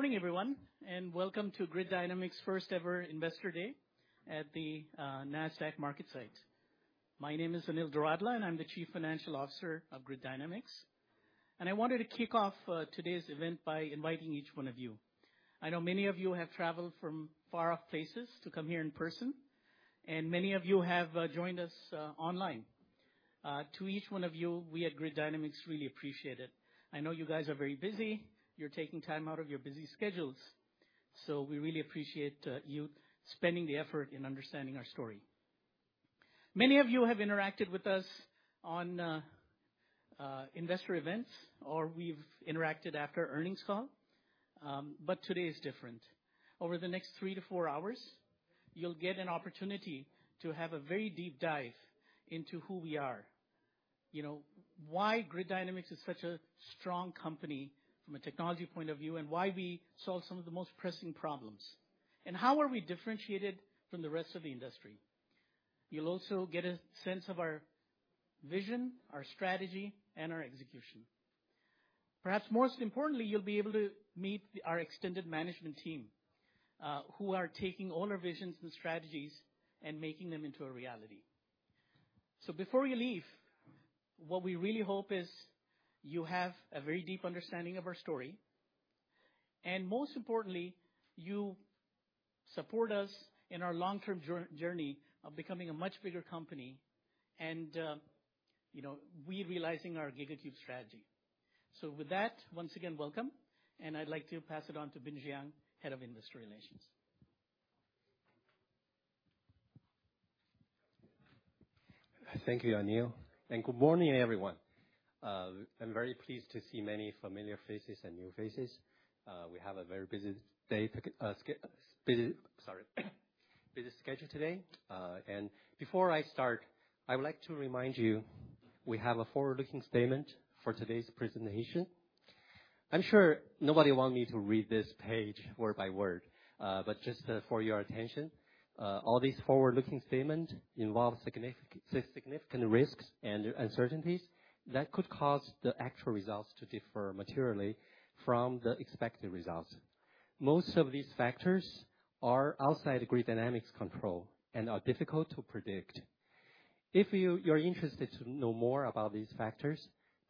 Morning, everyone, and welcome to Grid Dynamics' first ever Investor Day at the Nasdaq MarketSite. My name is Anil Doradla, and I'm the Chief Financial Officer of Grid Dynamics. I wanted to kick off today's event by inviting each one of you. I know many of you have traveled from far off places to come here in person, and many of you have joined us online. To each one of you, we at Grid Dynamics really appreciate it. I know you guys are very busy. You're taking time out of your busy schedules, so we really appreciate you spending the effort in understanding our story. Many of you have interacted with us on investor events, or we've interacted after earnings call, but today is different. Over the next three to four hours, you'll get an opportunity to have a very deep dive into who we are. You know, why Grid Dynamics is such a strong company from a technology point of view, and why we solve some of the most pressing problems, and how are we differentiated from the rest of the industry. You'll also get a sense of our vision, our strategy, and our execution. Perhaps most importantly, you'll be able to meet our extended management team, who are taking all our visions and strategies and making them into a reality. So before you leave, what we really hope is you have a very deep understanding of our story, and most importantly, you support us in our long-term journey of becoming a much bigger company and, you know, we realizing our GigaCube strategy. With that, once again, welcome, and I'd like to pass it on to Bin Jiang, Head of Industry Relations. Thank you, Anil, and good morning, everyone. I'm very pleased to see many familiar faces and new faces. We have a very busy day, busy schedule today. And before I start, I would like to remind you, we have a forward-looking statement for today's presentation. I'm sure nobody want me to read this page word by word, but just for your attention, all these forward-looking statement involve significant risks and uncertainties that could cause the actual results to differ materially from the expected results. Most of these factors are outside Grid Dynamics' control and are difficult to predict. If you're interested to know more about these factors,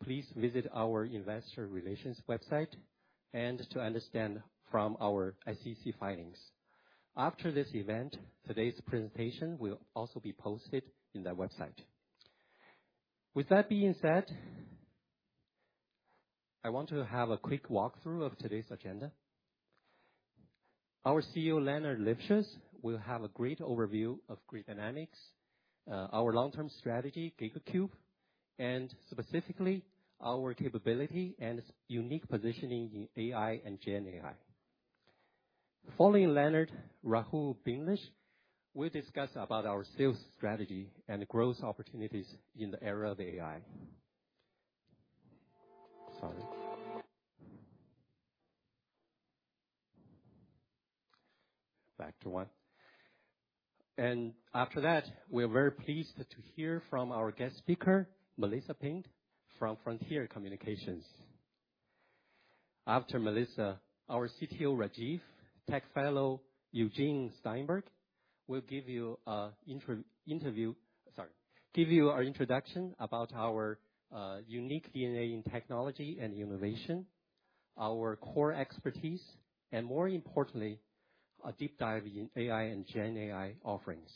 please visit our investor relations website and to understand from our SEC filings. After this event, today's presentation will also be posted in that website. With that being said, I want to have a quick walkthrough of today's agenda. Our CEO, Leonard Livschitz, will have a great overview of Grid Dynamics, our long-term strategy, GigaCube, and specifically, our capability and unique positioning in AI and GenAI. Following Leonard, Rahul Bindlish will discuss about our sales strategy and growth opportunities in the era of AI. And after that, we're very pleased to hear from our guest speaker, Melissa Pint from Frontier Communications. After Melissa, our CTO, Rajeev, tech fellow Eugene Steinberg, will give you an introduction about our unique DNA in technology and innovation, our core expertise, and more importantly, a deep dive in AI and GenAI offerings.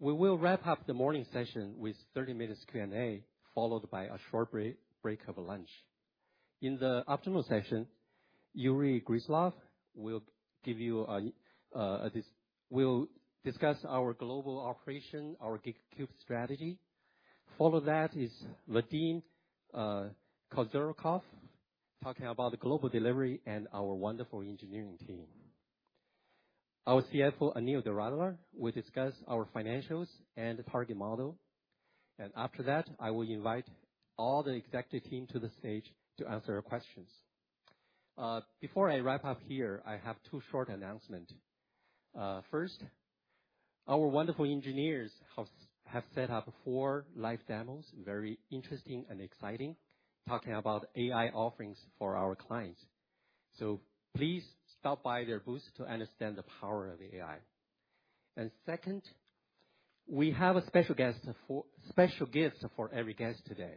We will wrap up the morning session with 30 minutes Q&A, followed by a short break for lunch. In the afternoon session, Yury Gryzlov will give you a will discuss our global operation, our GigaCube strategy. Following that is Vadim Kozyrkov, talking about the global delivery and our wonderful engineering team. Our CFO, Anil Doradla, will discuss our financials and target model, and after that, I will invite all the executive team to the stage to answer your questions. Before I wrap up here, I have two short announcement. First, our wonderful engineers have set up four live demos, very interesting and exciting, talking about AI offerings for our clients. So please stop by their booth to understand the power of AI. Second, we have a special gift for every guest today.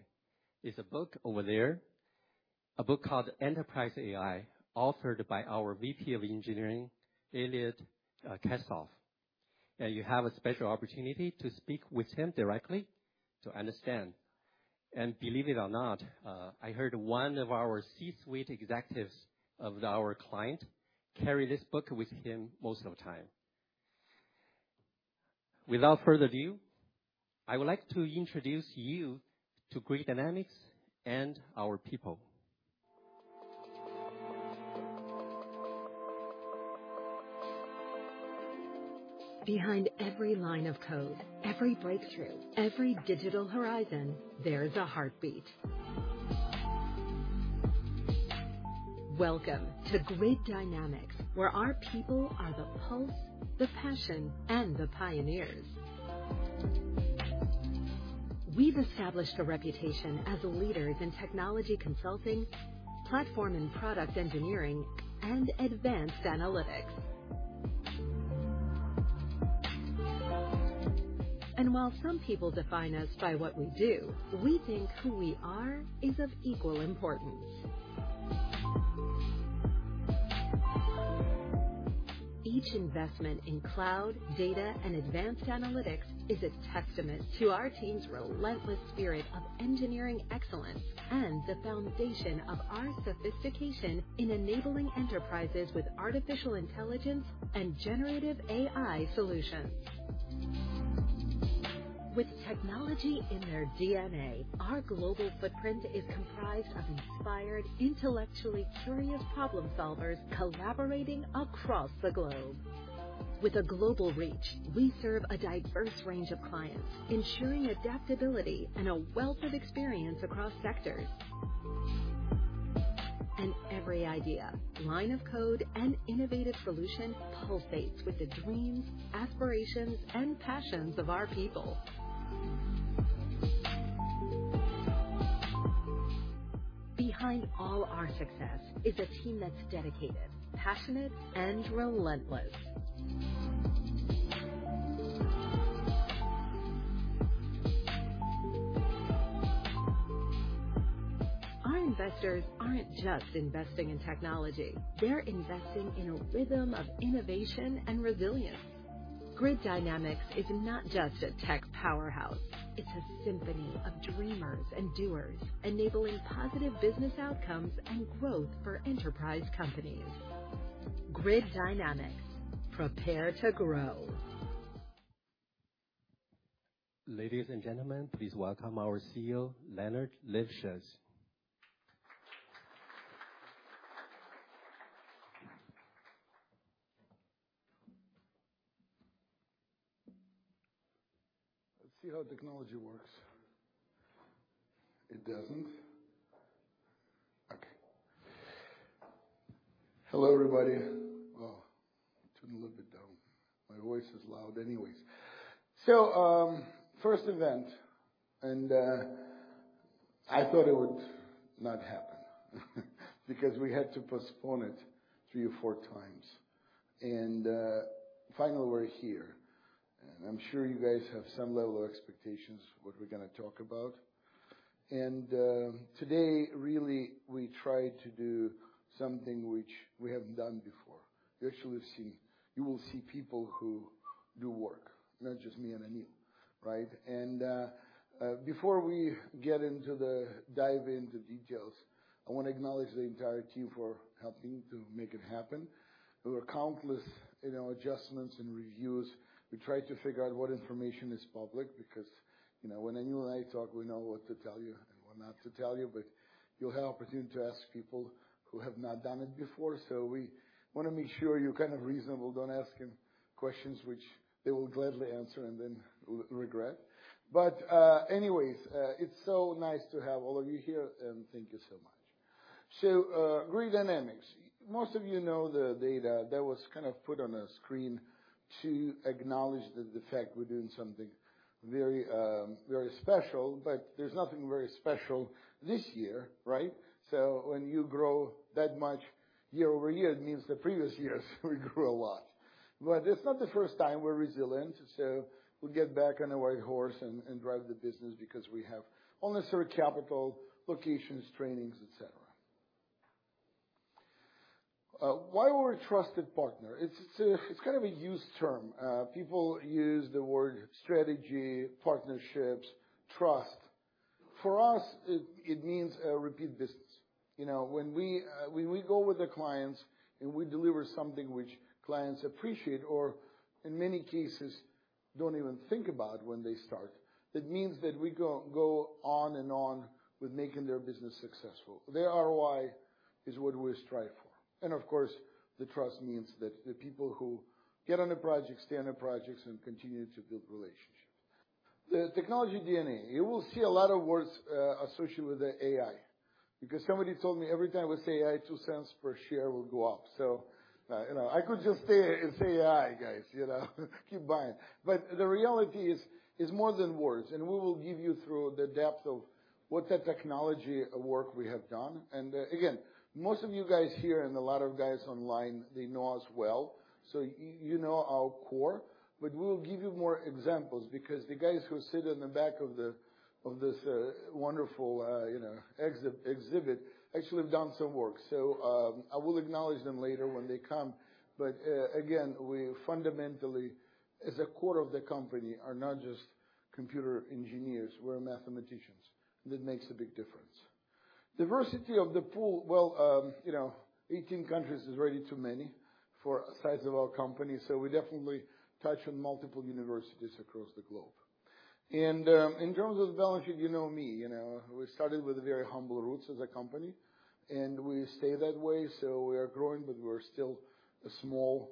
It's a book over there, a book called Enterprise AI, authored by our VP of Engineering, Ilya Katsov, and you have a special opportunity to speak with him directly to understand. Believe it or not, I heard one of our C-suite executives of our client carry this book with him most of the time. Without further ado, I would like to introduce you to Grid Dynamics and our people. Behind every line of code, every breakthrough, every digital horizon, there's a heartbeat. Welcome to Grid Dynamics, where our people are the pulse, the passion, and the pioneers. We've established a reputation as a leader in technology consulting, platform and product engineering, and advanced analytics. While some people define us by what we do, we think who we are is of equal importance. Each investment in cloud, data, and advanced analytics is a testament to our team's relentless spirit of engineering excellence and the foundation of our sophistication in enabling enterprises with artificial intelligence and generative AI solutions. With technology in their DNA, our global footprint is comprised of inspired, intellectually curious problem solvers collaborating across the globe. With a global reach, we serve a diverse range of clients, ensuring adaptability and a wealth of experience across sectors. Every idea, line of code, and innovative solution pulsates with the dreams, aspirations, and passions of our people. Behind all our success is a team that's dedicated, passionate, and relentless. Our investors aren't just investing in technology, they're investing in a rhythm of innovation and resilience. Grid Dynamics is not just a tech powerhouse, it's a symphony of dreamers and doers, enabling positive business outcomes and growth for enterprise companies. Grid Dynamics: Prepare to grow! Ladies and gentlemen, please welcome our CEO, Leonard Livschitz. Let's see how technology works. It doesn't. Okay. Hello, everybody. Oh, turn a little bit down. My voice is loud anyways. So, first event, and I thought it would not happen, because we had to postpone it 3 or 4 times. Finally, we're here. I'm sure you guys have some level of expectations for what we're gonna talk about. Today, really, we try to do something which we haven't done before. You actually see. You will see people who do work, not just me and Anil, right? Before we get into the dive into details, I want to acknowledge the entire team for helping to make it happen. There were countless, you know, adjustments and reviews. We tried to figure out what information is public, because, you know, when Anil and I talk, we know what to tell you and what not to tell you, but you'll have opportunity to ask people who have not done it before. So we wanna make sure you're kind of reasonable. Don't ask them questions, which they will gladly answer and then later regret. But, anyways, it's so nice to have all of you here, and thank you so much. So, Grid Dynamics. Most of you know the data that was kind of put on a screen to acknowledge the fact we're doing something very special, but there's nothing very special this year, right? So when you grow that much year-over-year, it means the previous years we grew a lot. But it's not the first time we're resilient, so we'll get back on the white horse and drive the business because we have all necessary capital, locations, trainings, et cetera. Why we're a trusted partner? It's a used term. People use the word strategy, partnerships, trust. For us, it means repeat business. You know, when we go with the clients and we deliver something which clients appreciate, or in many cases, don't even think about when they start, that means that we go on and on with making their business successful. Their ROI is what we strive for. And of course, the trust means that the people who get on the project, stay on the projects, and continue to build relationships. The technology DNA. You will see a lot of words, associated with the AI, because somebody told me every time we say AI, 2 cents per share will go up. So, you know, I could just say, say AI, guys, you know, keep buying. But the reality is, is more than words, and we will give you through the depth of what the technology work we have done. And, again, most of you guys here and a lot of guys online, they know us well. So you know our core, but we'll give you more examples because the guys who sit in the back of of this, wonderful, you know, exhibit, actually have done some work. So, I will acknowledge them later when they come. But, again, we fundamentally, as a core of the company, are not just computer engineers, we're mathematicians. That makes a big difference. Diversity of the pool. Well, you know, 18 countries is really too many for the size of our company, so we definitely touch on multiple universities across the globe. And, in terms of values, you know me, you know, we started with very humble roots as a company, and we stay that way. So we are growing, but we're still a small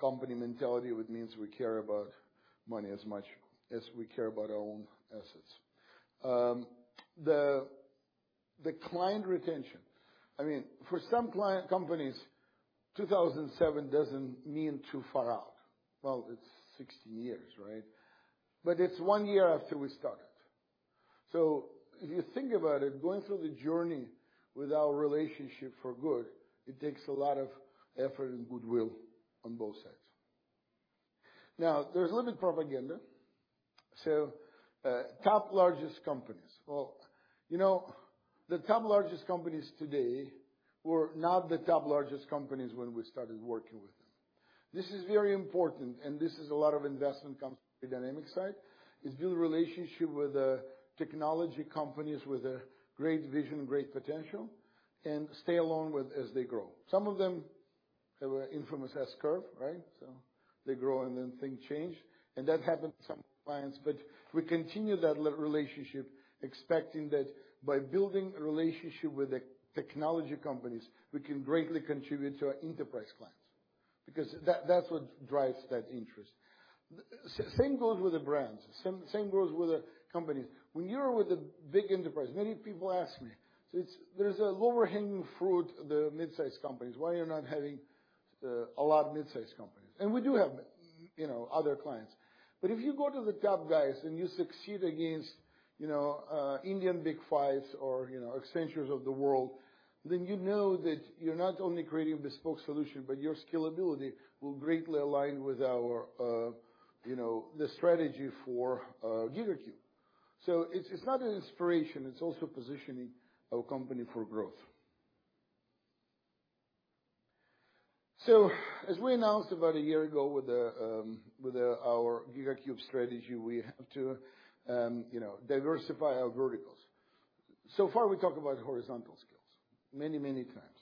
company mentality, which means we care about money as much as we care about our own assets. The client retention. I mean, for some client companies, 2007 doesn't mean too far out. Well, it's 16 years, right? But it's one year after we started. So if you think about it, going through the journey with our relationship for good, it takes a lot of effort and goodwill on both sides. Now, there's a little bit propaganda. So, top largest companies. Well, you know, the top largest companies today were not the top largest companies when we started working with them. This is very important, and this is a lot of investment Grid Dynamics side, is build a relationship with the technology companies with a great vision, great potential, and stay along with as they grow. Some of them have an infamous S-curve, right? So they grow, and then things change, and that happened to some clients. But we continue that relationship, expecting that by building a relationship with the technology companies, we can greatly contribute to our enterprise clients, because that, that's what drives that interest. The same goes with the brands, same, same goes with the companies. When you're with a big enterprise, many people ask me, so it's—there's a lower-hanging fruit, the mid-sized companies. Why you're not having a lot of mid-sized companies? And we do have, you know, other clients. But if you go to the top, guys, and you succeed against, you know, Indian big fives or, you know, Accenture of the world, then you know that you're not only creating a bespoke solution, but your scalability will greatly align with our, you know, the strategy for GigaCube. So it's not an inspiration, it's also positioning our company for growth. So as we announced about a year ago with our GigaCube strategy, we have to, you know, diversify our verticals. So far, we talked about horizontal skills many, many times.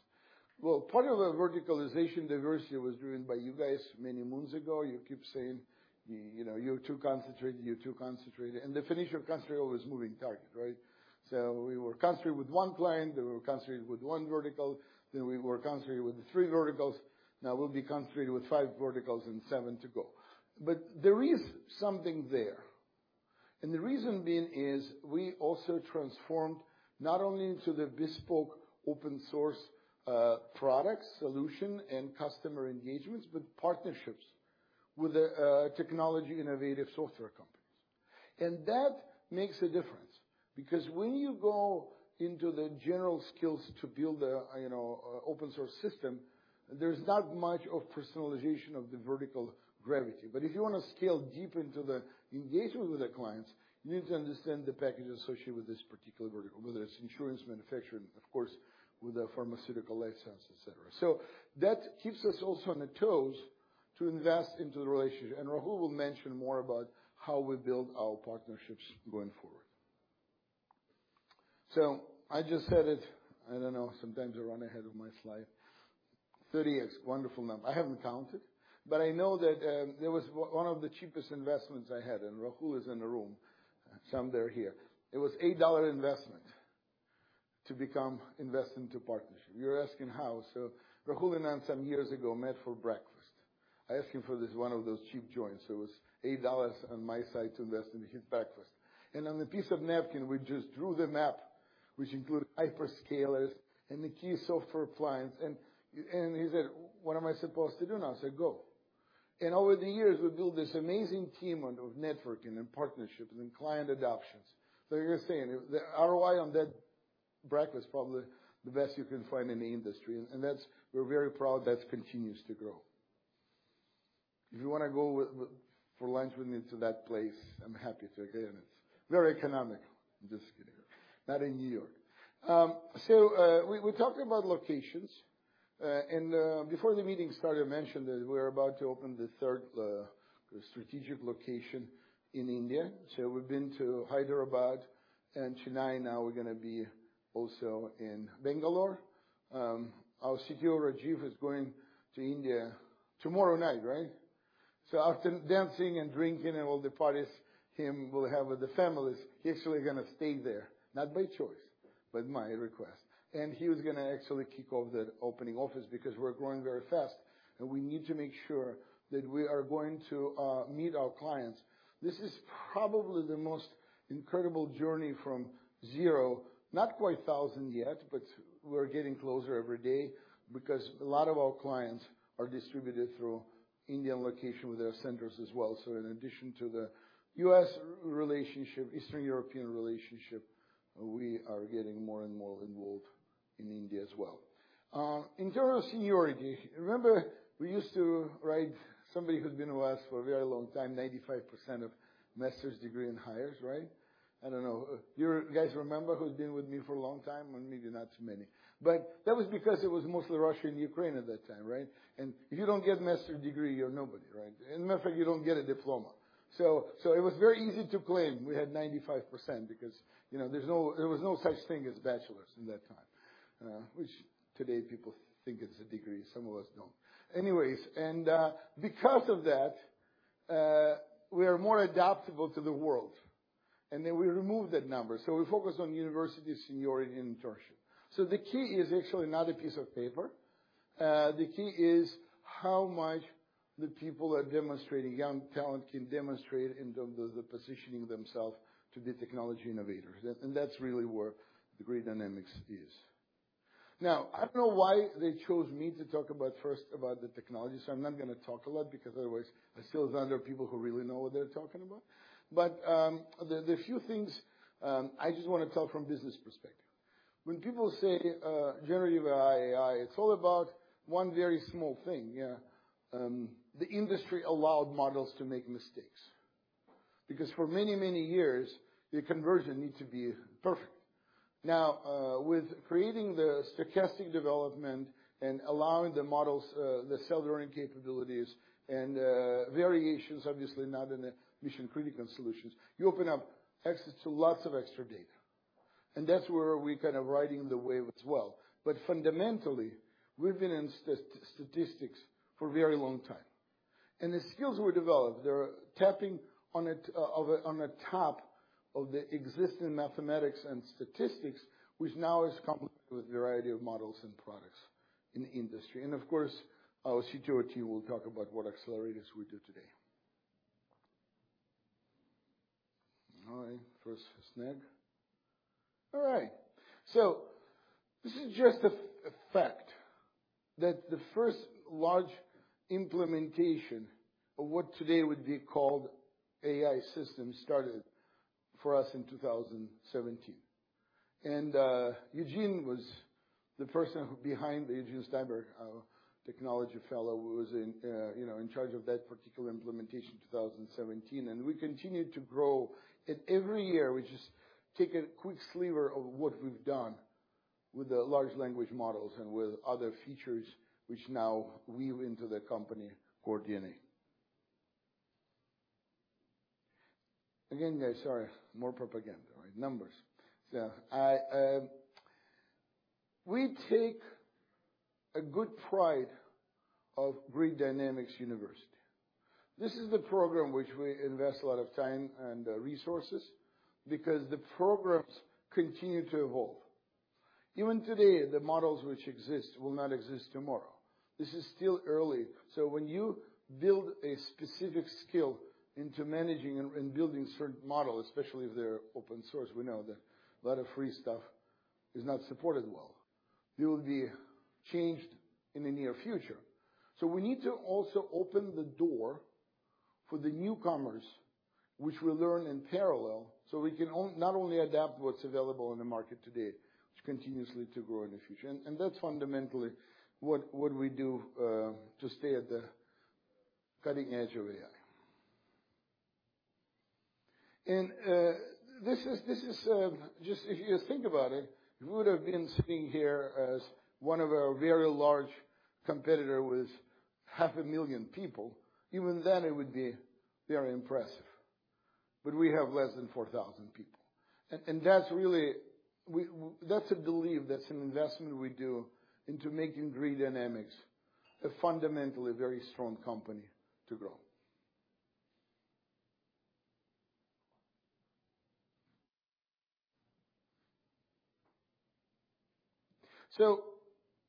Well, part of the verticalization diversity was driven by you guys many moons ago. You keep saying, you know, "You're too concentrated. You're too concentrated." And the definition of concentrated is always a moving target, right? So we were concentrated with one client, then we were concentrated with one vertical, then we were concentrated with three verticals. Now we'll be concentrated with five verticals and seven to go. But there is something there. And the reason being is we also transformed not only into the bespoke open source products, solution, and customer engagements, but partnerships with the technology innovative software companies. And that makes a difference, because when you go into the general skills to build a, you know, a open source system, there's not much of personalization of the vertical gravity. But if you wanna scale deep into the engagement with the clients, you need to understand the packages associated with this particular vertical, whether it's insurance, manufacturing, of course, with the pharmaceutical license, et cetera. So that keeps us also on the toes to invest into the relationship. And Rahul will mention more about how we build our partnerships going forward. So I just said it. I don't know, sometimes I run ahead of my slide. 30 years, wonderful number. I haven't counted, but I know that, there was one of the cheapest investments I had, and Rahul is in the room. Some they're here. It was $8 investment to become investment to partnership. You're asking how. So Rahul and I, some years ago, met for breakfast. I asked him for this, one of those cheap joints. So it was $8 on my side to invest in his breakfast. And on a piece of napkin, we just drew the map, which included hyperscalers and the key software clients. He said, "What am I supposed to do now?" I said, "Go." And over the years, we built this amazing team of networking and partnerships and client adoptions. So you're saying the ROI on that breakfast probably the best you can find in the industry, and that's. We're very proud that continues to grow. If you wanna go with for lunch, we need to that place, I'm happy to again. It's very economical. I'm just kidding. Not in New York. So we talked about locations, and before the meeting started, I mentioned that we're about to open the third strategic location in India. So we've been to Hyderabad and Chennai. Now, we're gonna be also in Bangalore. Our CTO, Rajeev, is going to India tomorrow night, right? So after dancing and drinking and all the parties he will have with the families, he actually gonna stay there, not by choice, but my request. He was gonna actually kick off the opening office because we're growing very fast, and we need to make sure that we are going to meet our clients. This is probably the most incredible journey from zero, not quite 1,000 yet, but we're getting closer every day because a lot of our clients are distributed through Indian location with their centers as well. In addition to the U.S. relationship, Eastern European relationship, we are getting more and more involved in India as well. In terms of seniority, remember, we used to hire somebody who's been with us for a very long time, 95% of master's degree and higher, right? I don't know. You guys remember who's been with me for a long time? Well, maybe not too many. But that was because it was mostly Russia and Ukraine at that time, right? And if you don't get master's degree, you're nobody, right? As a matter of fact, you don't get a diploma. So, so it was very easy to claim we had 95% because, you know, there was no such thing as bachelor's in that time, which today people think it's a degree. Some of us don't. Anyways, and, because of that, we are more adaptable to the world, and then we remove that number. So we focus on university, seniority, and internship. So the key is actually not a piece of paper. The key is how much the people are demonstrating, young talent can demonstrate in terms of the positioning themselves to the technology innovators. That's really where Grid Dynamics is. Now, I don't know why they chose me to talk about first about the technology, so I'm not gonna talk a lot because otherwise I steal from other people who really know what they're talking about. But the few things I just wanna talk from business perspective. When people say generative AI, it's all about one very small thing, yeah. The industry allowed models to make mistakes, because for many, many years, the conversion needs to be perfect. Now, with creating the stochastic development and allowing the models the self-learning capabilities and variations, obviously not in a mission-critical solutions, you open up access to lots of extra data. And that's where we're kind of riding the wave as well. But fundamentally, we've been in statistics for a very long time, and the skills were developed. They're tapping on top of the existing mathematics and statistics, which now is coming with a variety of models and products in the industry. And of course, our CTO team will talk about what accelerators we do today. All right, first snag. All right. So this is just a fact that the first large implementation of what today would be called AI system started for us in 2017. And Eugene was the person who was behind Eugene Steinberg, our technology fellow, who was in, you know, in charge of that particular implementation in 2017, and we continued to grow. Every year, we just take a quick sliver of what we've done with the large language models and with other features which now weave into the company core DNA. Again, guys, sorry, more propaganda, right? Numbers. So I, we take a good pride of Grid Dynamics University. This is the program which we invest a lot of time and resources because the programs continue to evolve. Even today, the models which exist will not exist tomorrow. This is still early. So when you build a specific skill into managing and building certain models, especially if they're open source, we know that a lot of free stuff is not supported well. They will be changed in the near future. So we need to also open the door for the newcomers, which will learn in parallel, so we can not only adapt what's available in the market today, which continuously to grow in the future. And that's fundamentally what we do to stay at the cutting edge of AI. And this is just if you think about it, we would have been sitting here as one of our very large competitor with 500,000 people. Even then, it would be very impressive, but we have less than 4,000 people. And that's really we that's a belief, that's an investment we do into making Grid Dynamics a fundamentally very strong company to grow. So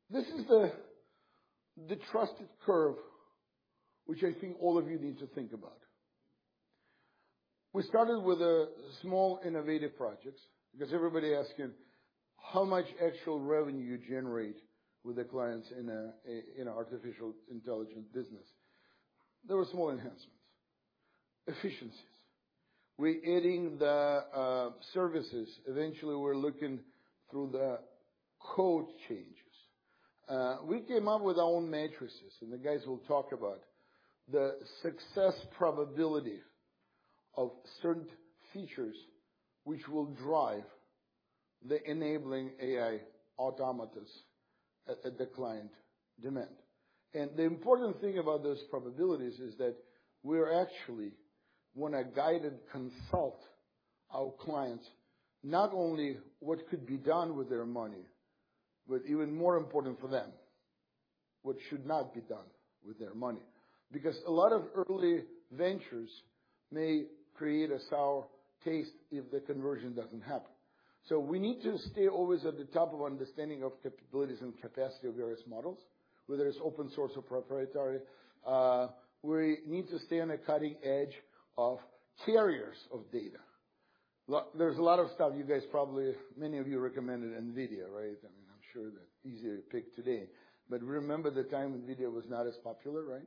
this is the trusted curve, which I think all of you need to think about. We started with small innovative projects, because everybody asking how much actual revenue you generate with the clients in an artificial intelligence business. There were small enhancements, efficiencies. We're adding the services. Eventually, we're looking through the code changes. We came up with our own metrics, and the guys will talk about the success probability of certain features which will drive the enabling AI automations at the client demand. And the important thing about those probabilities is that we're actually wanna guide and consult our clients, not only what could be done with their money, but even more important for them, what should not be done with their money. Because a lot of early ventures may create a sour taste if the conversion doesn't happen. So we need to stay always at the top of understanding of capabilities and capacity of various models, whether it's open source or proprietary. We need to stay on the cutting edge of carriers of data. There's a lot of stuff you guys, probably many of you recommended NVIDIA, right? I mean, I'm sure the easier pick today. But remember the time when NVIDIA was not as popular, right?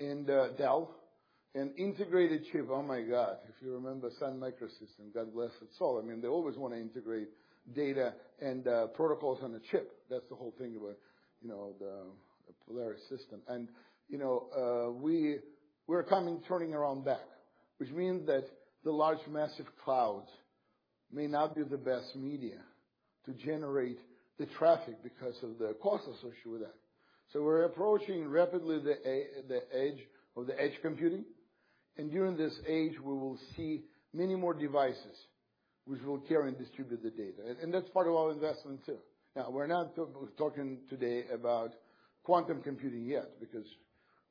And Dell, an integrated chip. Oh, my God, if you remember Sun Microsystems, God bless its soul. I mean, they always wanna integrate data and protocols on a chip. That's the whole thing about, you know, the Polaris system. And, you know, we're coming, turning around back, which means that the large, massive clouds may not be the best media to generate the traffic because of the cost associated with that. So we're approaching rapidly the edge of edge computing, and during this age, we will see many more devices, which will carry and distribute the data. And that's part of our investment, too. Now, we're not talking today about quantum computing yet, because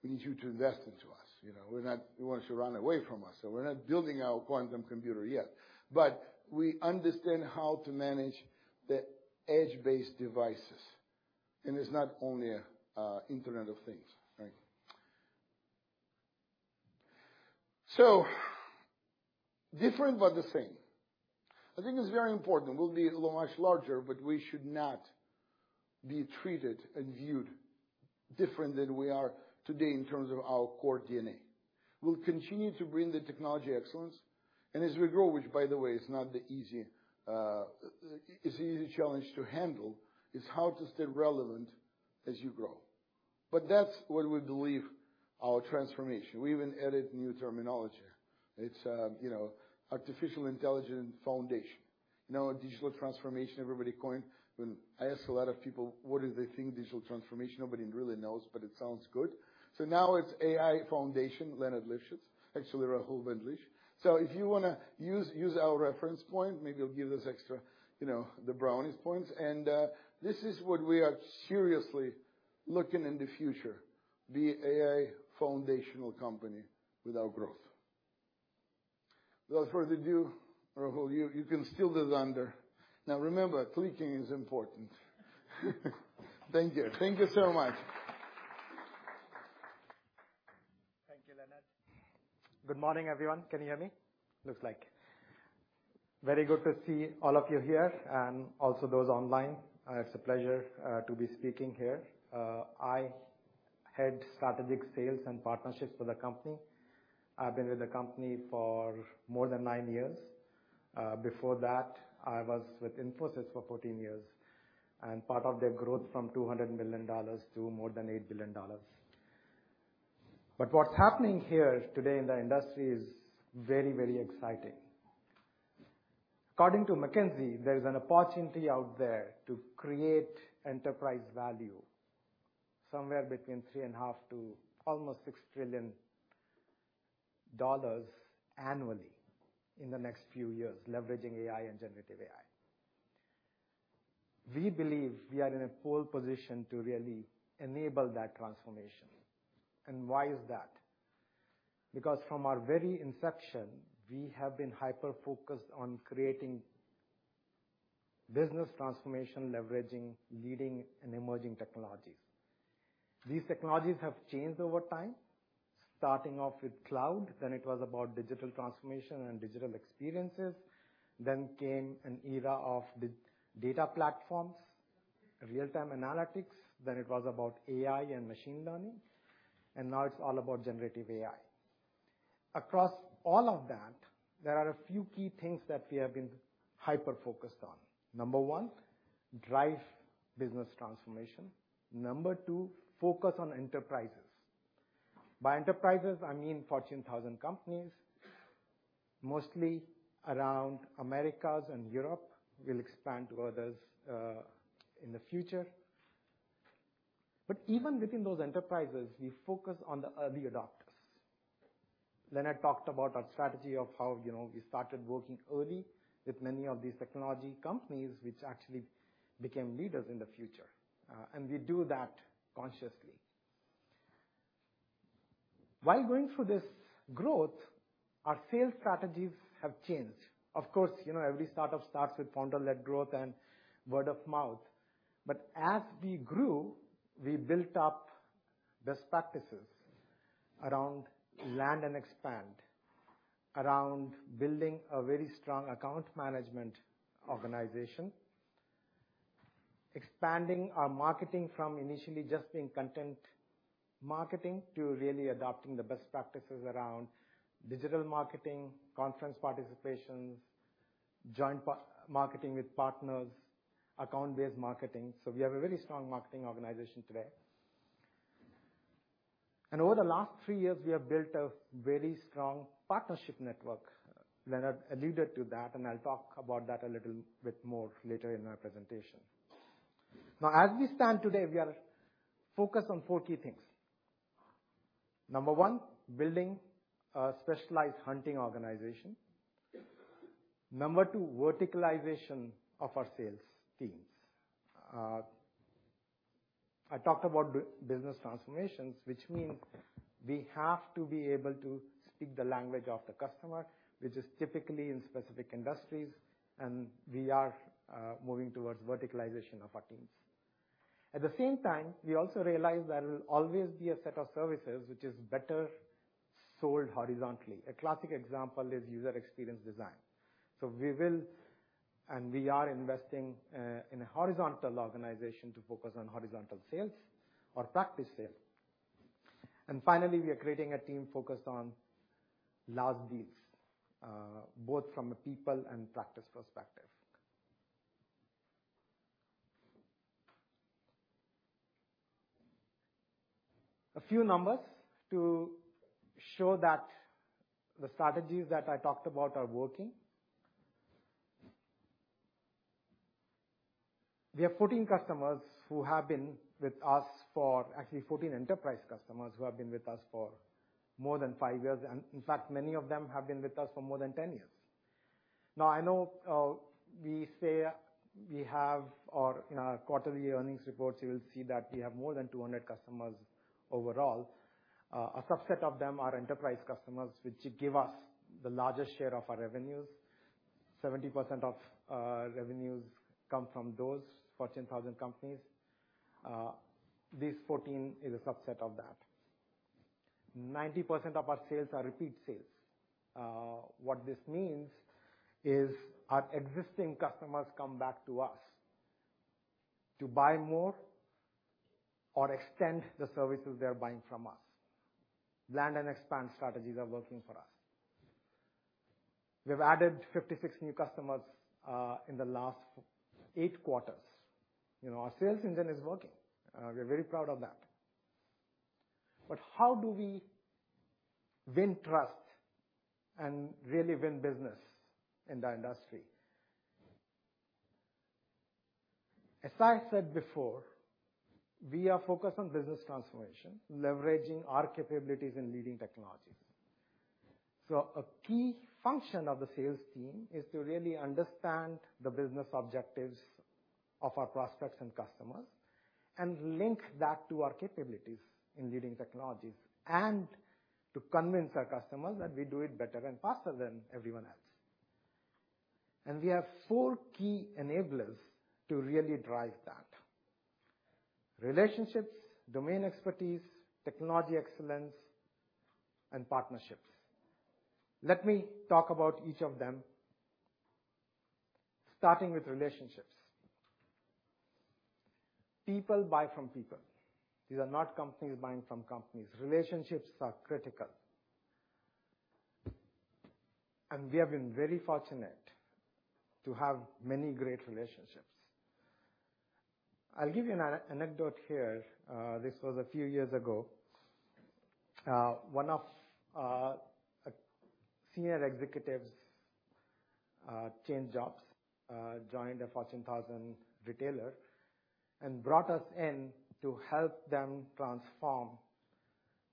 we need you to invest into us. You know, we're not. We want you to run away from us, so we're not building our quantum computer yet. But we understand how to manage the edge-based devices, and it's not only Internet of Things, right? So different, but the same. I think it's very important. We'll be much larger, but we should not be treated and viewed different than we are today in terms of our core DNA. We'll continue to bring the technology excellence, and as we grow, which by the way, is not the easy, it's an easy challenge to handle, is how to stay relevant as you grow. But that's what we believe our transformation. We even added new terminology. It's, you know, artificial intelligent foundation. You know, digital transformation, everybody coin. When I ask a lot of people, what do they think digital transformation, nobody really knows, but it sounds good. So now it's AI Foundation, Leonard Livschitz. Actually, Rahul Bindlish. So if you wanna use, use our reference point, maybe you'll give us extra, you know, the brownie points. And, this is what we are seriously looking in the future, be AI foundational company with our growth. Without further ado, Rahul, you, you can steal the thunder. Now, remember, clicking is important. Thank you. Thank you so much. Thank you, Leonard. Good morning, everyone. Can you hear me? Looks like. Very good to see all of you here and also those online. It's a pleasure to be speaking here. I head Strategic Sales and Partnerships for the company. I've been with the company for more than nine years. Before that, I was with Infosys for 14 years, and part of their growth from $200 million to more than $8 billion. But what's happening here today in the industry is very, very exciting. According to McKinsey, there is an opportunity out there to create enterprise value, somewhere between $3.5 trillion to $6 trillion annually in the next few years, leveraging AI and generative AI. We believe we are in a pole position to really enable that transformation. And why is that? Because from our very inception, we have been hyper-focused on creating business transformation, leveraging leading and emerging technologies. These technologies have changed over time, starting off with cloud, then it was about digital transformation and digital experiences. Then came an era of the data platforms, real-time analytics, then it was about AI and machine learning, and now it's all about generative AI. Across all of that, there are a few key things that we have been hyper-focused on. Number one, drive business transformation. Number two, focus on enterprises. By enterprises, I mean Fortune 1000 companies, mostly around Americas and Europe. We'll expand to others, in the future. But even within those enterprises, we focus on the early adopters. Leonard talked about our strategy of how, you know, we started working early with many of these technology companies, which actually became leaders in the future, and we do that consciously. While going through this growth, our sales strategies have changed. Of course, you know, every startup starts with founder-led growth and word of mouth. But as we grew, we built up best practices around land and expand, around building a very strong account management organization. Expanding our marketing from initially just being content marketing, to really adopting the best practices around digital marketing, conference participations, joint partner marketing with partners, account-based marketing. So we have a very strong marketing organization today. Over the last three years, we have built a very strong partnership network. Leonard alluded to that, and I'll talk about that a little bit more later in my presentation. Now, as we stand today, we are focused on four key things. Number one, building a specialized hunting organization. Number two, verticalization of our sales teams. I talked about business transformations, which mean we have to be able to speak the language of the customer, which is typically in specific industries, and we are moving towards verticalization of our teams. At the same time, we also realize there will always be a set of services which is better sold horizontally. A classic example is user experience design. So we will, and we are investing in a horizontal organization to focus on horizontal sales or practice sales. And finally, we are creating a team focused on large deals, both from a people and practice perspective. A few numbers to show that the strategies that I talked about are working. We have 14 customers who have been with us for actually, 14 enterprise customers who have been with us for more than 5 years, and in fact, many of them have been with us for more than 10 years. Now I know, we say we have, or in our quarterly earnings reports, you will see that we have more than 200 customers overall. A subset of them are enterprise customers, which give us the largest share of our revenues. 70% of revenues come from those Fortune 1000 companies. This 14 is a subset of that. 90% of our sales are repeat sales. What this means is our existing customers come back to us to buy more or extend the services they are buying from us. Land and expand strategies are working for us. We've added 56 new customers in the last eight quarters. You know, our sales engine is working. We're very proud of that. But how do we win trust and really win business in the industry? As I said before, we are focused on business transformation, leveraging our capabilities in leading technologies. A key function of the sales team is to really understand the business objectives of our prospects and customers, and link that to our capabilities in leading technologies, and to convince our customers that we do it better and faster than everyone else. We have four key enablers to really drive that: relationships, domain expertise, technology excellence, and partnerships. Let me talk about each of them, starting with relationships. People buy from people. These are not companies buying from companies. Relationships are critical. We have been very fortunate to have many great relationships. I'll give you an anecdote here. This was a few years ago. One of our senior executives changed jobs, joined a Fortune 1,000 retailer, and brought us in to help them transform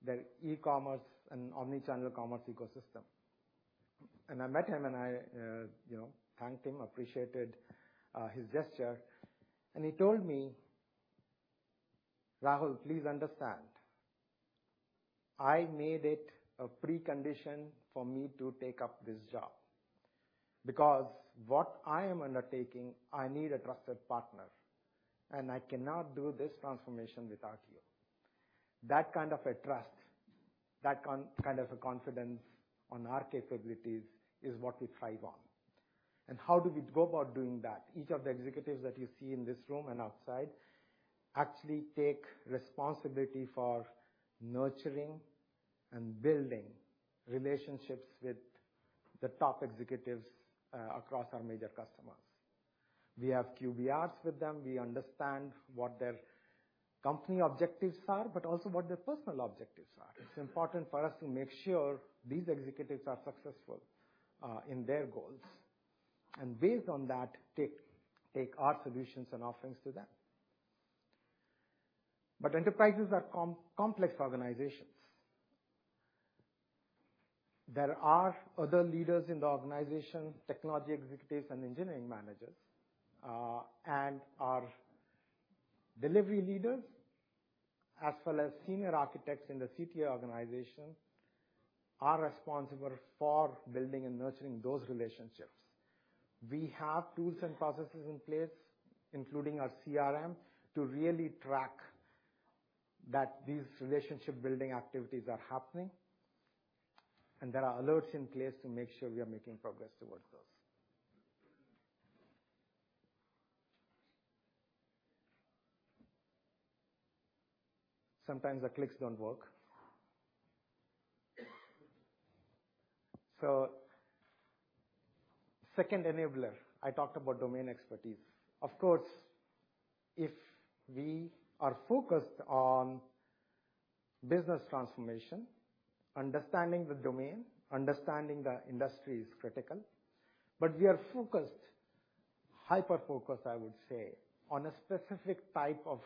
their e-commerce and omnichannel commerce ecosystem. I met him, and you know, thanked him, appreciated his gesture. He told me, "Rahul, please understand, I made it a precondition for me to take up this job, because what I am undertaking, I need a trusted partner, and I cannot do this transformation without you." That kind of a trust, that kind of a confidence on our capabilities is what we thrive on. How do we go about doing that? Each of the executives that you see in this room and outside actually take responsibility for nurturing and building relationships with the top executives, across our major customers. We have QBRs with them. We understand what their company objectives are, but also what their personal objectives are. It's important for us to make sure these executives are successful, in their goals, and based on that, take our solutions and offerings to them. But enterprises are complex organizations. There are other leaders in the organization, technology executives and engineering managers, and our delivery leaders, as well as senior architects in the CTO organization, are responsible for building and nurturing those relationships. We have tools and processes in place, including our CRM, to really track that these relationship-building activities are happening, and there are alerts in place to make sure we are making progress towards those. Sometimes the clicks don't work. So second enabler, I talked about domain expertise. Of course, if we are focused on business transformation, understanding the domain, understanding the industry is critical. But we are focused, hyper-focused, I would say, on a specific type of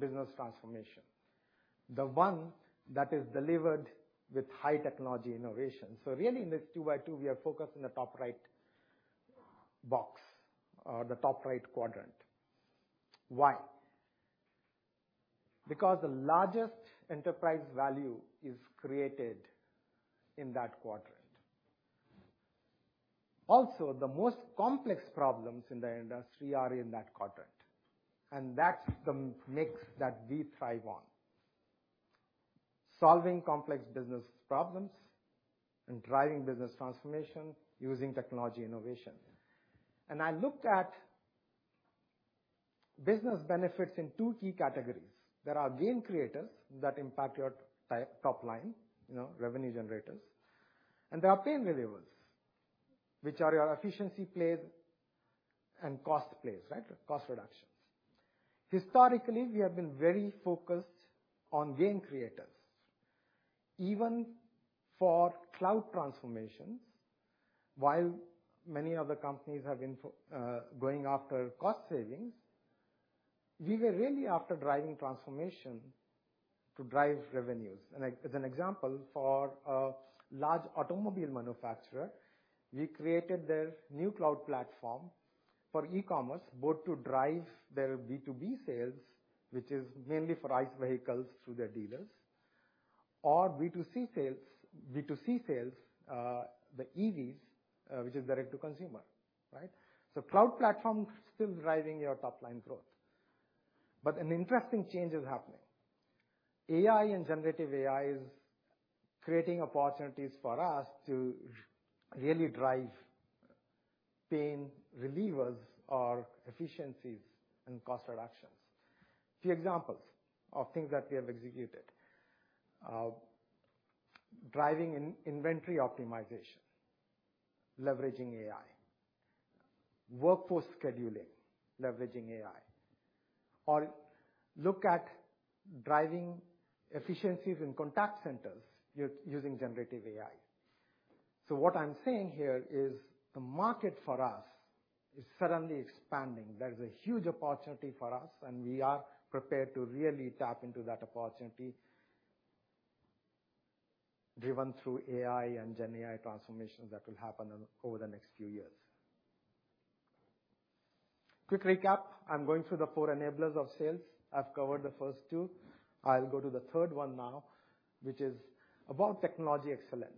business transformation, the one that is delivered with high technology innovation. So really, in this two by two, we are focused on the top right box, or the top right quadrant. Why? Because the largest enterprise value is created in that quadrant. Also, the most complex problems in the industry are in that quadrant, and that's the mix that we thrive on. Solving complex business problems and driving business transformation using technology innovation. And I looked at business benefits in two key categories. There are gain creators that impact your top line, you know, revenue generators. There are pain relievers, which are your efficiency plays and cost plays, right? Cost reductions. Historically, we have been very focused on gain creators, even for cloud transformations. While many other companies have been going after cost savings. We were really after driving transformation to drive revenues. And as an example, for a large automobile manufacturer, we created their new cloud platform for e-commerce, both to drive their B2B sales, which is mainly for ICE vehicles through their dealers, or B2C sales, B2C sales, the EVs, which is direct to consumer, right? So cloud platform still driving your top line growth. But an interesting change is happening. AI and generative AI is creating opportunities for us to really drive pain relievers or efficiencies and cost reductions. Few examples of things that we have executed. Driving inventory optimization, leveraging AI. Workforce scheduling, leveraging AI. Or look at driving efficiencies in contact centers using generative AI. So what I'm saying here is the market for us is suddenly expanding. There is a huge opportunity for us, and we are prepared to really tap into that opportunity driven through AI and GenAI transformations that will happen over the next few years. Quick recap. I'm going through the four enablers of sales. I've covered the first two. I'll go to the third one now, which is about technology excellence.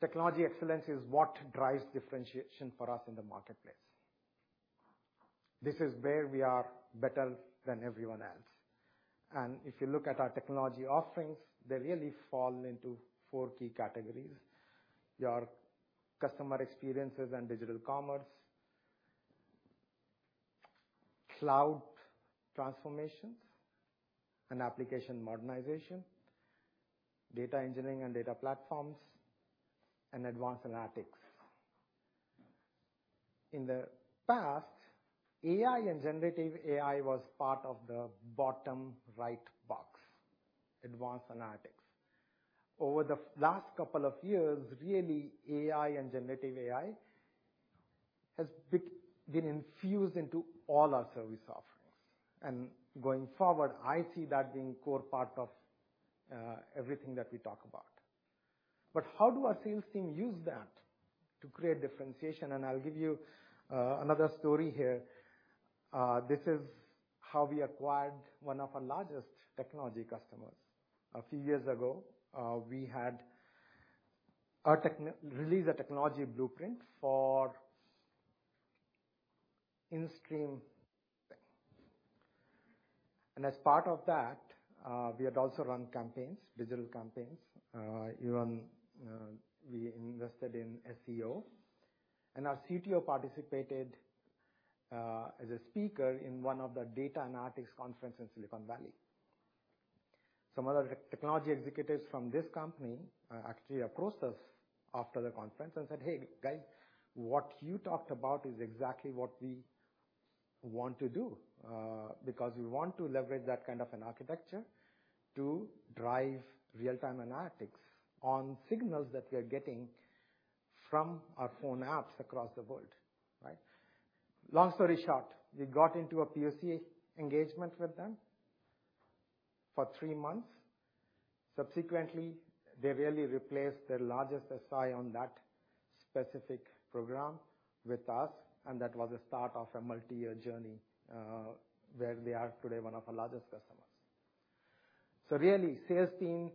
Technology excellence is what drives differentiation for us in the marketplace. This is where we are better than everyone else. And if you look at our technology offerings, they really fall into four key categories: Your customer experiences and digital commerce, cloud transformations and application modernization, data engineering and data platforms, and advanced analytics. In the past, AI and generative AI was part of the bottom right box, advanced analytics. Over the last couple of years, really, AI and generative AI has been infused into all our service offerings, and going forward, I see that being core part of everything that we talk about. But how do our sales team use that to create differentiation? And I'll give you another story here. This is how we acquired one of our largest technology customers. A few years ago, we had released a technology blueprint for in-stream. And as part of that, we had also run campaigns, digital campaigns. Even, we invested in SEO, and our CTO participated as a speaker in one of the data analytics conference in Silicon Valley. Some other technology executives from this company actually approached us after the conference and said, "Hey, guys, what you talked about is exactly what we want to do, because we want to leverage that kind of an architecture to drive real-time analytics on signals that we are getting from our phone apps across the world." Right? Long story short, we got into a POC engagement with them for three months. Subsequently, they really replaced their largest SI on that specific program with us, and that was the start of a multi-year journey, where they are today, one of our largest customers. So really, sales team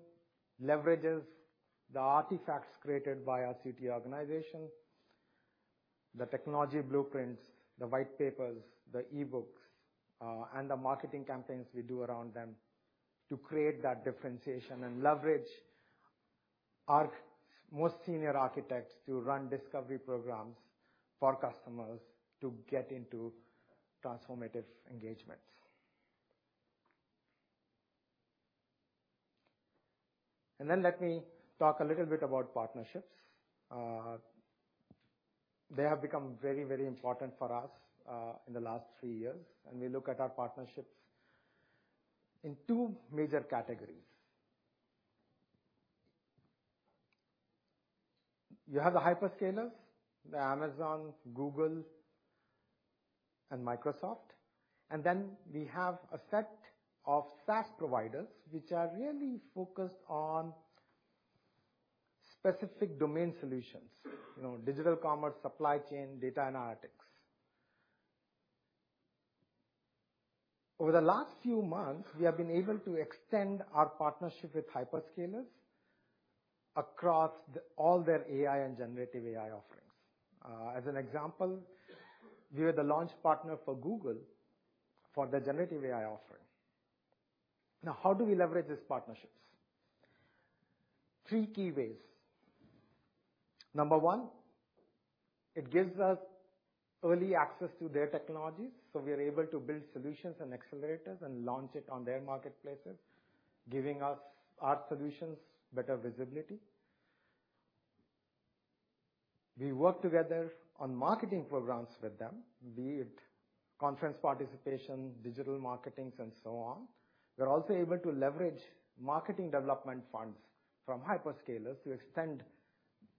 leverages the artifacts created by our CT organization, the technology blueprints, the white papers, the e-books, and the marketing campaigns we do around them, to create that differentiation and leverage our most senior architects to run discovery programs for customers to get into transformative engagements. And then let me talk a little bit about partnerships. They have become very, very important for us in the last three years, and we look at our partnerships in two major categories. You have the hyperscalers, the Amazon, Google, and Microsoft, and then we have a set of SaaS providers, which are really focused on specific domain solutions, you know, digital commerce, supply chain, data analytics. Over the last few months, we have been able to extend our partnership with hyperscalers across the all their AI and generative AI offerings. As an example, we were the launch partner for Google for their generative AI offering. Now, how do we leverage these partnerships? Three key ways. Number one, it gives us early access to their technologies, so we are able to build solutions and accelerators and launch it on their marketplaces, giving us our solutions better visibility. We work together on marketing programs with them, be it conference participation, digital marketings, and so on. We're also able to leverage marketing development funds from hyperscalers to extend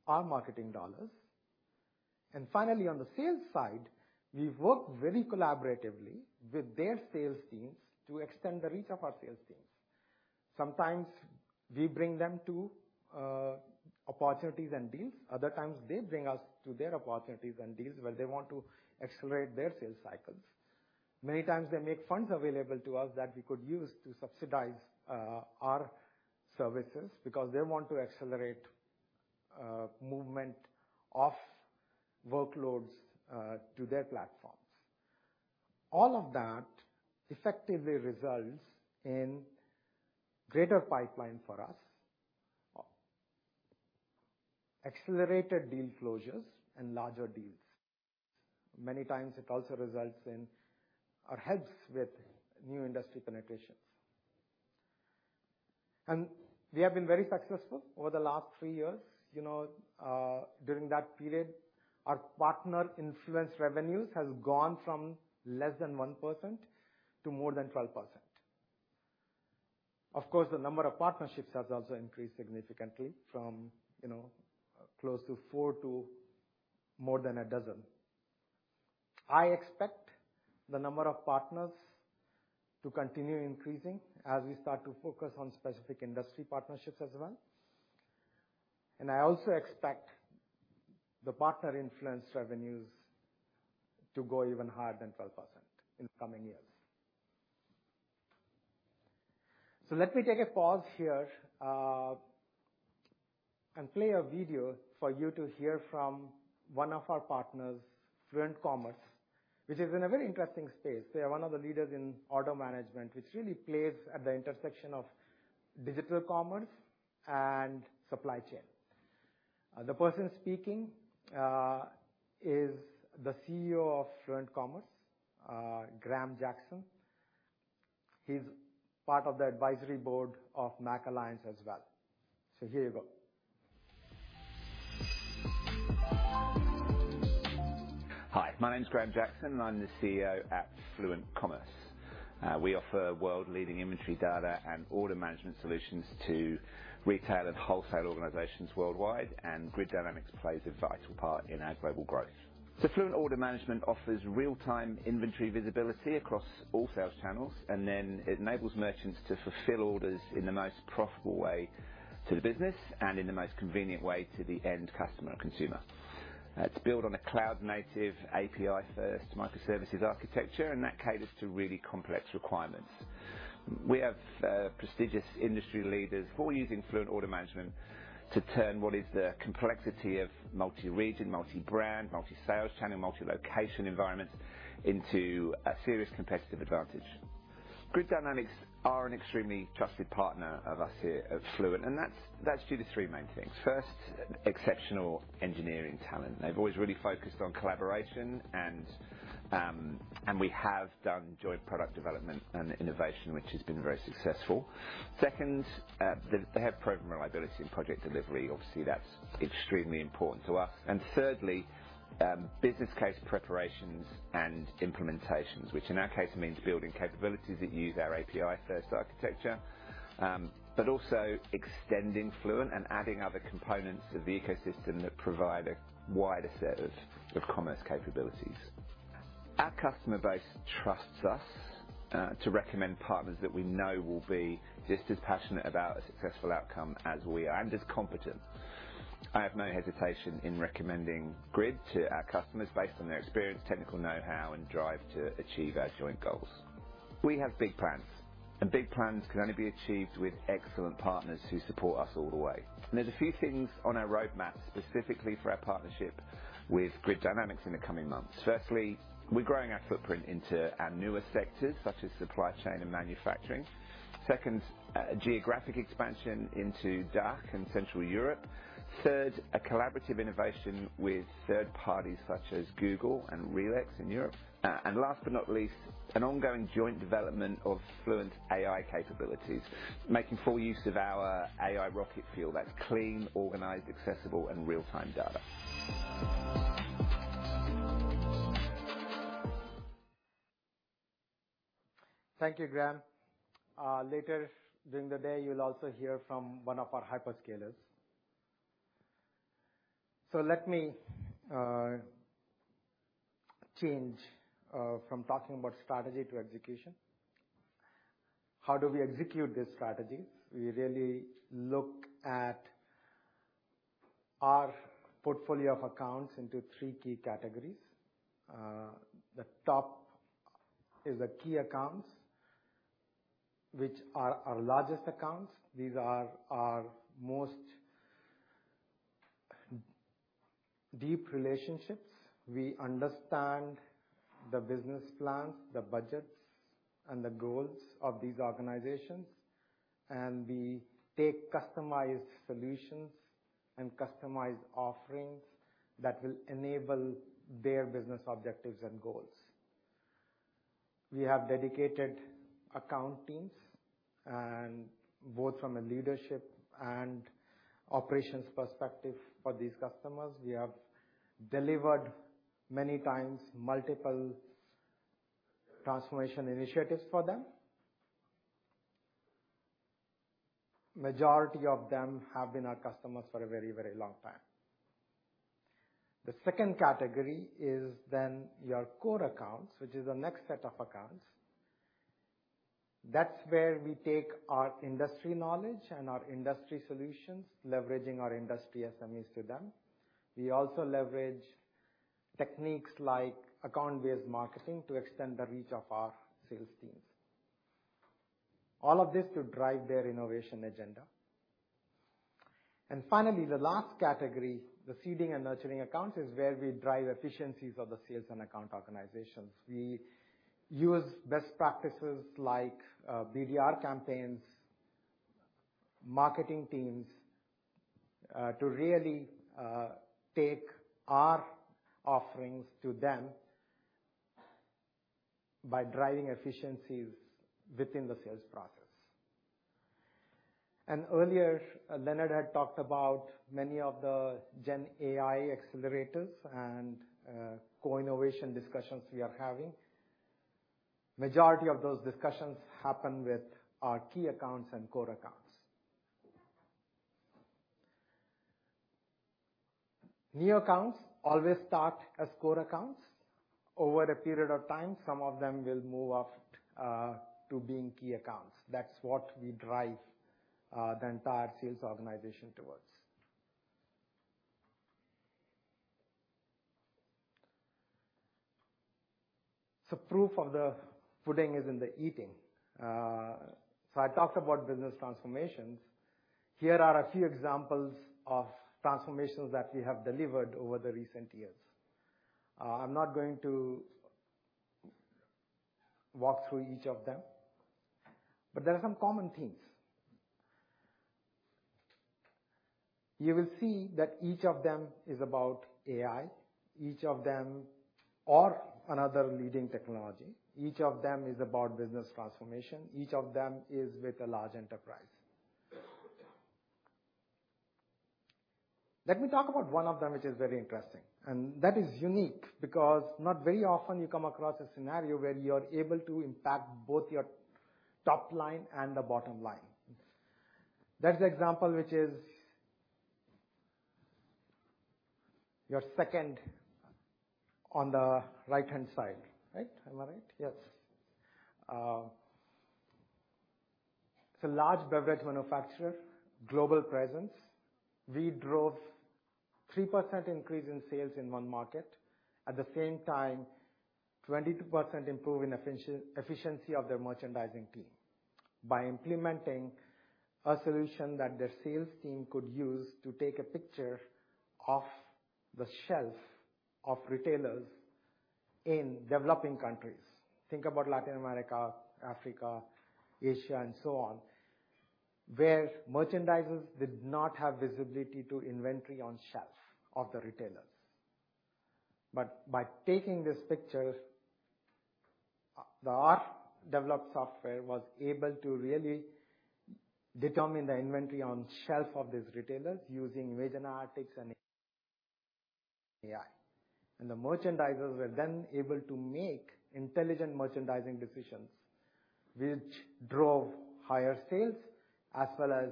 our marketing dollars. And finally, on the sales side, we've worked very collaboratively with their sales teams to extend the reach of our sales teams. Sometimes we bring them to opportunities and deals. Other times, they bring us to their opportunities and deals where they want to accelerate their sales cycles. Many times, they make funds available to us that we could use to subsidize our services, because they want to accelerate movement of workloads to their platforms. All of that effectively results in greater pipeline for us, accelerated deal closures, and larger deals. Many times it also results in or helps with new industry penetrations. We have been very successful over the last three years. You know, during that period, our partner influence revenues has gone from less than 1% to more than 12%. Of course, the number of partnerships has also increased significantly from, you know, close to four to more than a dozen. I expect the number of partners to continue increasing as we start to focus on specific industry partnerships as well. I also expect the partner influence revenues to go even higher than 12% in the coming years. So let me take a pause here, and play a video for you to hear from one of our partners, Fluent Commerce, which is in a very interesting space. They are one of the leaders in order management, which really plays at the intersection of digital commerce and supply chain. The person speaking is the CEO of Fluent Commerce, Graham Jackson. He's part of the advisory board of MACH Alliance as well. So here you go. Hi, my name is Graham Jackson, and I'm the CEO at Fluent Commerce. We offer world-leading inventory data and order management solutions to retail and wholesale organizations worldwide, and Grid Dynamics plays a vital part in our global growth. So Fluent Order Management offers real-time inventory visibility across all sales channels, and then it enables merchants to fulfill orders in the most profitable way to the business and in the most convenient way to the end customer or consumer. It's built on a cloud-native, API-first, microservices architecture, and that caters to really complex requirements. We have prestigious industry leaders all using Fluent Order Management to turn what is the complexity of multi-region, multi-brand, multi-sales channel, multi-location environments into a serious competitive advantage. Grid Dynamics are an extremely trusted partner of us here at Fluent, and that's, that's due to three main things. First, exceptional engineering talent. They've always really focused on collaboration, and we have done joint product development and innovation, which has been very successful. Second, they have proven reliability in project delivery. Obviously, that's extremely important to us. And thirdly, business case preparations and implementations, which in our case means building capabilities that use our API-first architecture, but also extending Fluent and adding other components to the ecosystem that provide a wider set of commerce capabilities. Our customer base trusts us to recommend partners that we know will be just as passionate about a successful outcome as we are, and as competent. I have no hesitation in recommending Grid to our customers based on their experience, technical know-how, and drive to achieve our joint goals. We have big plans, and big plans can only be achieved with excellent partners who support us all the way. There's a few things on our roadmap, specifically for our partnership with Grid Dynamics in the coming months. Firstly, we're growing our footprint into our newer sectors, such as supply chain and manufacturing. Second, geographic expansion into DACH and Central Europe. Third, a collaborative innovation with third parties such as Google and RELEX in Europe. And last but not least, an ongoing joint development of Fluent AI capabilities, making full use of our AI rocket fuel. That's clean, organized, accessible, and real-time data. Thank you, Graham. Later during the day, you'll also hear from one of our hyperscalers. So let me change from talking about strategy to execution. How do we execute this strategy? We really look at our portfolio of accounts into three key categories. The top is the key accounts, which are our largest accounts. These are our most deep relationships. We understand the business plans, the budgets, and the goals of these organizations, and we take customized solutions and customized offerings that will enable their business objectives and goals. We have dedicated account teams, and both from a leadership and operations perspective for these customers, we have delivered many times multiple transformation initiatives for them. Majority of them have been our customers for a very, very long time. The second category is then your core accounts, which is the next set of accounts. That's where we take our industry knowledge and our industry solutions, leveraging our industry SMEs to them. We also leverage techniques like account-based marketing to extend the reach of our sales teams. All of this to drive their innovation agenda. And finally, the last category, the seeding and nurturing accounts, is where we drive efficiencies of the sales and account organizations. We use best practices like BDR campaigns, marketing teams to really take our offerings to them by driving efficiencies within the sales process. And earlier, Leonard had talked about many of the GenAI accelerators and co-innovation discussions we are having. Majority of those discussions happen with our key accounts and core accounts. New accounts always start as core accounts. Over a period of time, some of them will move up to being key accounts. That's what we drive the entire sales organization towards. So proof of the pudding is in the eating. So I talked about business transformations. Here are a few examples of transformations that we have delivered over the recent years. I'm not going to walk through each of them, but there are some common themes. You will see that each of them is about AI, each of them or another leading technology. Each of them is about business transformation. Each of them is with a large enterprise. Let me talk about one of them, which is very interesting, and that is unique, because not very often you come across a scenario where you're able to impact both your top line and the bottom line. That's the example, which is your second on the right-hand side. Right? Am I right? Yes. It's a large beverage manufacturer, global presence. We drove 3% increase in sales in one market, at the same time, 22% improvement in efficiency of their merchandising team, by implementing a solution that their sales team could use to take a picture of the shelf of retailers in developing countries. Think about Latin America, Africa, Asia, and so on, where merchandisers did not have visibility to inventory on shelf of the retailers. But by taking these pictures, our developed software was able to really determine the inventory on shelf of these retailers using Vision AI and AI. And the merchandisers were then able to make intelligent merchandising decisions, which drove higher sales as well as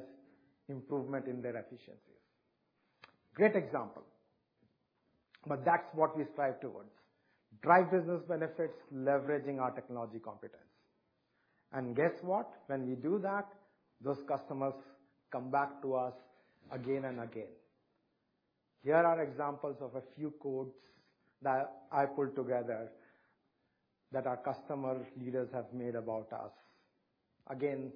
improvement in their efficiencies. Great example. But that's what we strive towards: drive business benefits, leveraging our technology competence. And guess what? When we do that, those customers come back to us again and again. Here are examples of a few quotes that I pulled together that our customer leaders have made about us. Again,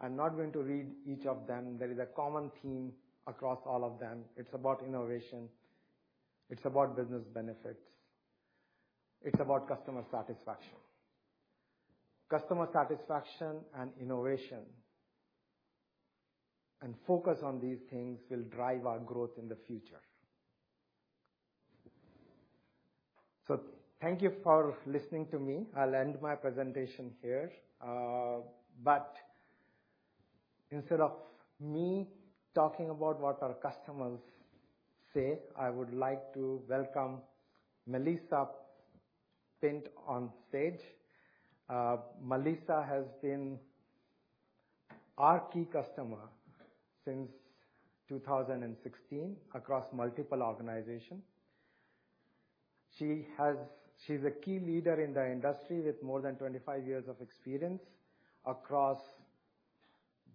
I'm not going to read each of them. There is a common theme across all of them. It's about innovation, it's about business benefits, it's about customer satisfaction. Customer satisfaction and innovation, and focus on these things will drive our growth in the future. So thank you for listening to me. I'll end my presentation here. But instead of me talking about what our customers say, I would like to welcome Melissa Pint on stage. Melissa has been our key customer since 2016 across multiple organizations. She's a key leader in the industry with more than 25 years of experience across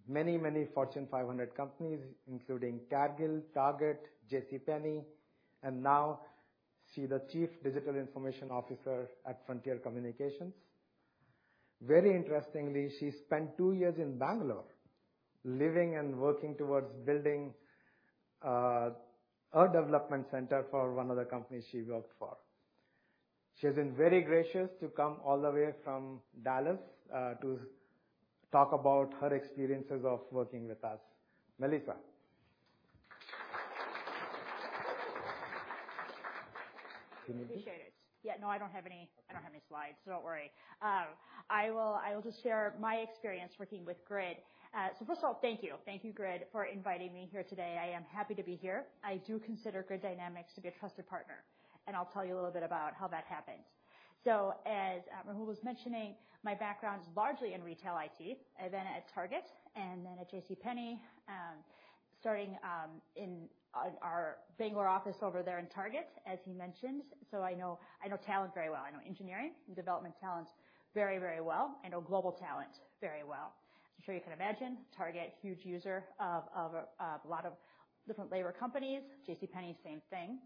many, many Fortune 500 companies, including Cargill, Target, JCPenney, and now she's the Chief Digital Information Officer at Frontier Communications. Very interestingly, she spent two years in Bangalore, living and working towards building a development center for one of the companies she worked for. She has been very gracious to come all the way from Dallas to talk about her experiences of working with us. Melissa? I appreciate it. Yeah, no, I don't have any slides, so don't worry. I will just share my experience working with Grid. So first of all, thank you. Thank you, Grid, for inviting me here today. I am happy to be here. I do consider Grid Dynamics to be a trusted partner, and I'll tell you a little bit about how that happened. So as Rahul was mentioning, my background is largely in retail IT, and then at Target and then at JCPenney, starting in our Bangalore office over there in Target, as he mentioned. So I know talent very well. I know engineering and development talent very, very well. I know global talent very well. I'm sure you can imagine, Target, huge user of a lot of different labor companies. JCPenney, same thing.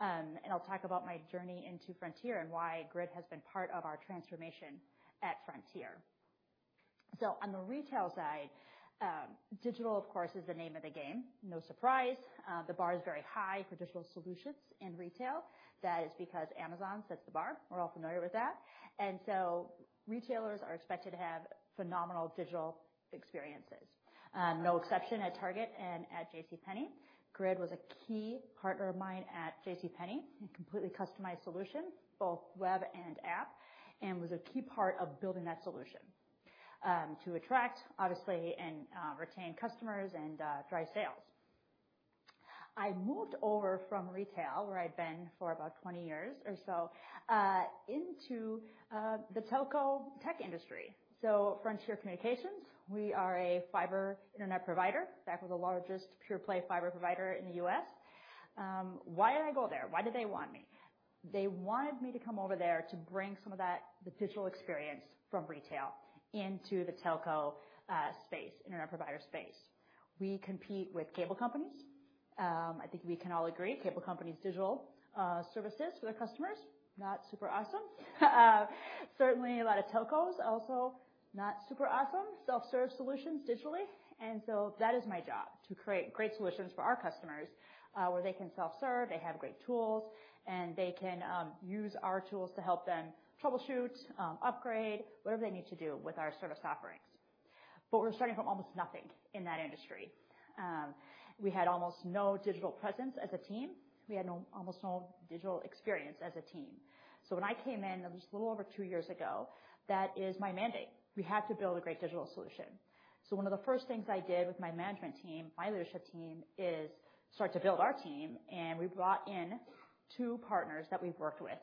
I'll talk about my journey into Frontier and why Grid has been part of our transformation at Frontier. On the retail side, digital, of course, is the name of the game. No surprise. The bar is very high for digital solutions in retail. That is because Amazon sets the bar. We're all familiar with that. And so retailers are expected to have phenomenal digital experiences. No exception at Target and at JCPenney. Grid was a key partner of mine at JCPenney, a completely customized solution, both web and app, and was a key part of building that solution to attract, obviously, and retain customers and drive sales. I moved over from retail, where I'd been for about 20 years or so, into the telco tech industry. So Frontier Communications, we are a fiber internet provider, in fact, we're the largest pure-play fiber provider in the U.S. Why did I go there? Why did they want me? They wanted me to come over there to bring some of that, the digital experience from retail into the telco space, internet provider space. We compete with cable companies. I think we can all agree, cable companies' digital services for their customers, not super awesome. Certainly a lot of telcos, also not super awesome, self-service solutions digitally. And so that is my job, to create great solutions for our customers, where they can self-serve, they have great tools, and they can use our tools to help them troubleshoot, upgrade, whatever they need to do with our service offerings. But we're starting from almost nothing in that industry. We had almost no digital presence as a team. We had almost no digital experience as a team. So when I came in, it was a little over two years ago, that is my mandate. We have to build a great digital solution. So one of the first things I did with my management team, my leadership team, is start to build our team, and we brought in two partners that we've worked with.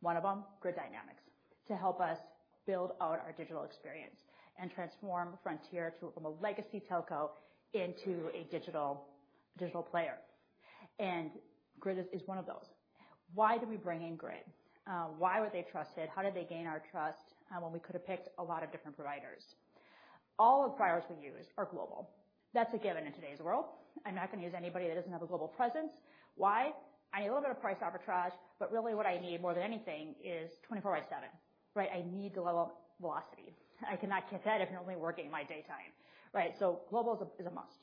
One of them, Grid Dynamics, to help us build out our digital experience and transform Frontier to, from a legacy telco into a digital, digital player. And Grid is, is one of those. Why did we bring in Grid? Why were they trusted? How did they gain our trust, when we could have picked a lot of different providers? All the providers we used are global. That's a given in today's world. I'm not going to use anybody that doesn't have a global presence. Why? I need a little bit of price arbitrage, but really, what I need more than anything is 24 by seven, right? I need the level of velocity. I cannot get that if you're only working in my daytime, right? So global is a must.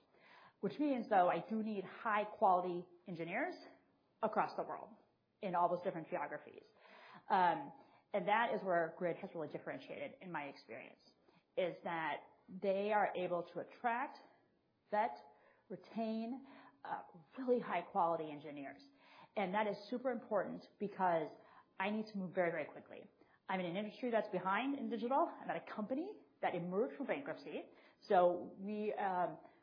Which means, though, I do need high-quality engineers across the world in all those different geographies. And that is where Grid has really differentiated in my experience, is that they are able to attract, vet, retain, really high-quality engineers. And that is super important because I need to move very, very quickly. I'm in an industry that's behind in digital. I'm at a company that emerged from bankruptcy, so we,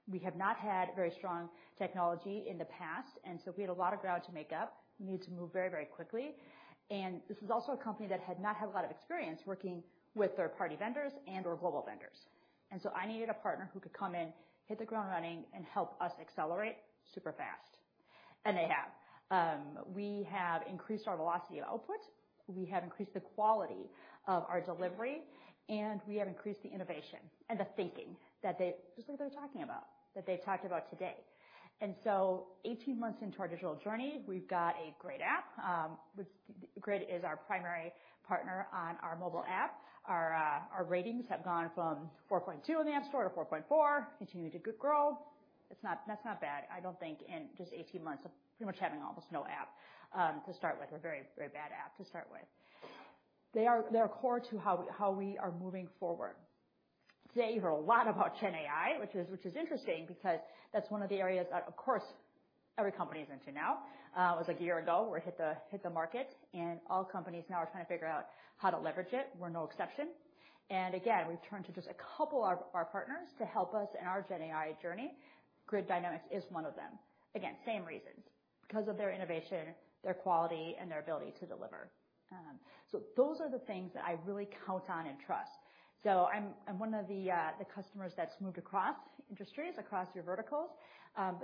we have not had very strong technology in the past, and so we had a lot of ground to make up. We need to move very, very quickly. This is also a company that had not had a lot of experience working with third-party vendors and/or global vendors. I needed a partner who could come in, hit the ground running, and help us accelerate super fast. They have. We have increased our velocity of output, we have increased the quality of our delivery, and we have increased the innovation and the thinking that they Just like they're talking about, that they talked about today. 18 months into our digital journey, we've got a great app. Grid is our primary partner on our mobile app. Our, our ratings have gone from 4.2 in the App Store to 4.4, continuing to good growth. It's not. That's not bad, I don't think, in just 18 months of pretty much having almost no app, to start with, a very, very bad app to start with. They are, they're core to how, how we are moving forward. Today, you hear a lot about GenAI, which is, which is interesting because that's one of the areas that, of course, every company is into now. It was like a year ago, where it hit the, hit the market, and all companies now are trying to figure out how to leverage it. We're no exception. And again we've turned to just a couple of our partners to help us in our GenAI journey. Grid Dynamics is one of them. Again, same reasons: because of their innovation, their quality, and their ability to deliver. So those are the things that I really count on and trust. So I'm, I'm one of the customers that's moved across industries, across your verticals,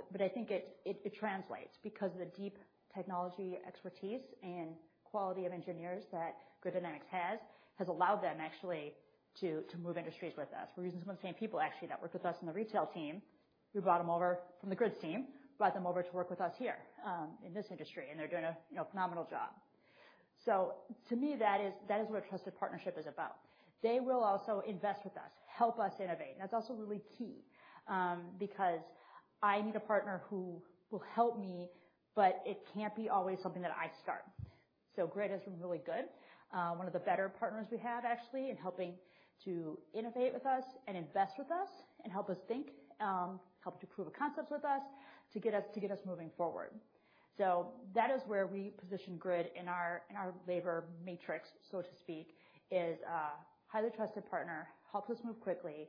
but I think it translates because of the deep technology expertise and quality of engineers that Grid Dynamics has allowed them actually to move industries with us. We're using some of the same people actually that worked with us on the retail team. We brought them over from the Grid team, brought them over to work with us here in this industry, and they're doing a, you know, phenomenal job. So to me, that is what trusted partnership is about. They will also invest with us, help us innovate. That's also really key, because I need a partner who will help me, but it can't be always something that I start. So Grid has been really good. One of the better partners we have, actually, in helping to innovate with us and invest with us and help us think, help to prove a concept with us, to get us, to get us moving forward. So that is where we position Grid in our, in our labor matrix, so to speak, is a highly trusted partner, helps us move quickly,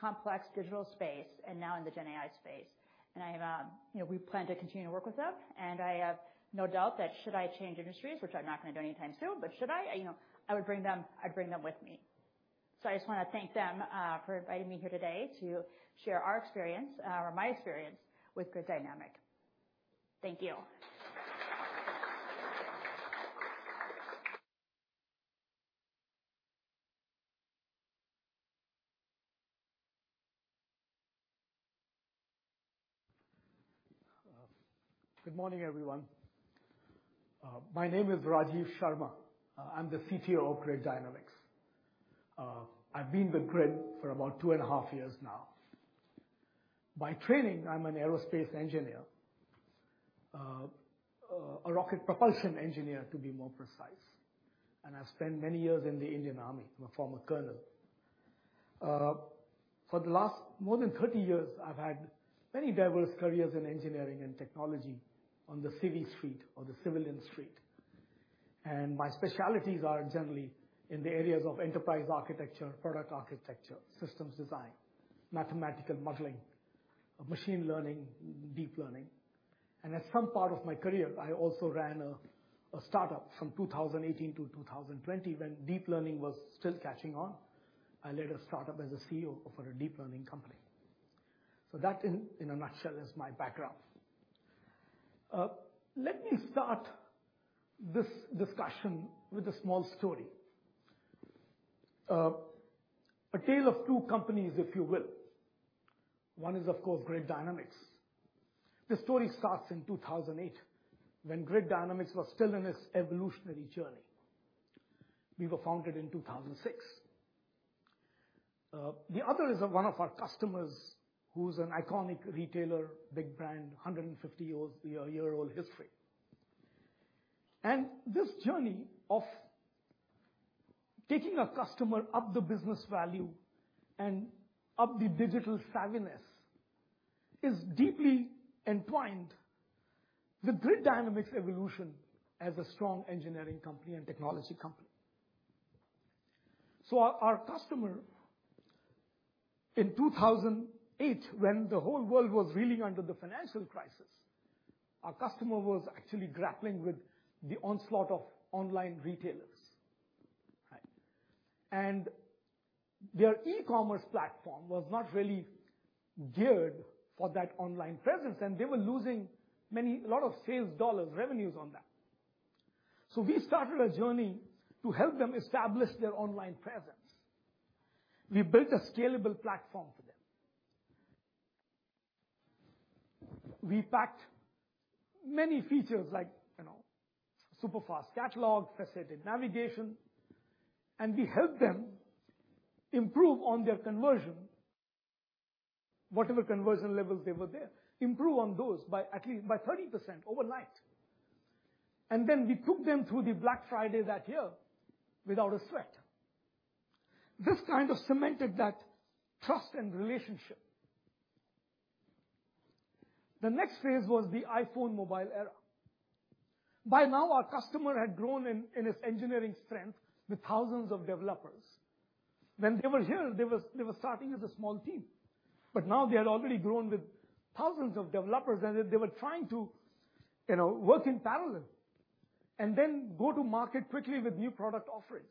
complex digital space, and now in the GenAI space. And I have, you know, we plan to continue to work with them, and I have no doubt that should I change industries, which I'm not gonna do anytime soon, but should I, you know, I would bring them. I'd bring them with me. I just wanna thank them for inviting me here today to share our experience or my experience with Grid Dynamics. Thank you. Good morning, everyone. My name is Rajeev Sharma. I'm the CTO of Grid Dynamics. I've been with Grid for about two and a half years now. By training, I'm an aerospace engineer, a rocket propulsion engineer, to be more precise, and I've spent many years in the Indian army. I'm a former colonel. For the last more than 30 years, I've had many diverse careers in engineering and technology on the civic street or the civilian street. My specialties are generally in the areas of enterprise architecture, product architecture, systems design, mathematical modeling, machine learning, deep learning. At some part of my career, I also ran a startup from 2018 to 2020, when deep learning was still catching on. I led a startup as a CEO for a deep learning company. So that in a nutshell is my background. Let me start this discussion with a small story. A tale of two companies, if you will. One is, of course, Grid Dynamics. The story starts in 2008, when Grid Dynamics was still in its evolutionary journey. We were founded in 2006. The other is one of our customers, who's an iconic retailer, big brand, a 150-year-old history. This journey of taking a customer up the business value and up the digital savviness is deeply entwined with Grid Dynamics' evolution as a strong engineering company and technology company. So our customer in 2008, when the whole world was reeling under the financial crisis, our customer was actually grappling with the onslaught of online retailers. Right? Their e-commerce platform was not really geared for that online presence, and they were losing a lot of sales dollars, revenues on that. So we started a journey to help them establish their online presence. We built a scalable platform for them. We packed many features like, you know, super fast catalog, faceted navigation, and we helped them improve on their conversion, whatever conversion levels they were there, improve on those by at least 30% overnight. And then we took them through the Black Friday that year without a sweat. This kind of cemented that trust and relationship. The next phase was the iPhone mobile era. By now, our customer had grown in his engineering strength with thousands of developers. When they were here, they were starting as a small team, but now they had already grown with thousands of developers, and they were trying to, you know, work in parallel and then go to market quickly with new product offerings.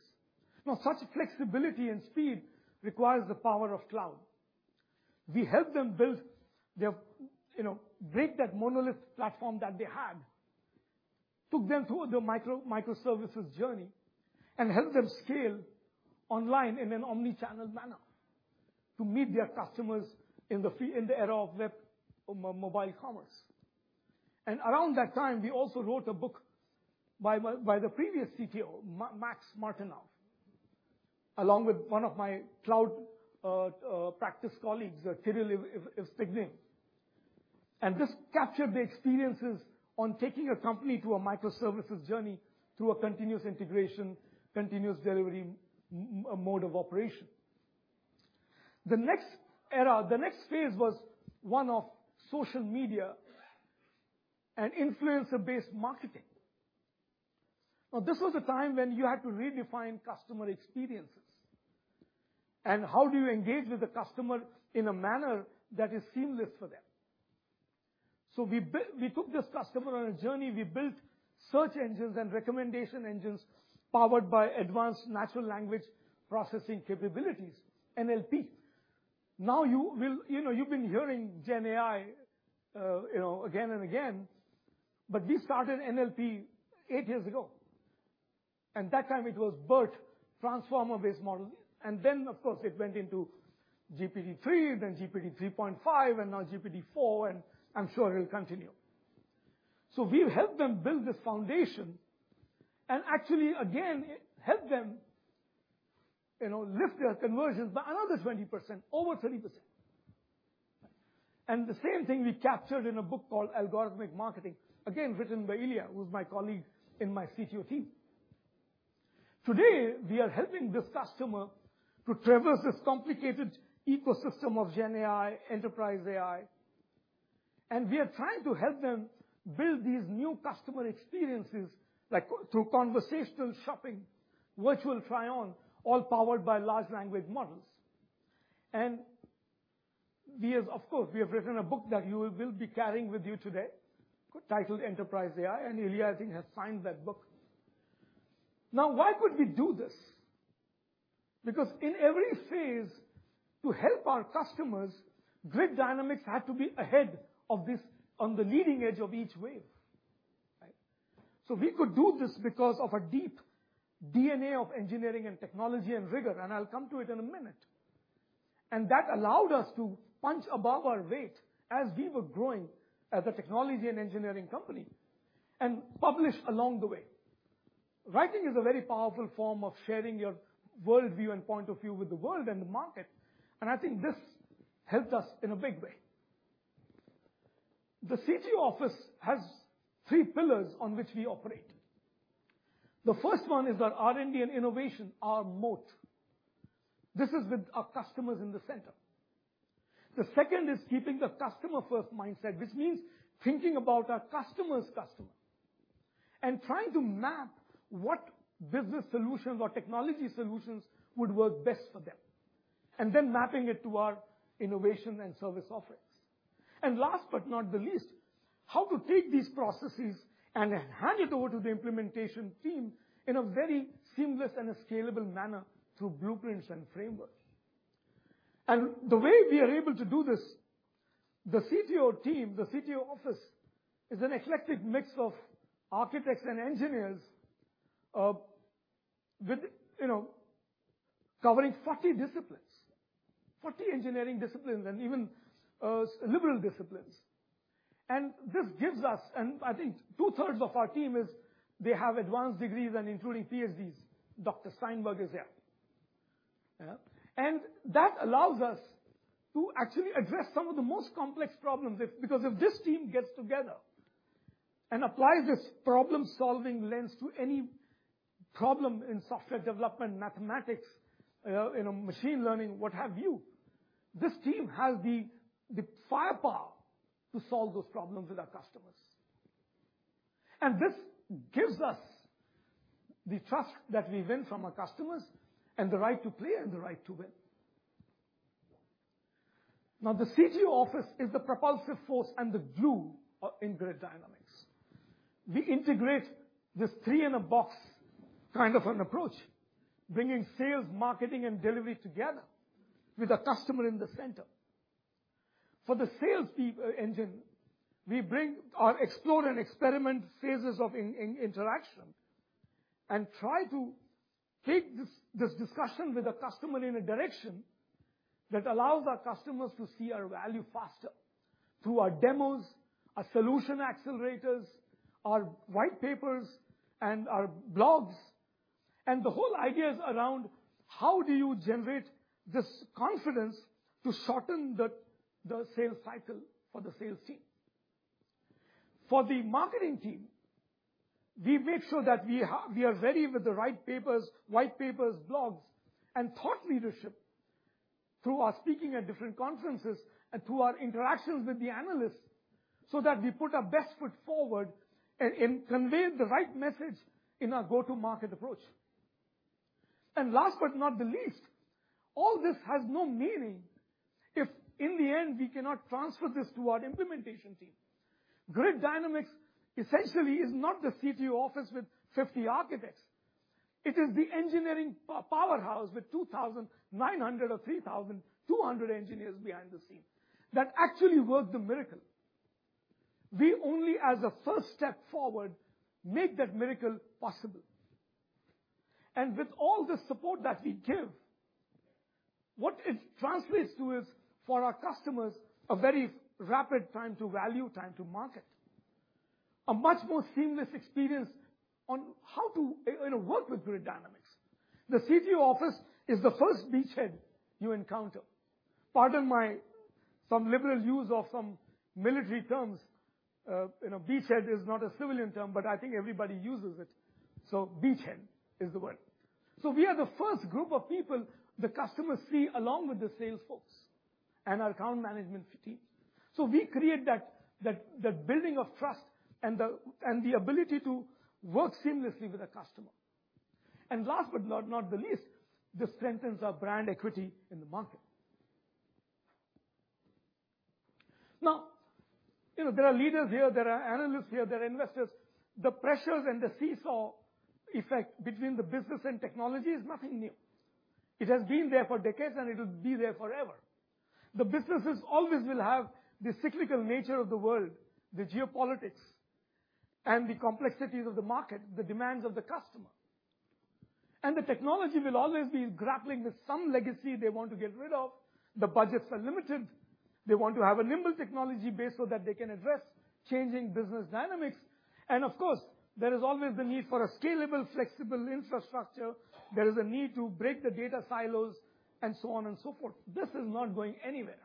Now, such flexibility and speed requires the power of cloud. We helped them build their, you know, break that monolith platform that they had, took them through the microservices journey, and helped them scale online in an omni-channel manner to meet their customers in the era of web, mobile commerce. And around that time, we also wrote a book by the previous CTO, Max Martynov, along with one of my cloud practice colleagues, Kirill Evstigneev, and this captured the experiences on taking a company through a microservices journey, through a continuous integration, continuous delivery mode of operation. The next era, the next phase was one of social media and influencer-based marketing. Now, this was a time when you had to redefine customer experiences, and how do you engage with the customer in a manner that is seamless for them? So we took this customer on a journey. We built search engines and recommendation engines powered by advanced natural language processing capabilities, NLP. Now, you will, you know, you've been hearing GenAI, you know, again and again, but we started NLP eight years ago, and that time it was BERT, transformer-based model, and then, of course, it went into GPT-3, then GPT-3.5, and now GPT-4, and I'm sure it will continue. So we've helped them build this foundation and actually, again, helped them, you know, lift their conversions by another 20%, over 30%. The same thing we captured in a book called Algorithmic Marketing, again, written by Ilya, who's my colleague in my CTO team. Today, we are helping this customer to traverse this complicated ecosystem of GenAI, Enterprise AI, and we are trying to help them build these new customer experiences, like through conversational shopping, virtual try-on, all powered by large language models. Of course, we have written a book that you will be carrying with you today, titled Enterprise AI, and Ilya Katsov has signed that book. Now, why could we do this? Because in every phase, to help our customers, Grid Dynamics had to be ahead of this, on the leading edge of each wave, right? So we could do this because of a deep DNA of engineering and technology and rigor, and I'll come to it in a minute. That allowed us to punch above our weight as we were growing as a technology and engineering company, and publish along the way. Writing is a very powerful form of sharing your worldview and point of view with the world and the market, and I think this helped us in a big way. The CTO office has three pillars on which we operate. The first one is that R&D and innovation, our moat. This is with our customers in the center. The second is keeping the customer-first mindset, which means thinking about our customer's customer and trying to map what business solutions or technology solutions would work best for them, and then mapping it to our innovation and service offerings. Last but not the least, how to take these processes and hand it over to the implementation team in a very seamless and a scalable manner through blueprints and frameworks. The way we are able to do this, the CTO team, the CTO office, is an eclectic mix of architects and engineers, with, you know, covering 40 disciplines, 40 engineering disciplines and even liberal disciplines. This gives us I think two-thirds of our team is, they have advanced degrees and including PhDs. Dr. Steinberg is here. Yeah? That allows us to actually address some of the most complex problems, if—because if this team gets together and applies this problem-solving lens to any problem in software development, mathematics, you know, machine learning, what have you, this team has the firepower to solve those problems with our customers. This gives us the trust that we win from our customers, and the right to play and the right to win. Now, the CTO office is the propulsive force and the glue of Grid Dynamics. We integrate this three-in-a-box kind of an approach, bringing sales, marketing, and delivery together with the customer in the center. For the sales engine, we bring our explore and experiment phases of interaction and try to take this discussion with the customer in a direction that allows our customers to see our value faster through our demos, our solution accelerators, our white papers, and our blogs. And the whole idea is around: how do you generate this confidence to shorten the sales cycle for the sales team? For the marketing team, we make sure that we are ready with the right papers, white papers, blogs, and thought leadership through our speaking at different conferences and through our interactions with the analysts, so that we put our best foot forward and convey the right message in our go-to-market approach. Last but not the least, all this has no meaning if, in the end, we cannot transfer this to our implementation team. Grid Dynamics essentially is not the CTO office with 50 architects. It is the engineering powerhouse with 2,900 or 3,200 engineers behind the scenes that actually work the miracle. We only, as a first step forward, make that miracle possible. With all the support that we give, what it translates to is, for our customers, a very rapid time to value, time to market. A much more seamless experience on how to, you know, work with Grid Dynamics. The CTO office is the first beachhead you encounter. Pardon my, some liberal use of some military terms. You know, beachhead is not a civilian term, but I think everybody uses it, so beachhead is the word. So we are the first group of people the customers see along with the sales folks and our account management team. So we create that building of trust and the ability to work seamlessly with the customer. And last but not the least, this strengthens our brand equity in the market. Now, you know, there are leaders here, there are analysts here, there are investors. The pressures and the seesaw effect between the business and technology is nothing new. It has been there for decades, and it will be there forever. The businesses always will have the cyclical nature of the world, the geopolitics and the complexities of the market, the demands of the customer. And the technology will always be grappling with some legacy they want to get rid of. The budgets are limited. They want to have a nimble technology base so that they can address changing business dynamics. And of course, there is always the need for a scalable, flexible infrastructure. There is a need to break the data silos and so on and so forth. This is not going anywhere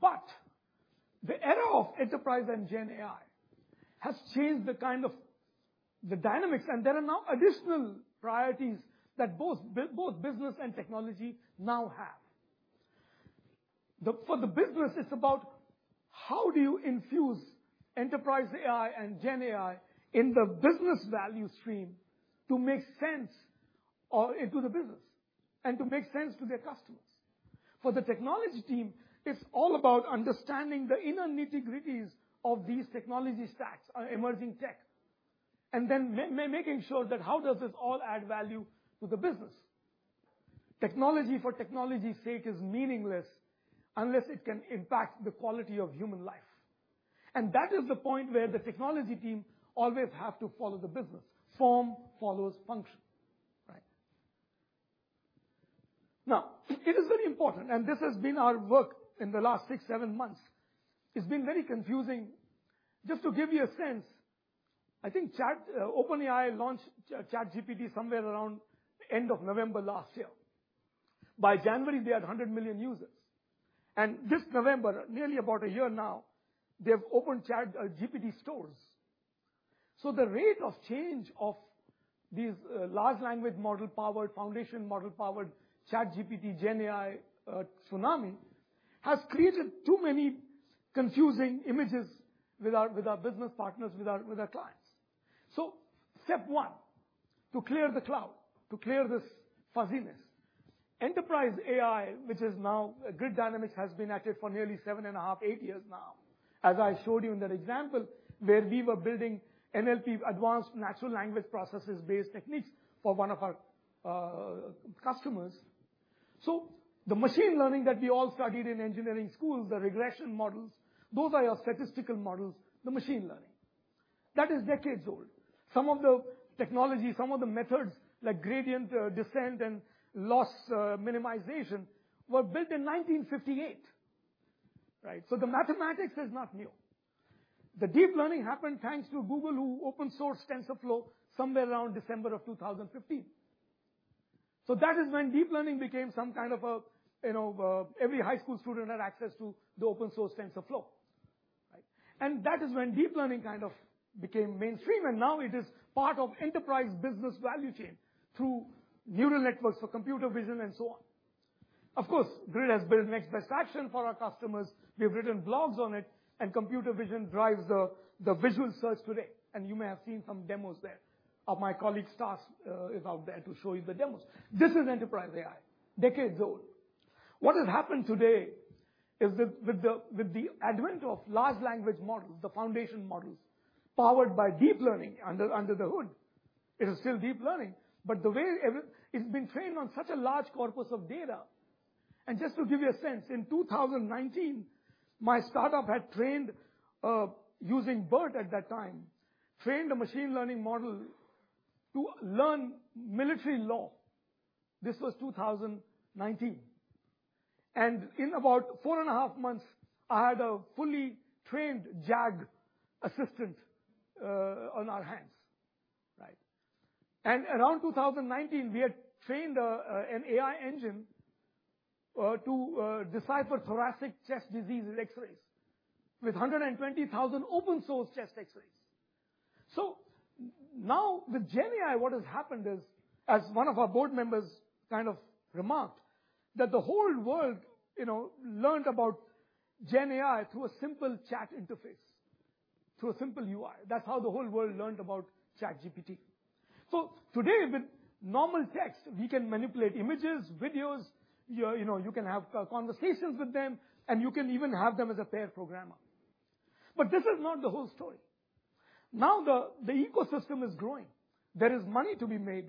but the era of enterprise and GenAI has changed the kind of, the dynamics, and there are now additional priorities that both both business and technology now have. For the business, it's about how do you infuse Enterprise AI and GenAI in the business value stream to make sense into the business and to make sense to their customers? For the technology team, it's all about understanding the inner nitty-gritties of these technology stacks or emerging tech, and then making sure that how does this all add value to the business. Technology for technology's sake is meaningless unless it can impact the quality of human life, and that is the point where the technology team always have to follow the business. Form follows function, right? Now, it is very important, and this has been our work in the last six, seven months. It's been very confusing. Just to give you a sense, I think OpenAI launched ChatGPT somewhere around end of November last year. By January, they had 100 million users, and this November, nearly about a year now, they have opened ChatGPT stores. So the rate of change of these, large language model-powered, foundation model-powered, ChatGPT, GenAI, tsunami has created too many confusing images with our, with our business partners, with our, with our clients. So step one, to clear the cloud, to clear this fuzziness. Enterprise AI, which is now Grid Dynamics, has been active for nearly 7.5, 8 years now, as I showed you in that example, where we were building NLP, advanced natural language processing-based techniques for one of our, customers. So the machine learning that we all studied in engineering schools, the regression models, those are your statistical models, the machine learning. That is decades old. Some of the technology, some of the methods, like gradient descent and loss minimization, were built in 1958, right? So the mathematics is not new. The deep learning happened thanks to Google, who open-sourced TensorFlow somewhere around December 2015. So that is when deep learning became some kind of a, you know, every high school student had access to the open-source TensorFlow, right? And that is when deep learning kind of became mainstream, and now it is part of enterprise business value chain through neural networks for computer vision and so on. Of course, Grid has built next best action for our customers. We have written blogs on it, and computer vision drives the visual search today, and you may have seen some demos there. My colleague, Tas, is out there to show you the demos. This is Enterprise AI, decades old. What has happened today is that with the, with the advent of large language models, the foundation models, powered by deep learning under, under the hood, it is still deep learning, but the way everything. It's been trained on such a large corpus of data. And just to give you a sense, in 2019, my start-up had trained, using BERT at that time, trained a machine learning model to learn military law. This was 2019, and in about 4.5 months, I had a fully trained JAG assistant, on our hands, right? And around 2019, we had trained a, an AI engine, to, decipher thoracic chest disease in X-rays with 120,000 open-source chest X-rays. So now with GenAI, what has happened is, as one of our board members kind of remarked, that the whole world, you know, learned about GenAI through a simple chat interface, through a simple UI. That's how the whole world learned about ChatGPT. So today, with normal text, we can manipulate images, videos, you know, you can have conversations with them, and you can even have them as a pair programmer. But this is not the whole story. Now, the ecosystem is growing. There is money to be made,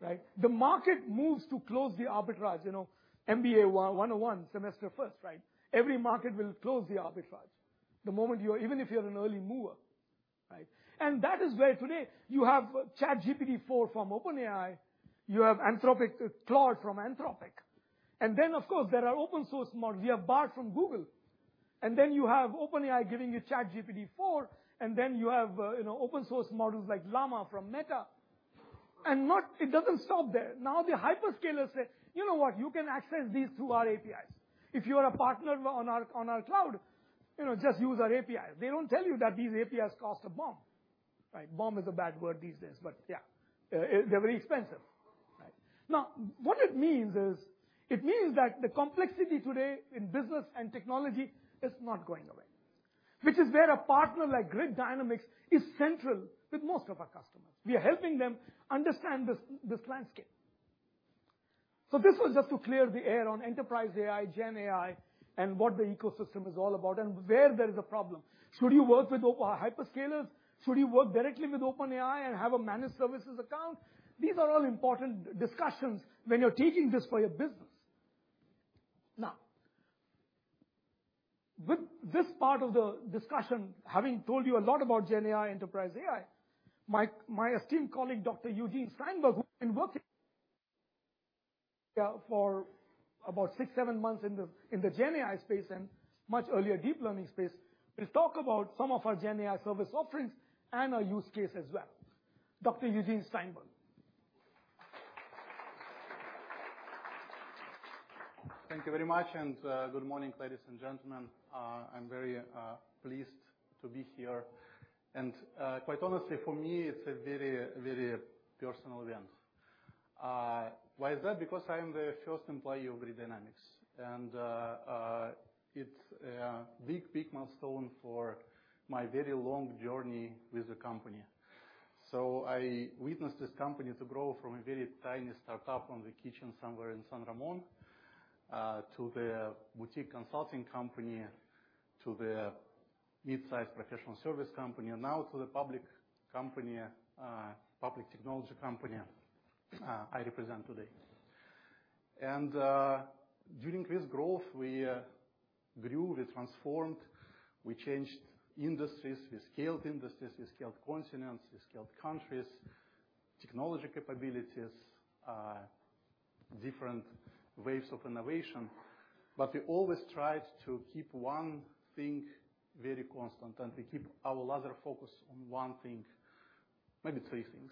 right? The market moves to close the arbitrage. You know, MBA 101, semester first, right? Every market will close the arbitrage. The moment you are even if you're an early mover, right? That is where today you have ChatGPT-4 from OpenAI, you have Anthropic, Claude from Anthropic, and then, of course, there are open-source models. We have Bard from Google, and then you have OpenAI giving you ChatGPT-4, and then you have, you know, open-source models like Llama from Meta. And it doesn't stop there. Now, the hyperscalers say, "You know what? You can access these through our APIs. If you are a partner on our, on our cloud, you know, just use our API." They don't tell you that these APIs cost a bomb, right? Bomb is a bad word these days, but yeah, they're very expensive, right? Now, what it means is, it means that the complexity today in business and technology is not going away, which is where a partner like Grid Dynamics is central with most of our customers. We are helping them understand this, this landscape. So this was just to clear the air on enterprise AI, GenAI, and what the ecosystem is all about and where there is a problem. Should you work with open hyperscalers? Should you work directly with OpenAI and have a managed services account? These are all important discussions when you're taking this for your business. Now, with this part of the discussion, having told you a lot about GenAI, enterprise AI, my esteemed colleague, Dr. Eugene Steinberg, who has been working for about six to seven months in the GenAI space and much earlier, deep learning space, will talk about some of our GenAI service offerings and our use case as well. Dr. Eugene Steinberg? Thank you very much, and good morning, ladies and gentlemen. I'm very pleased to be here. And quite honestly, for me, it's a very, very personal event. Why is that? Because I'm the first employee of Grid Dynamics, and it's a big, big milestone for my very long journey with the company. So I witnessed this company to grow from a very tiny startup from the kitchen somewhere in San Ramon to the boutique consulting company, to the mid-sized professional service company, and now to the public company, public technology company I represent today. And during this growth, we grew, we transformed, we changed industries, we scaled industries, we scaled continents, we scaled countries, technology capabilities, different waves of innovation. But we always tried to keep one thing very constant, and we keep our laser focus on 1 thing. Maybe three things,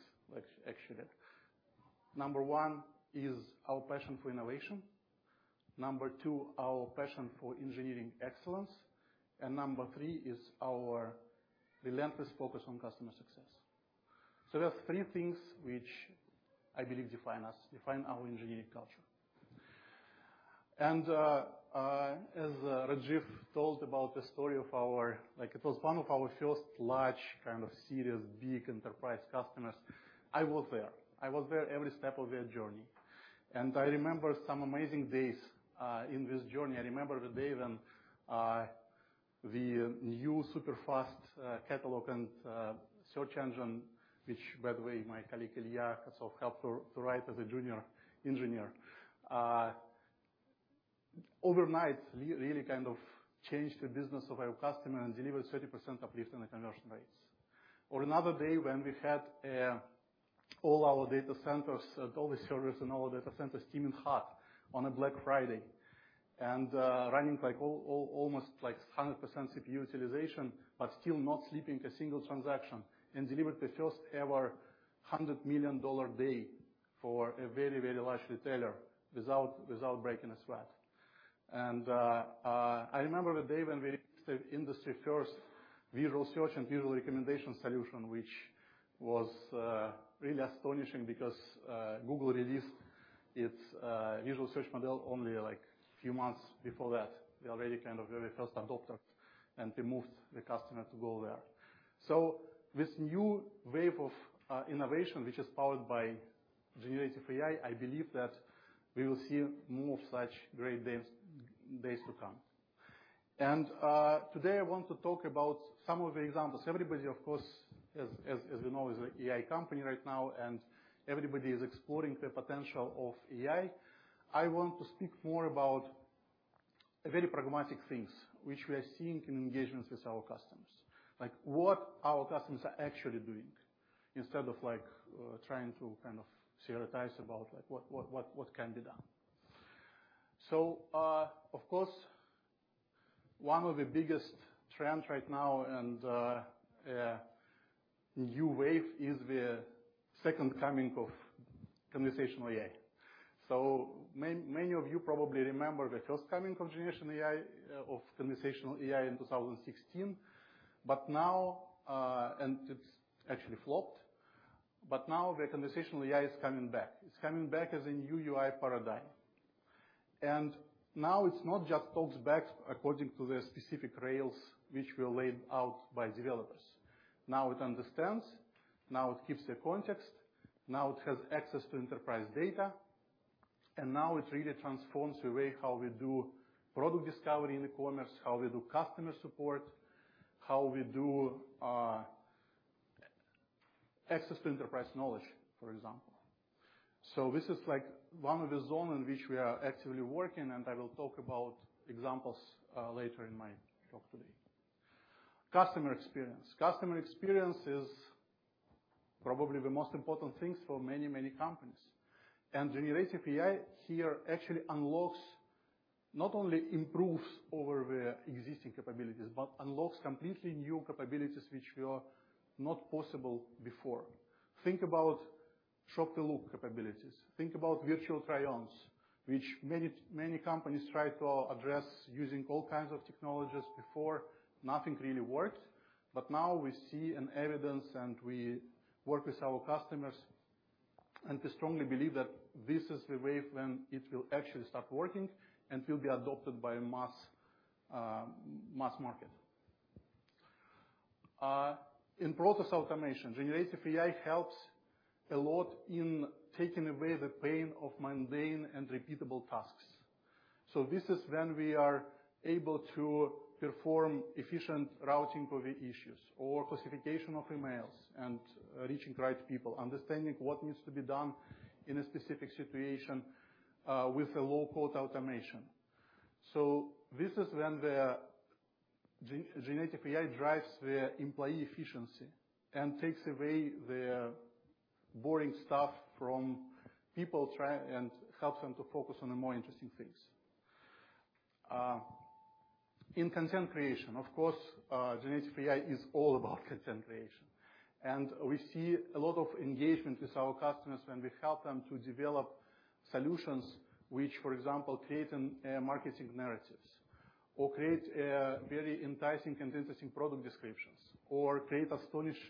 actually. Number onone is our passion for innovation. Number two, our passion for engineering excellence. And Number three is our relentless focus on customer success. So there are three things which I believe define us, define our engineering culture. And, as Rajeev told about the story of our Macy's, it was one of our first large, kind of serious, big enterprise customers. I was there. I was there every step of their journey. And I remember some amazing days in this journey. I remember the day when the new super-fast catalog and search engine, which, by the way, my colleague Ilya also helped to write as a junior engineer, overnight really kind of changed the business of our customer and delivered 30% uplift in the conversion rates. Or another day when we had all our data centers, all the servers in all data centers steaming hot on a Black Friday. And running like almost 100% CPU utilization, but still not slipping a single transaction, and delivered the first ever $100 million day for a very, very large retailer without breaking a sweat. I remember the day when we introduced the industry-first visual search and visual recommendation solution, which was really astonishing because Google released its visual search model only, like, a few months before that. We were already kind of a very first adopter, and we moved the customer to go there. So this new wave of innovation, which is powered by generative AI, I believe that we will see more of such great days to come. Today, I want to talk about some of the examples. Everybody, of course, as you know, is an AI company right now, and everybody is exploring the potential of AI. I want to speak more about very pragmatic things which we are seeing in engagements with our customers. Like, what our customers are actually doing, instead of like, trying to kind of theorize about, like, what can be done. So, of course, one of the biggest trends right now and new wave is the second coming of conversational AI. So many, many of you probably remember the first coming of generation AI of conversational AI in 2016. But now and it's actually flopped, but now the conversational AI is coming back. It's coming back as a new UI paradigm. And now, it's not just talks back according to the specific rails which were laid out by developers. Now it understands, now it keeps the context, now it has access to enterprise data, and now it really transforms the way how we do product discovery in e-commerce, how we do customer support, how we do access to enterprise knowledge, for example. So this is like one of the zone in which we are actively working, and I will talk about examples later in my talk today. Customer experience. Customer experience is probably the most important things for many, many companies. And generative AI here actually unlocks, not only improves over the existing capabilities, but unlocks completely new capabilities which were not possible before. Think about shop-the-look capabilities. Think about virtual try-ons, which many, many companies tried to address using all kinds of technologies before. Nothing really worked, but now we see an evidence, and we work with our customers, and we strongly believe that this is the wave when it will actually start working and will be adopted by mass, mass market. In process automation, generative AI helps a lot in taking away the pain of mundane and repeatable tasks. So this is when we are able to perform efficient routing of the issues or classification of emails and reaching the right people, understanding what needs to be done in a specific situation, with a low-code automation. So this is when the generative AI drives the employee efficiency and takes away the boring stuff from people trying, and helps them to focus on the more interesting things. In content creation, of course, generative AI is all about content creation. We see a lot of engagement with our customers when we help them to develop solutions which, for example, create an marketing narratives or create very enticing and interesting product descriptions or create astonishing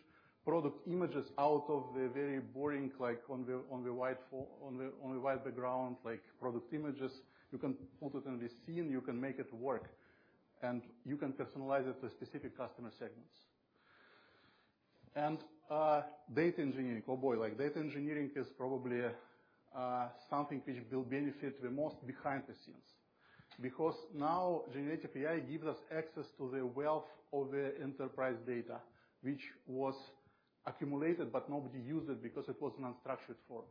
product images out of the very boring, like, on the white background, like, product images. You can ultimately seen, you can make it work, and you can personalize it to specific customer segments. Data engineering, oh, boy, like data engineering is probably something which will benefit the most behind the scenes. Because now, generative AI gives us access to the wealth of the enterprise data, which was accumulated, but nobody used it because it was in unstructured form.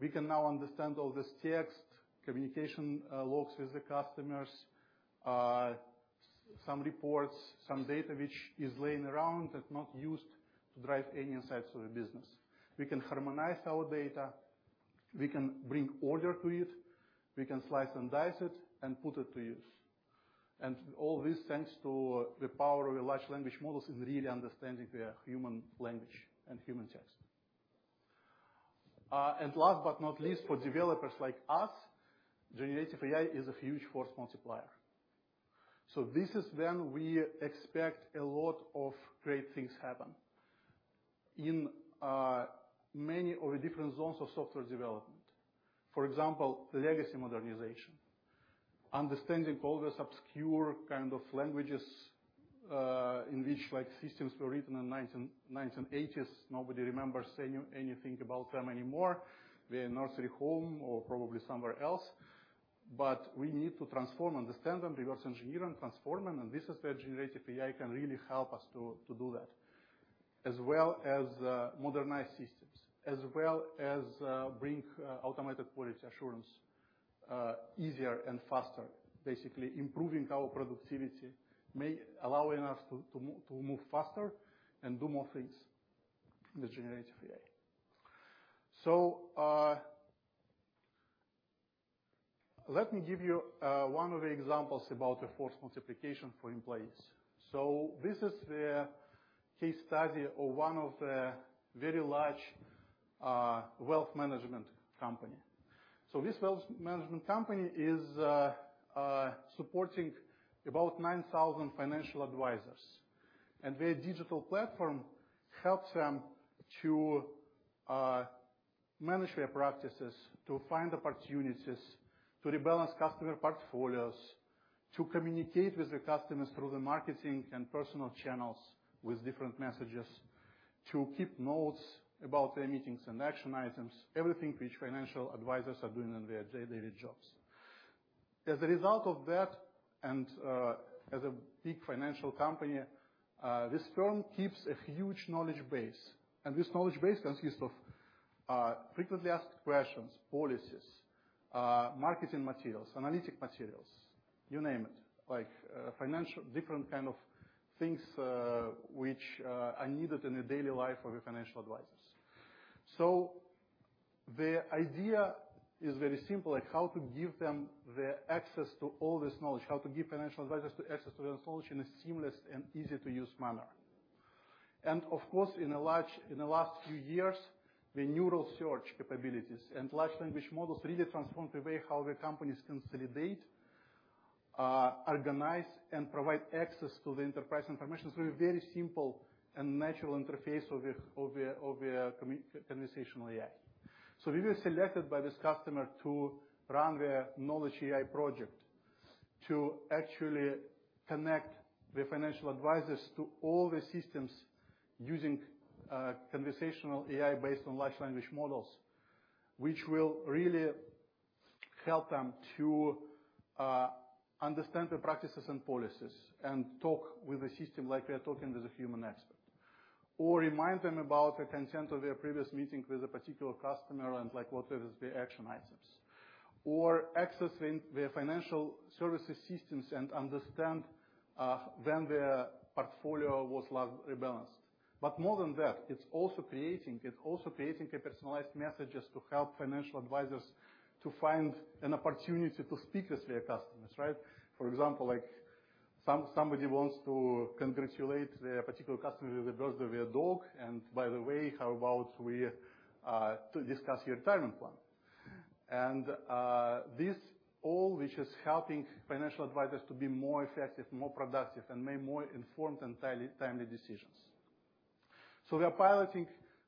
We can now understand all this text, communication, logs with the customers, some reports, some data which is laying around and not used to drive any insights for the business. We can harmonize our data, we can bring order to it, we can slice and dice it, and put it to use. And all this, thanks to the power of the large language models in really understanding the human language and human text. And last but not least, for developers like us, generative AI is a huge force multiplier. So this is when we expect a lot of great things happen in many of the different zones of software development. For example, the legacy modernization. Understanding all these obscure kind of languages, in which like systems were written in 1980s, nobody remembers anything about them anymore. They're in a nursing home or probably somewhere else, but we need to transform, understand them, reverse engineer them, transform them, and this is where generative AI can really help us to do that, as well as modernize systems, as well as bring automated quality assurance easier and faster. Basically, improving our productivity, maybe allowing us to move faster and do more things with generative AI. So, let me give you one of the examples about the force multiplication for employees. So this is the case study of one of the very large wealth management company. So this wealth management company is supporting about 9,000 financial advisors, and their digital platform helps them to manage their practices, to find opportunities, to rebalance customer portfolios, to communicate with the customers through the marketing and personal channels with different messages, to keep notes about their meetings and action items, everything which financial advisors are doing in their daily jobs. As a result of that, and, as a big financial company, this firm keeps a huge knowledge base, and this knowledge base consists of frequently asked questions, policies, marketing materials, analytic materials, you name it. Like, financial, different kind of things, which are needed in the daily life of the financial advisors. So the idea is very simple, like how to give them the access to all this knowledge, how to give financial advisors the access to the solution in a seamless and easy-to-use manner. And of course, in the last few years, the neural search capabilities and large language models really transformed the way how the companies consolidate, organize, and provide access to the enterprise information through a very simple and natural interface of the conversational AI. So we were selected by this customer to run their knowledge AI project, to actually connect the financial advisors to all the systems using conversational AI based on large language models, which will really help them to understand the practices and policies and talk with the system like we are talking with a human expert. Or remind them about the consent of their previous meeting with a particular customer, and, like, what is the action items. Or accessing their financial services systems and understand when their portfolio was last rebalanced. But more than that, it's also creating, it's also creating a personalized messages to help financial advisors to find an opportunity to speak with their customers, right? For example, like somebody wants to congratulate their particular customer with the birthday of their dog, and by the way, how about we to discuss your retirement plan? And this all which is helping financial advisors to be more effective, more productive, and make more informed and timely, timely decisions. So we are piloting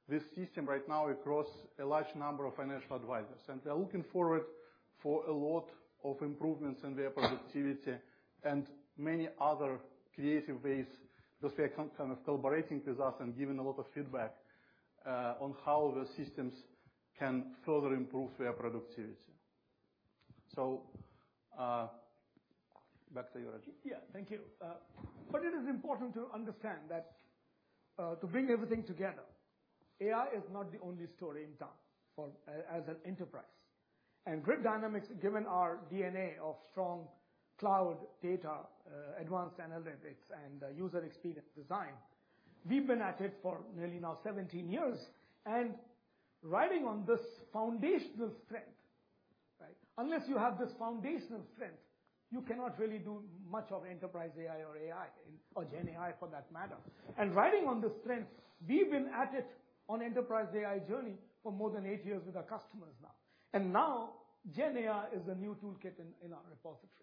this system right now across a large number of financial advisors, and they are looking forward for a lot of improvements in their productivity and many other creative ways, because they are kind of collaborating with us and giving a lot of feedback on how the systems can further improve their productivity. So, back to you, Rajeev. Yeah, thank you. But it is important to understand that, to bring everything together, AI is not the only story in town for as an enterprise. And Grid Dynamics, given our DNA of strong cloud data, advanced analytics, and user experience design, we've been at it for nearly now 17 years, and riding on this foundational strength, right? Unless you have this foundational strength, you cannot really do much of enterprise AI or AI, or GenAI, for that matter. And riding on this strength, we've been at it on enterprise AI journey for more than 8 years with our customers now. And now, GenAI is a new toolkit in our repository.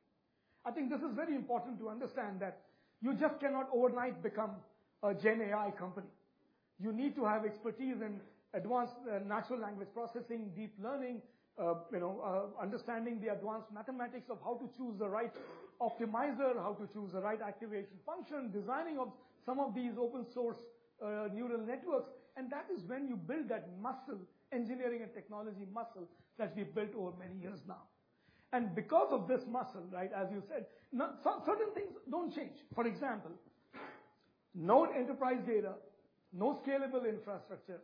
I think this is very important to understand that you just cannot overnight become a GenAI company. You need to have expertise in advanced, natural language processing, deep learning, you know, understanding the advanced mathematics of how to choose the right optimizer, how to choose the right activation function, designing of some of these open source, neural networks. And that is when you build that muscle, engineering and technology muscle, that we've built over many years now. And because of this muscle, right, as you said, not some certain things don't change. For example, no enterprise data, no scalable infrastructure,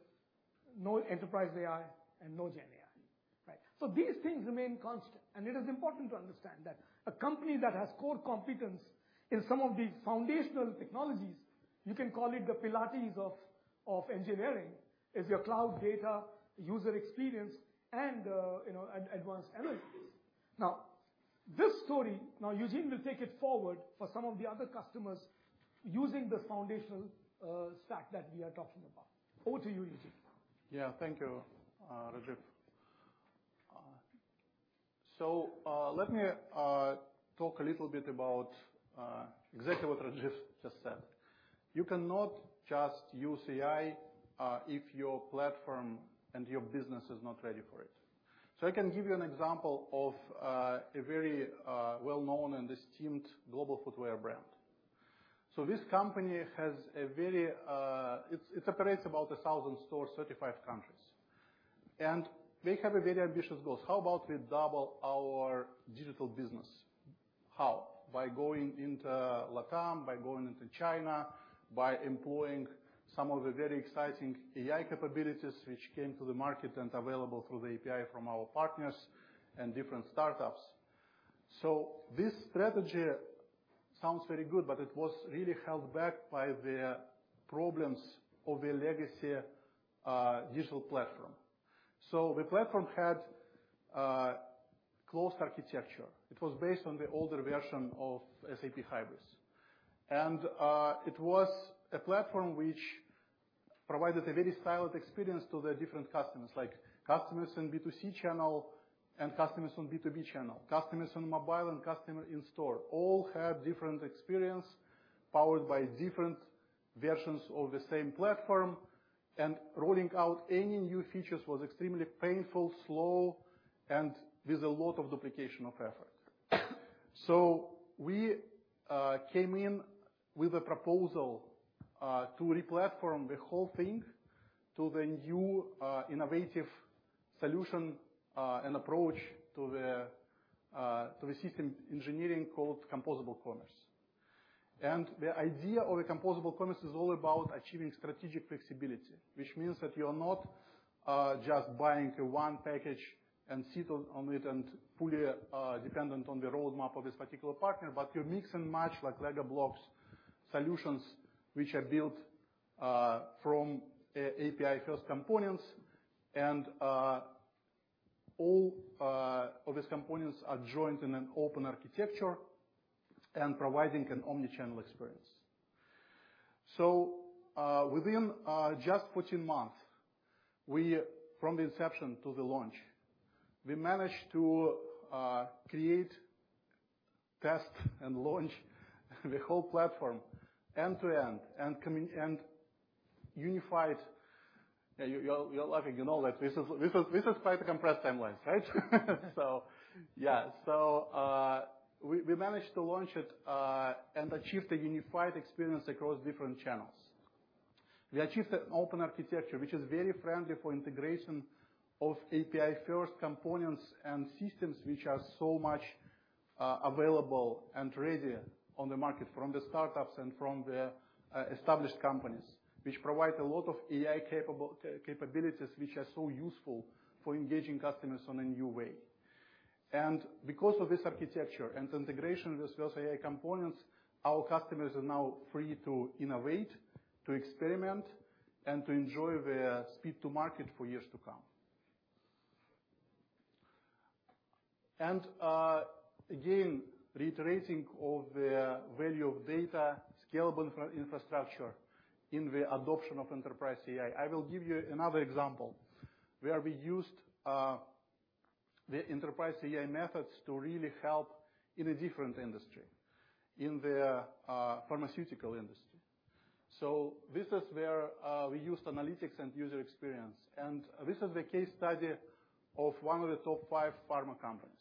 no enterprise AI, and no GenAI, right? So these things remain constant, and it is important to understand that a company that has core competence in some of these foundational technologies, you can call it the Pilates of engineering, is your cloud data, user experience, and, you know, advanced analytics. Now, this story, now Eugene will take it forward for some of the other customers using this foundational stack that we are talking about. Over to you, Eugene. Yeah, thank you, Rajeev. So, let me talk a little bit about exactly what Rajeev just said. You cannot just use AI, if your platform and your business is not ready for it. So I can give you an example of a very well-known and esteemed global footwear brand. So this company has a very It, it operates about 1,000 stores, 35 countries. And they have a very ambitious goals: "How about we double our digital business?" How? By going into LATAM, by going into China, by employing some of the very exciting AI capabilities, which came to the market and available through the API from our partners and different startups. So this strategy sounds very good, but it was really held back by the problems of a legacy digital platform. So the platform had closed architecture. It was based on the older version of SAP Hybris. It was a platform which provided a very siloed experience to the different customers, like customers in B2C channel and customers on B2B channel, customers on mobile and customer in store, all have different experience, powered by different versions of the same platform. Rolling out any new features was extremely painful, slow, and with a lot of duplication of effort. We came in with a proposal to replatform the whole thing to the new innovative solution and approach to the system engineering called composable commerce. The idea of a composable commerce is all about achieving strategic flexibility, which means that you are not just buying one package and sit on it and fully dependent on the roadmap of this particular partner, but you mix and match, like Lego blocks, solutions which are built from API-first components. All of these components are joined in an open architecture and providing an omnichannel experience. So, within just 14 months, from the inception to the launch, we managed to create, test, and launch the whole platform end to end and unified. Yeah, you're laughing, you know that this is quite a compressed timeline, right? So yeah. So, we managed to launch it and achieve the unified experience across different channels. We achieved an open architecture, which is very friendly for integration of API-first components and systems, which are so much available and ready on the market, from the startups and from the established companies, which provide a lot of AI capabilities, which are so useful for engaging customers on a new way. And again, reiterating the value of data, scalable infrastructure in the adoption of enterprise AI, I will give you another example, where we used the enterprise AI methods to really help in a different industry, in the pharmaceutical industry. So this is where we used analytics and user experience, and this is the case study of one of the top five pharma companies.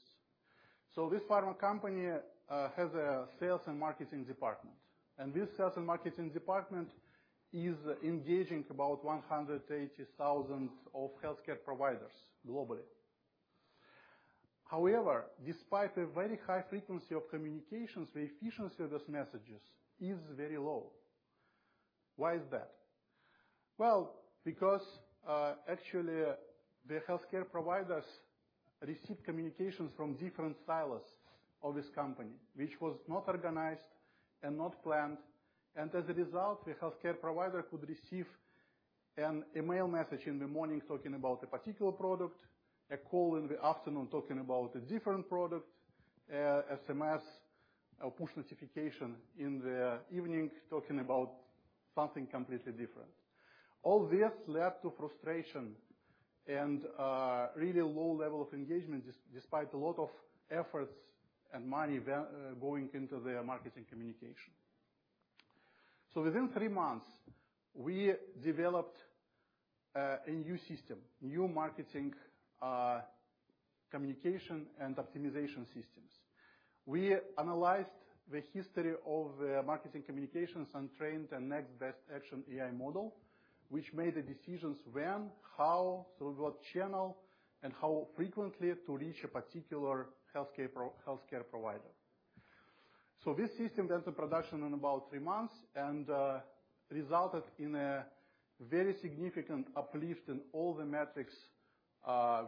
So this pharma company has a sales and marketing department, and this sales and marketing department is engaging about 180,000 of healthcare providers globally. However, despite a very high frequency of communications, the efficiency of those messages is very low. Why is that? Well, because, actually, the healthcare providers receive communications from different silos of this company, which was not organized and not planned. And as a result, the healthcare provider could receive a mail message in the morning talking about a particular product, a call in the afternoon talking about a different product, a SMS or push notification in the evening talking about something completely different. All this led to frustration and really low level of engagement, despite a lot of efforts and money going into their marketing communication. So within three months, we developed a new system, new marketing communication and optimization systems. We analyzed the history of the marketing communications and trained the next best action AI model, which made the decisions when, how, through what channel, and how frequently to reach a particular healthcare provider. So this system went to production in about three months and resulted in a very significant uplift in all the metrics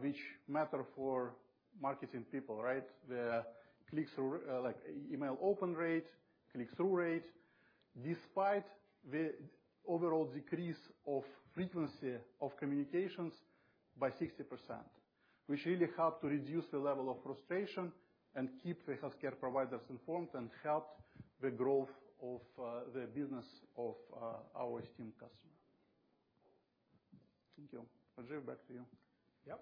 which matter for marketing people, right? The clicks, like email open rate, click-through rate, despite the overall decrease of frequency of communications by 60%, which really helped to reduce the level of frustration and keep the healthcare providers informed, and helped the growth of, the business of, our esteemed customer. Thank you. Rajeev, back to you. Yep.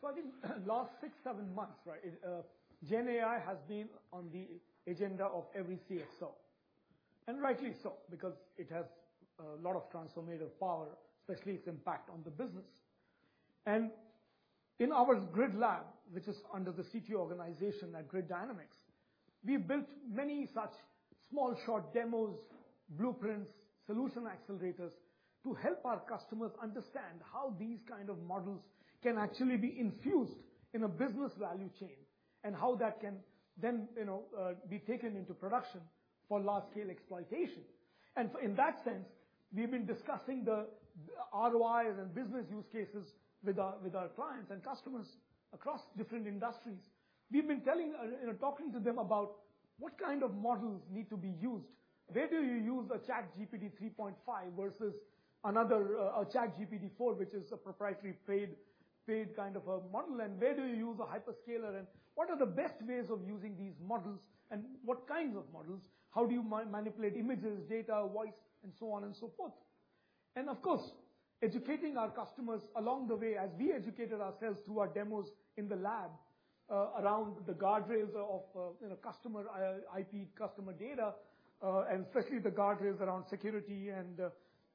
So I think last six to seven months, right, GenAI has been on the agenda of every CSO, and rightly so, because it has a lot of transformative power, especially its impact on the business. In our Grid Lab, which is under the CT organization at Grid Dynamics, we built many such small, short demos, blueprints, solution accelerators to help our customers understand how these kind of models can actually be infused in a business value chain, and how that can then, you know, be taken into production for large-scale exploitation. So in that sense, we've been discussing the ROIs and business use cases with our, with our clients and customers across different industries. We've been telling, you know, talking to them about what kind of models need to be used. Where do you use a ChatGPT 3.5 versus another, a ChatGPT 4, which is a proprietary paid, paid kind of a model, and where do you use a hyperscaler? And what are the best ways of using these models, and what kinds of models? How do you manipulate images, data, voice, and so on and so forth? And of course, educating our customers along the way as we educated ourselves through our demos in the lab, around the guardrails of, you know, customer IP customer data, and especially the guardrails around security and,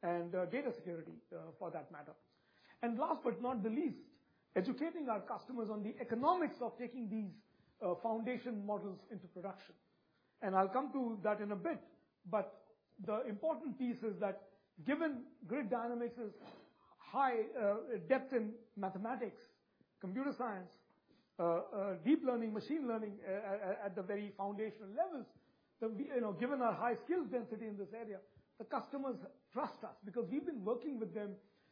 and, data security, for that matter. And last but not the least, educating our customers on the economics of taking these foundation models into production. And I'll come to that in a bit, but the important piece is that given Grid Dynamics' high depth in mathematics, computer science, deep learning, machine learning, at the very foundational levels, that we. You know, given our high skill density in this area, the customers trust us because we've been working with them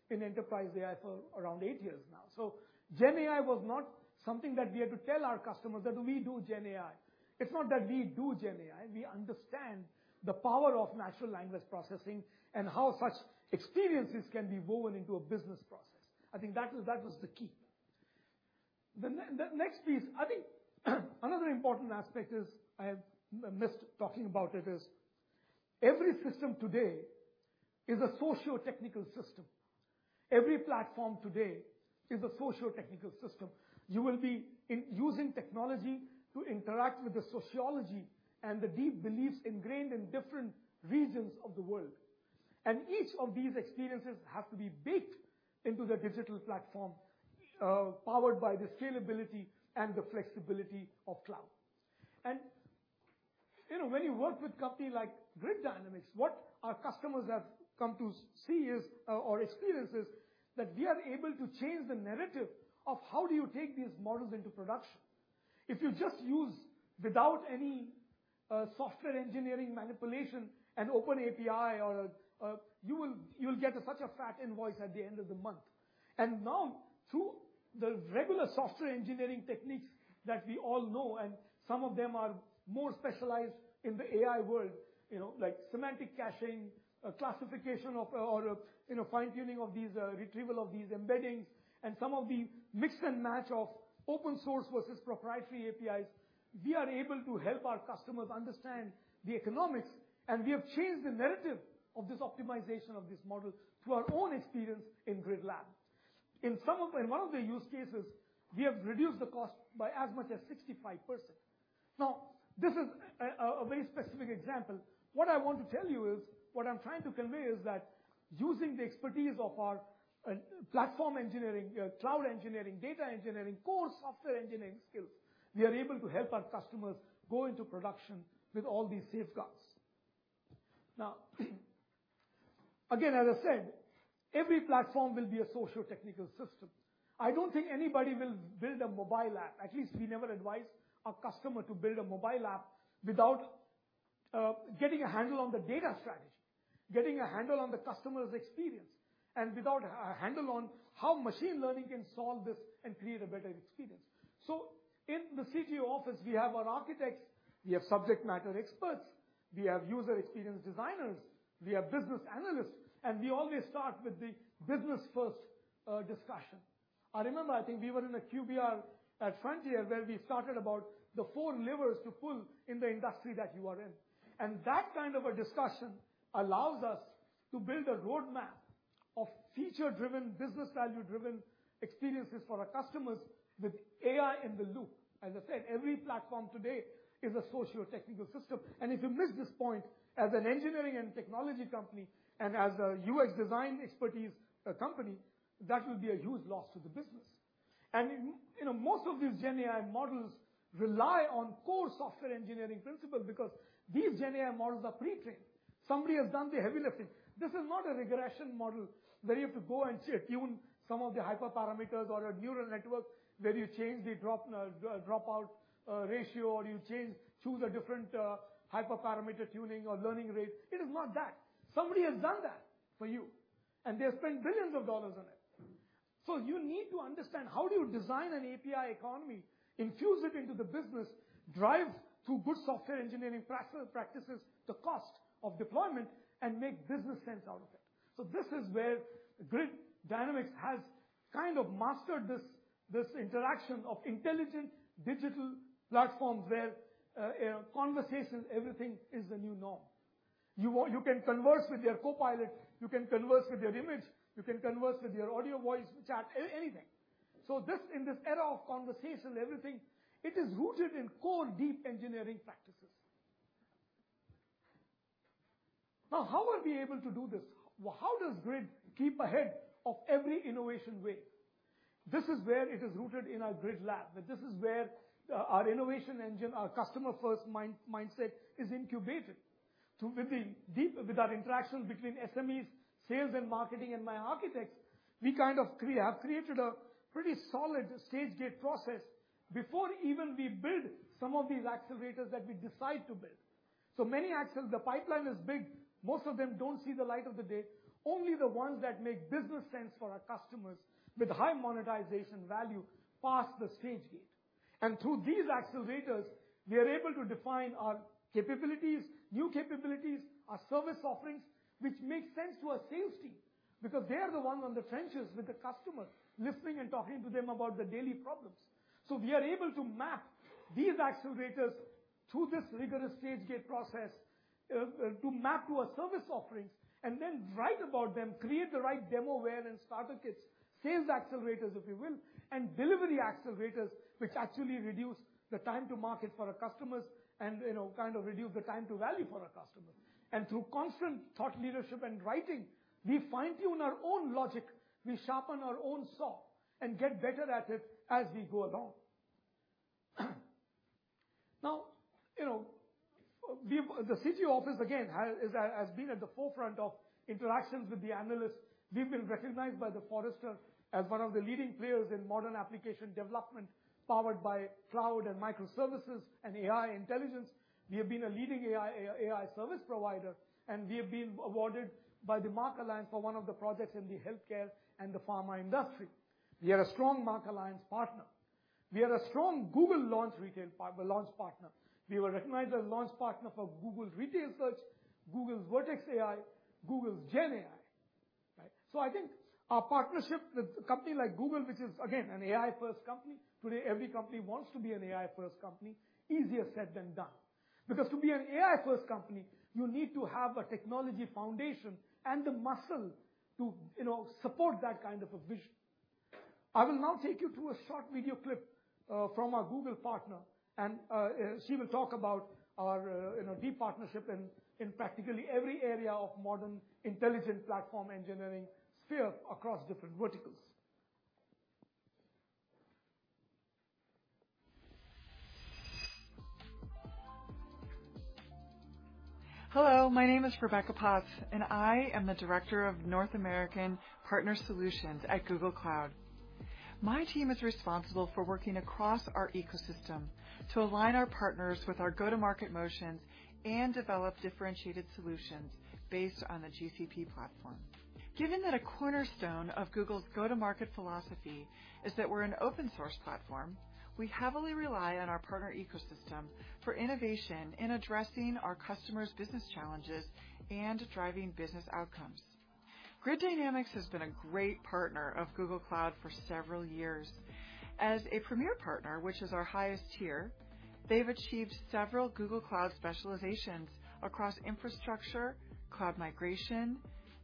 in Enterprise AI for around eight years now. So GenAI was not something that we had to tell our customers that we do GenAI. It's not that we do GenAI, we understand the power of natural language processing and how such experiences can be woven into a business process. I think that was, that was the key. The next piece. I think another important aspect is, I have missed talking about it, is every system today is a sociotechnical system. Every platform today is a sociotechnical system. You will be using technology to interact with the sociology and the deep beliefs ingrained in different regions of the world. Each of these experiences have to be baked into the digital platform, powered by the scalability and the flexibility of cloud. You know, when you work with company like Grid Dynamics, what our customers have come to see is, or experience, is that we are able to change the narrative of how do you take these models into production. If you just use, without any, software engineering manipulation, OpenAI, you will get such a fat invoice at the end of the month. Now, through the regular software engineering techniques that we all know, and some of them are more specialized in the AI world, you know, like semantic caching, classification of, or, you know, fine-tuning of these, retrieval of these embeddings, and some of the mix and match of open source versus proprietary APIs, we are able to help our customers understand the economics, and we have changed the narrative of this optimization of this model through our own experience in Grid Lab. In one of the use cases, we have reduced the cost by as much as 65%. Now, this is a, a, a very specific example. What I want to tell you is, what I'm trying to convey is that using the expertise of our platform engineering, cloud engineering, data engineering, core software engineering skills, we are able to help our customers go into production with all these safeguards. Now, again, as I said, every platform will be a sociotechnical system. I don't think anybody will build a mobile app. At least we never advise a customer to build a mobile app without getting a handle on the data strategy, getting a handle on the customer's experience, and without a handle on how machine learning can solve this and create a better experience. So in the CTO office, we have our architects, we have subject matter experts, we have user experience designers, we have business analysts, and we always start with the business-first discussion. I remember, I think we were in a QBR at Frontier, where we started about the four levers to pull in the industry that you are in. That kind of a discussion allows us to build a roadmap of feature-driven, business value-driven experiences for our customers with AI in the loop. As I said, every platform today is a sociotechnical system, and if you miss this point as an engineering and technology company and as a UX design expertise company, that will be a huge loss to the business. And you know, most of these GenAI models rely on core software engineering principles because these GenAI models are pre-trained. Somebody has done the heavy lifting. This is not a regression model, where you have to go and tune some of the hyperparameters or a neural network, where you change the dropout ratio, or you change or choose a different hyperparameter tuning or learning rate. It is not that. Somebody has done that for you, and they have spent $ billions on it. So you need to understand how do you design an API economy, infuse it into the business, drive through good software engineering practices, the cost of deployment, and make business sense out of it? So this is where Grid Dynamics has kind of mastered this, this interaction of intelligent digital platforms, where conversation, everything is the new norm. You can converse with your copilot, you can converse with your image, you can converse with your audio, voice, chat, anything. So this, in this era of conversation, everything, it is rooted in core deep engineering practices. Now, how are we able to do this? Well, how does Grid keep ahead of every innovation wave? This is where it is rooted in our Grid Lab. This is where our innovation engine, our customer-first mindset is incubated. With our interaction between SMEs, sales and marketing, and my architects, we kind of have created a pretty solid stage gate process before even we build some of these accelerators that we decide to build. So many accelerators. The pipeline is big. Most of them don't see the light of the day. Only the ones that make business sense for our customers with high monetization value pass the stage gate. Through these accelerators, we are able to define our capabilities, new capabilities, our service offerings, which make sense to our sales team, because they are the ones on the trenches with the customer, listening and talking to them about their daily problems. So we are able to map these accelerators through this rigorous stage gate process to map to our service offerings, and then write about them, create the right demoware and starter kits, sales accelerators, if you will, and delivery accelerators, which actually reduce the time to market for our customers and, you know, kind of reduce the time to value for our customers. And through constant thought, leadership, and writing, we fine-tune our own logic, we sharpen our own saw, and get better at it as we go along. Now, you know, we've the CTO office, again, has been at the forefront of interactions with the analysts. We've been recognized by Forrester as one of the leading players in modern application development, powered by cloud and microservices and AI intelligence. We have been a leading AI service provider, and we have been awarded by the MACH Alliance for one of the projects in the healthcare and the pharma industry. We are a strong MACH Alliance partner. We are a strong Google Launch partner. We were recognized as a launch partner for Google Retail Search, Google's Vertex AI, Google's GenAI, right? So I think our partnership with a company like Google, which is again, an AI-first company. Today, every company wants to be an AI-first company. Easier said than done, because to be an AI-first company, you need to have a technology foundation and the muscle to, you know, support that kind of a vision. I will now take you to a short video clip from our Google partner, and she will talk about our, you know, deep partnership in practically every area of modern intelligent platform engineering sphere across different verticals. Hello, my name is Rebecca Potts, and I am the Director of North American Partner Solutions at Google Cloud. My team is responsible for working across our ecosystem to align our partners with our go-to-market motions and develop differentiated solutions based on the GCP platform. Given that a cornerstone of Google's go-to-market philosophy is that we're an open source platform, we heavily rely on our partner ecosystem for innovation in addressing our customers' business challenges and driving business outcomes. Grid Dynamics has been a great partner of Google Cloud for several years. As a premier partner, which is our highest tier, they've achieved several Google Cloud specializations across infrastructure, cloud migration,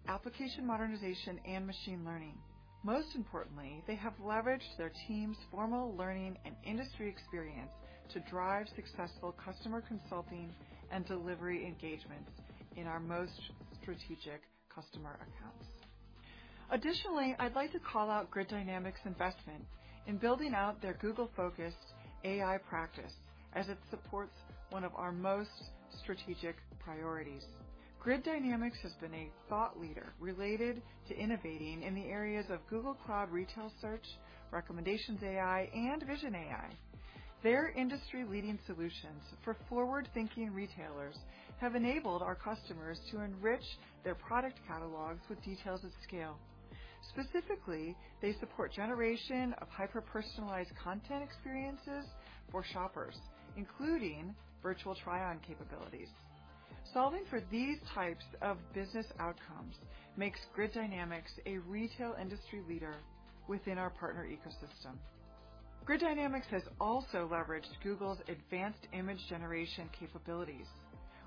application modernization, and machine learning. Most importantly, they have leveraged their team's formal learning and industry experience to drive successful customer consulting and delivery engagements in our most strategic customer accounts. Additionally, I'd like to call out Grid Dynamics' investment in building out their Google-focused AI practice, as it supports one of our most strategic priorities. Grid Dynamics has been a thought leader related to innovating in the areas of Google Cloud Retail Search, Recommendations AI, and Vision AI. Their industry-leading solutions for forward-thinking retailers have enabled our customers to enrich their product catalogs with details at scale. Specifically, they support generation of hyper-personalized content experiences for shoppers, including virtual try-on capabilities. Solving for these types of business outcomes makes Grid Dynamics a retail industry leader within our partner ecosystem. Grid Dynamics has also leveraged Google's advanced image generation capabilities,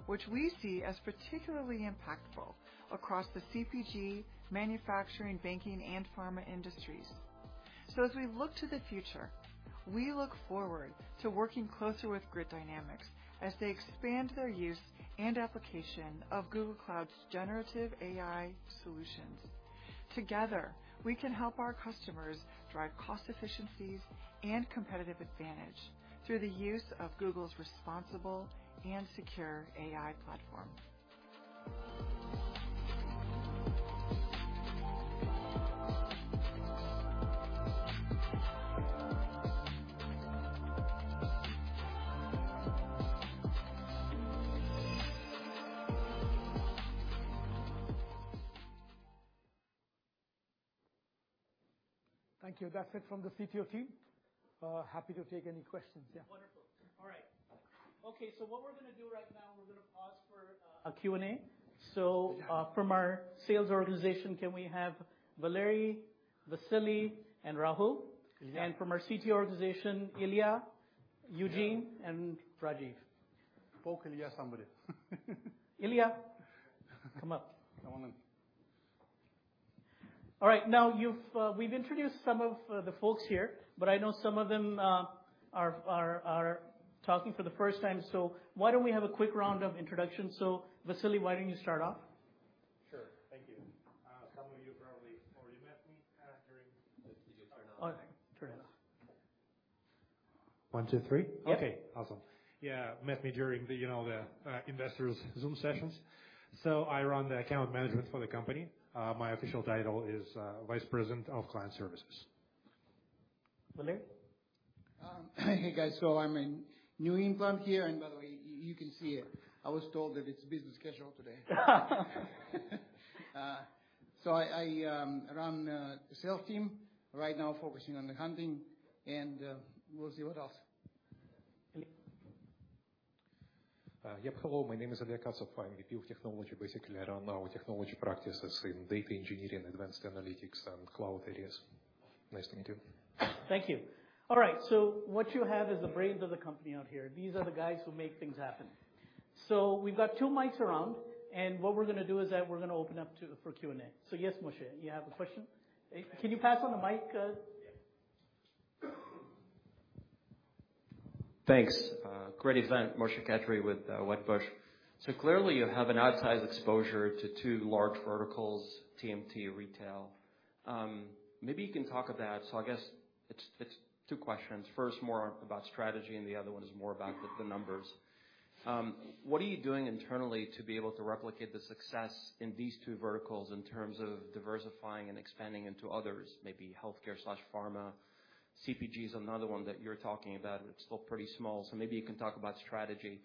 which we see as particularly impactful across the CPG, manufacturing, banking, and pharma industries. So as we look to the future, we look forward to working closer with Grid Dynamics as they expand their use and application of Google Cloud's generative AI solutions. Together, we can help our customers drive cost efficiencies and competitive advantage through the use of Google's responsible and secure AI platform. Thank you. That's it from the CTO team. Happy to take any questions. Yeah. Wonderful. All right. Okay, so what we're gonna do right now, we're gonna pause for a, a Q&A. So, from our sales organization, can we have Valeriy, Vasily, and Rahul? Yeah. From our CTO organization, Ilya, Eugene, and Rajeev. Poke Ilya, somebody. Ilya, come up. Come on in. All right, now you've. We've introduced some of the folks here, but I know some of them are talking for the first time, so why don't we have a quick round of introductions? So, Vasily, why don't you start off? Sure. Thank you. Some of you probably already met me during the- Turn on. Turn on. One two three. Yep. Okay, awesome. Yeah, met me during the, you know, the investors' Zoom sessions. I run the account management for the company. My official title is Vice President of Client Services. Valeriy? Hey, guys. So I'm a new implant here. And by the way, you can see it. I was told that it's business casual today. So I run the sales team right now, focusing on the hunting and we'll see what else. Ilya? Hello, my name is Ilya Katsov. I'm the VP of Technology. Basically, I run our technology practices in data engineering, advanced analytics, and cloud areas. Nice to meet you. Thank you. All right, so what you have is the brains of the company out here. These are the guys who make things happen. So we've got two mics around, and what we're gonna do is that we're gonna open up to, for Q&A. So, yes, Moshe, you have a question? Can you pass on the mic? Yeah. Thanks. Great event. Moshe Katri with Wedbush. So clearly, you have an outsized exposure to two large verticals, TMT and retail. Maybe you can talk about so I guess it's two questions. First, more about strategy, and the other one is more about the numbers. What are you doing internally to be able to replicate the success in these two verticals in terms of diversifying and expanding into others, maybe healthcare/pharma? CPG is another one that you're talking about, but it's still pretty small, so maybe you can talk about strategy.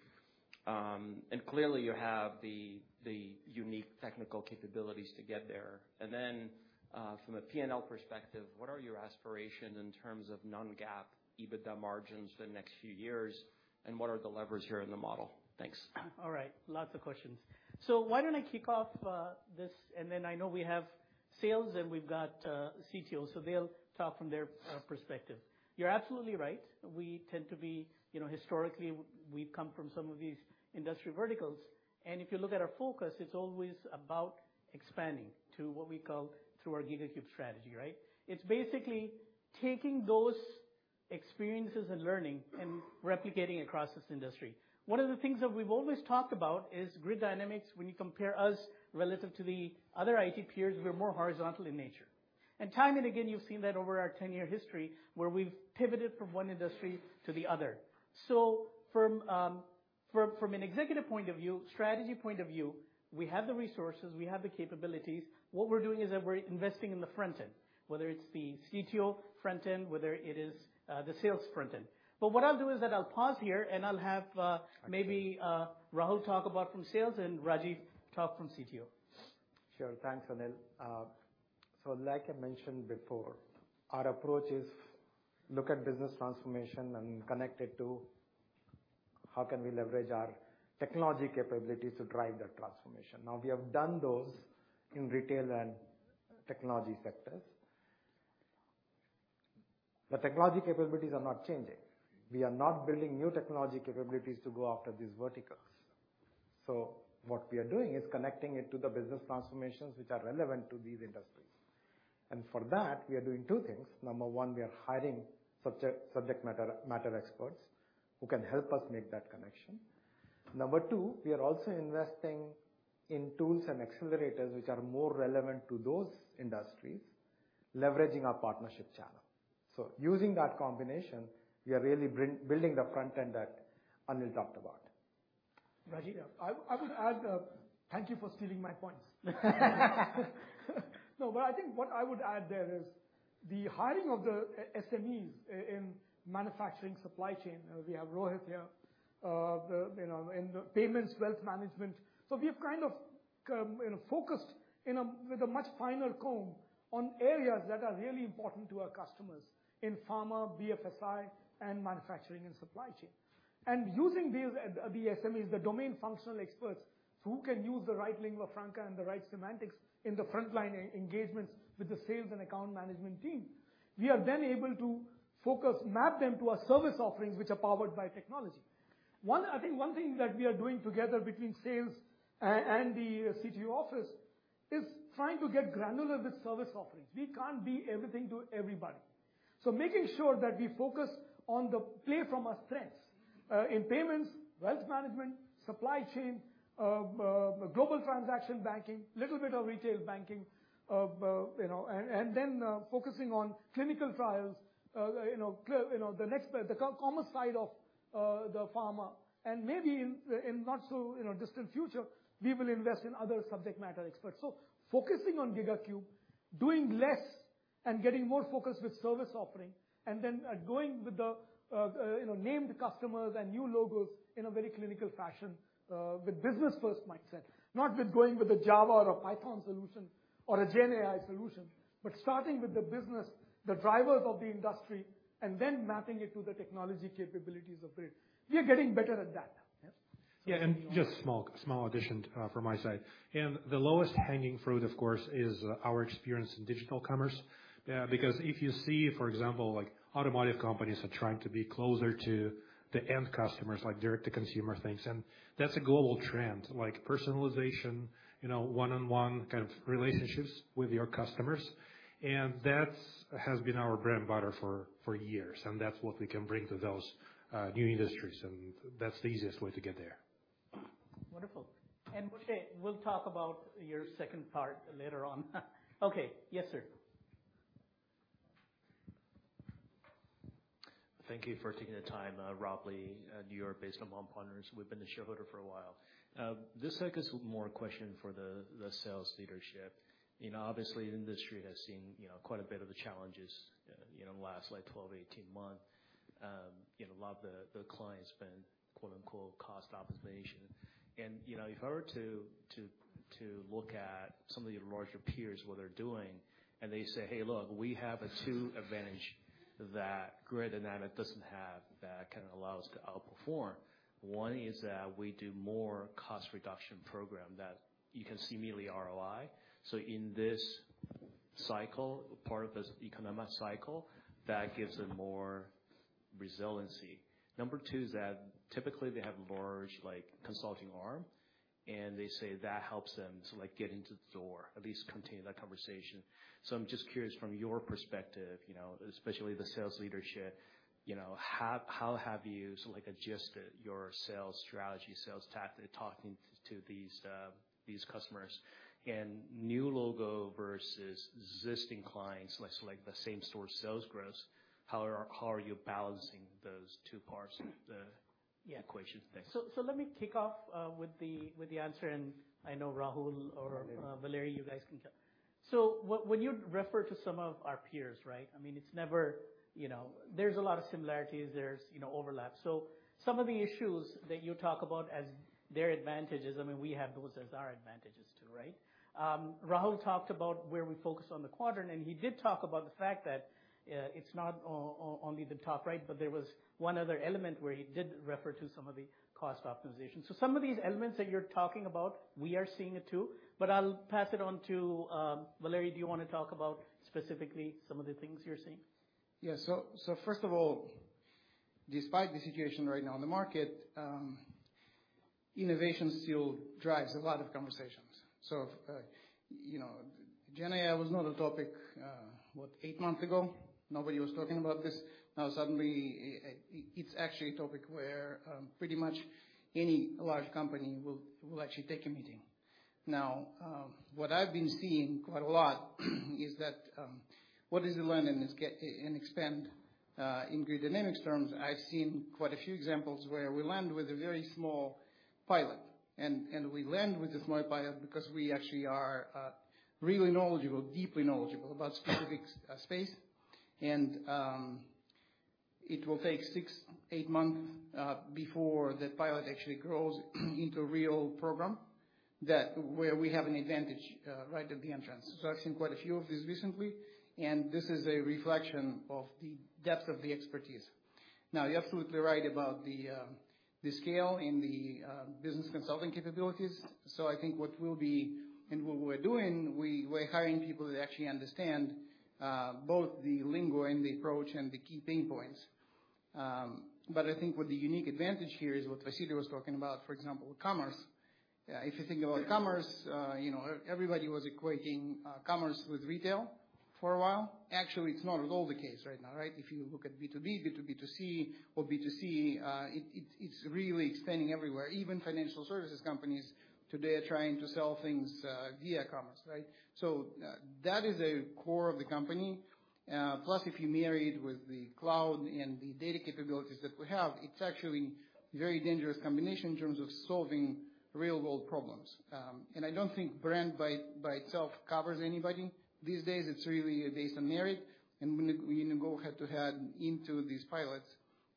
And clearly, you have the unique technical capabilities to get there. And then, from a P&L perspective, what are your aspirations in terms of non-GAAP EBITDA margins for the next few years, and what are the levers here in the model? Thanks. All right. Lots of questions. So why don't I kick off this, and then I know we have sales, and we've got CTO, so they'll talk from their perspective. You're absolutely right. We tend to be. You know, historically, we've come from some of these industry verticals, and if you look at our focus, it's always about expanding to what we call through our GigaCube strategy, right? It's basically taking those experiences and learning and replicating across this industry. One of the things that we've always talked about is Grid Dynamics, when you compare us relative to the other IT peers, we're more horizontal in nature. And time and again, you've seen that over our ten-year history, where we've pivoted from one industry to the other. So from an executive point of view, strategy point of view, we have the resources, we have the capabilities. What we're doing is that we're investing in the front end, whether it's the CTO front end, whether it is the sales front end. But what I'll do is that I'll pause here, and I'll have maybe Rahul talk about from sales and Rajeev talk from CTO. Sure. Thanks, Anil. So like I mentioned before, our approach is look at business transformation and connect it to how can we leverage our technology capabilities to drive that transformation. Now, we have done those in retail and technology sectors. The technology capabilities are not changing. We are not building new technology capabilities to go after these verticals. So what we are doing is connecting it to the business transformations which are relevant to these industries. And for that, we are doing two things. Number one, we are hiring subject matter experts who can help us make that connection. Number two, we are also investing in tools and accelerators which are more relevant to those industries, leveraging our partnership channel. So using that combination, we are really building the front end that Anil talked about. Rajeev, I would add, thank you for stealing my points. No, but I think what I would add there is the hiring of the SMEs in manufacturing supply chain. We have Rohit here, you know, in the payments, wealth management. So we've kind of, you know, focused with a much finer comb on areas that are really important to our customers in pharma, BFSI, and manufacturing and supply chain. And using these, the SMEs, the domain functional experts, who can use the right lingua franca and the right semantics in the frontline engagements with the sales and account management team, we are then able to focus, map them to our service offerings, which are powered by technology. I think one thing that we are doing together between sales and the CTO office is trying to get granular with service offerings. We can't be everything to everybody, so making sure that we focus on the play from our strengths in payments, wealth management, supply chain, global transaction banking, little bit of retail banking, you know, and then focusing on clinical trials, you know, the next, the commerce side of the pharma. And maybe in not so, you know, distant future, we will invest in other subject matter experts. So focusing on GigaCube, doing less and getting more focused with service offering, and then going with the you know, named customers and new logos in a very clinical fashion with business first mindset. Not with going with a Java or a Python solution or a GenAI solution, but starting with the business, the drivers of the industry, and then mapping it to the technology capabilities of Grid. We are getting better at that. Yes? Yeah, and just small, small addition from my side. The lowest hanging fruit, of course, is our experience in digital commerce. Because if you see, for example, like, automotive companies are trying to be closer to the end customers, like direct to consumer things, and that's a global trend, like personalization, you know, one-on-one kind of relationships with your customers. And that's has been our bread and butter for, for years, and that's what we can bring to those new industries, and that's the easiest way to get there. Wonderful. Moshe, we'll talk about your second part later on. Okay. Yes, sir. Thank you for taking the time. Rob Lee, New York-based Lomon Partners. We've been a shareholder for a while. This second is more a question for the sales leadership. You know, obviously, the industry has seen, you know, quite a bit of the challenges, you know, in the last, like, 12, 18 months. You know, a lot of the clients been, quote, unquote, "cost optimization." And, you know, if I were to look at some of your larger peers, what they're doing, and they say: Hey, look, we have a two advantage that Grid Dynamics doesn't have, that kind of allow us to outperform. One is that we do more cost reduction program that you can see immediately ROI. So in this cycle, part of this economic cycle, that gives them more resiliency. Number two is that typically they have a large, like, consulting arm, and they say that helps them to, like, get into the door, at least continue that conversation. So I'm just curious from your perspective, you know, especially the sales leadership, you know, how, how have you sort of like, adjusted your sales strategy, sales tactic, talking to, to these, these customers? And new logo versus existing clients, let's select the same store sales growth, how are, how are you balancing those two parts of the Yeah. Equation? Thanks. So let me kick off with the answer, and I know Rahul or Valery, you guys can kick. So when you refer to some of our peers, right? I mean, it's never, you know. There's a lot of similarities, there's, you know, overlap. So some of the issues that you talk about as their advantages, I mean, we have those as our advantages too, right? Rahul talked about where we focus on the quadrant, and he did talk about the fact that it's not only the top right, but there was one other element where he did refer to some of the cost optimization. So some of these elements that you're talking about, we are seeing it too, but I'll pass it on to Valery. Do you want to talk about specifically some of the things you're seeing? Yes. So first of all, despite the situation right now in the market, innovation still drives a lot of conversations. So, you know, GenAI was not a topic, what, 8 months ago? Nobody was talking about this. Now, suddenly, it's actually a topic where pretty much any large company will actually take a meeting. Now, what I've been seeing quite a lot is that what is the land and expand in Grid Dynamics terms. I've seen quite a few examples where we land with a very small pilot, and we land with a small pilot because we actually are really knowledgeable, deeply knowledgeable about specific space. And it will take 6-8 months before the pilot actually grows into a real program, that where we have an advantage right at the entrance. So I've seen quite a few of these recently, and this is a reflection of the depth of the expertise. Now, you're absolutely right about the scale and the business consulting capabilities. So I think what we'll be and what we're doing, we're hiring people that actually understand both the lingo and the approach and the key pain points. But I think what the unique advantage here is, what Vasily was talking about, for example, commerce. If you think about commerce, you know, everybody was equating commerce with retail. For a while. Actually, it's not at all the case right now, right? If you look at B2B, B2C, it's really expanding everywhere. Even financial services companies today are trying to sell things via commerce, right? So, that is a core of the company. Plus, if you marry it with the cloud and the data capabilities that we have, it's actually very dangerous combination in terms of solving real world problems. And I don't think brand by itself covers anybody. These days, it's really based on merit, and when we go head to head into these pilots,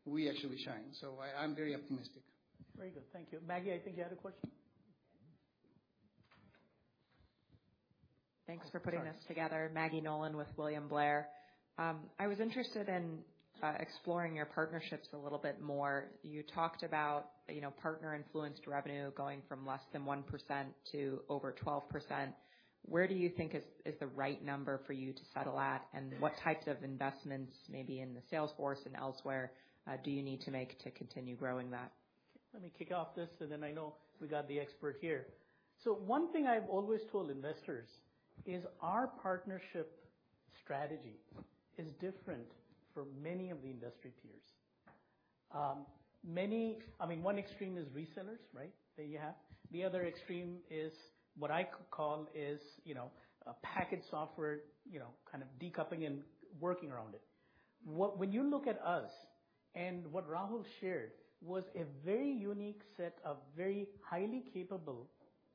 we actually shine. So I'm very optimistic. Very good. Thank you. Maggie, I think you had a question? Thanks for putting this together. Sorry. Maggie Nolan with William Blair. I was interested in exploring your partnerships a little bit more. You talked about, you know, partner-influenced revenue going from less than 1% to over 12%. Where do you think is the right number for you to settle at? And what types of investments, maybe in the sales force and elsewhere, do you need to make to continue growing that? Let me kick off this, and then I know we got the expert here. So one thing I've always told investors is our partnership strategy is different from many of the industry peers. Many I mean, one extreme is resellers, right? That you have. The other extreme is what I could call is, you know, a packaged software, you know, kind of decoupling and working around it. When you look at us, and what Rahul shared, was a very unique set of very highly capable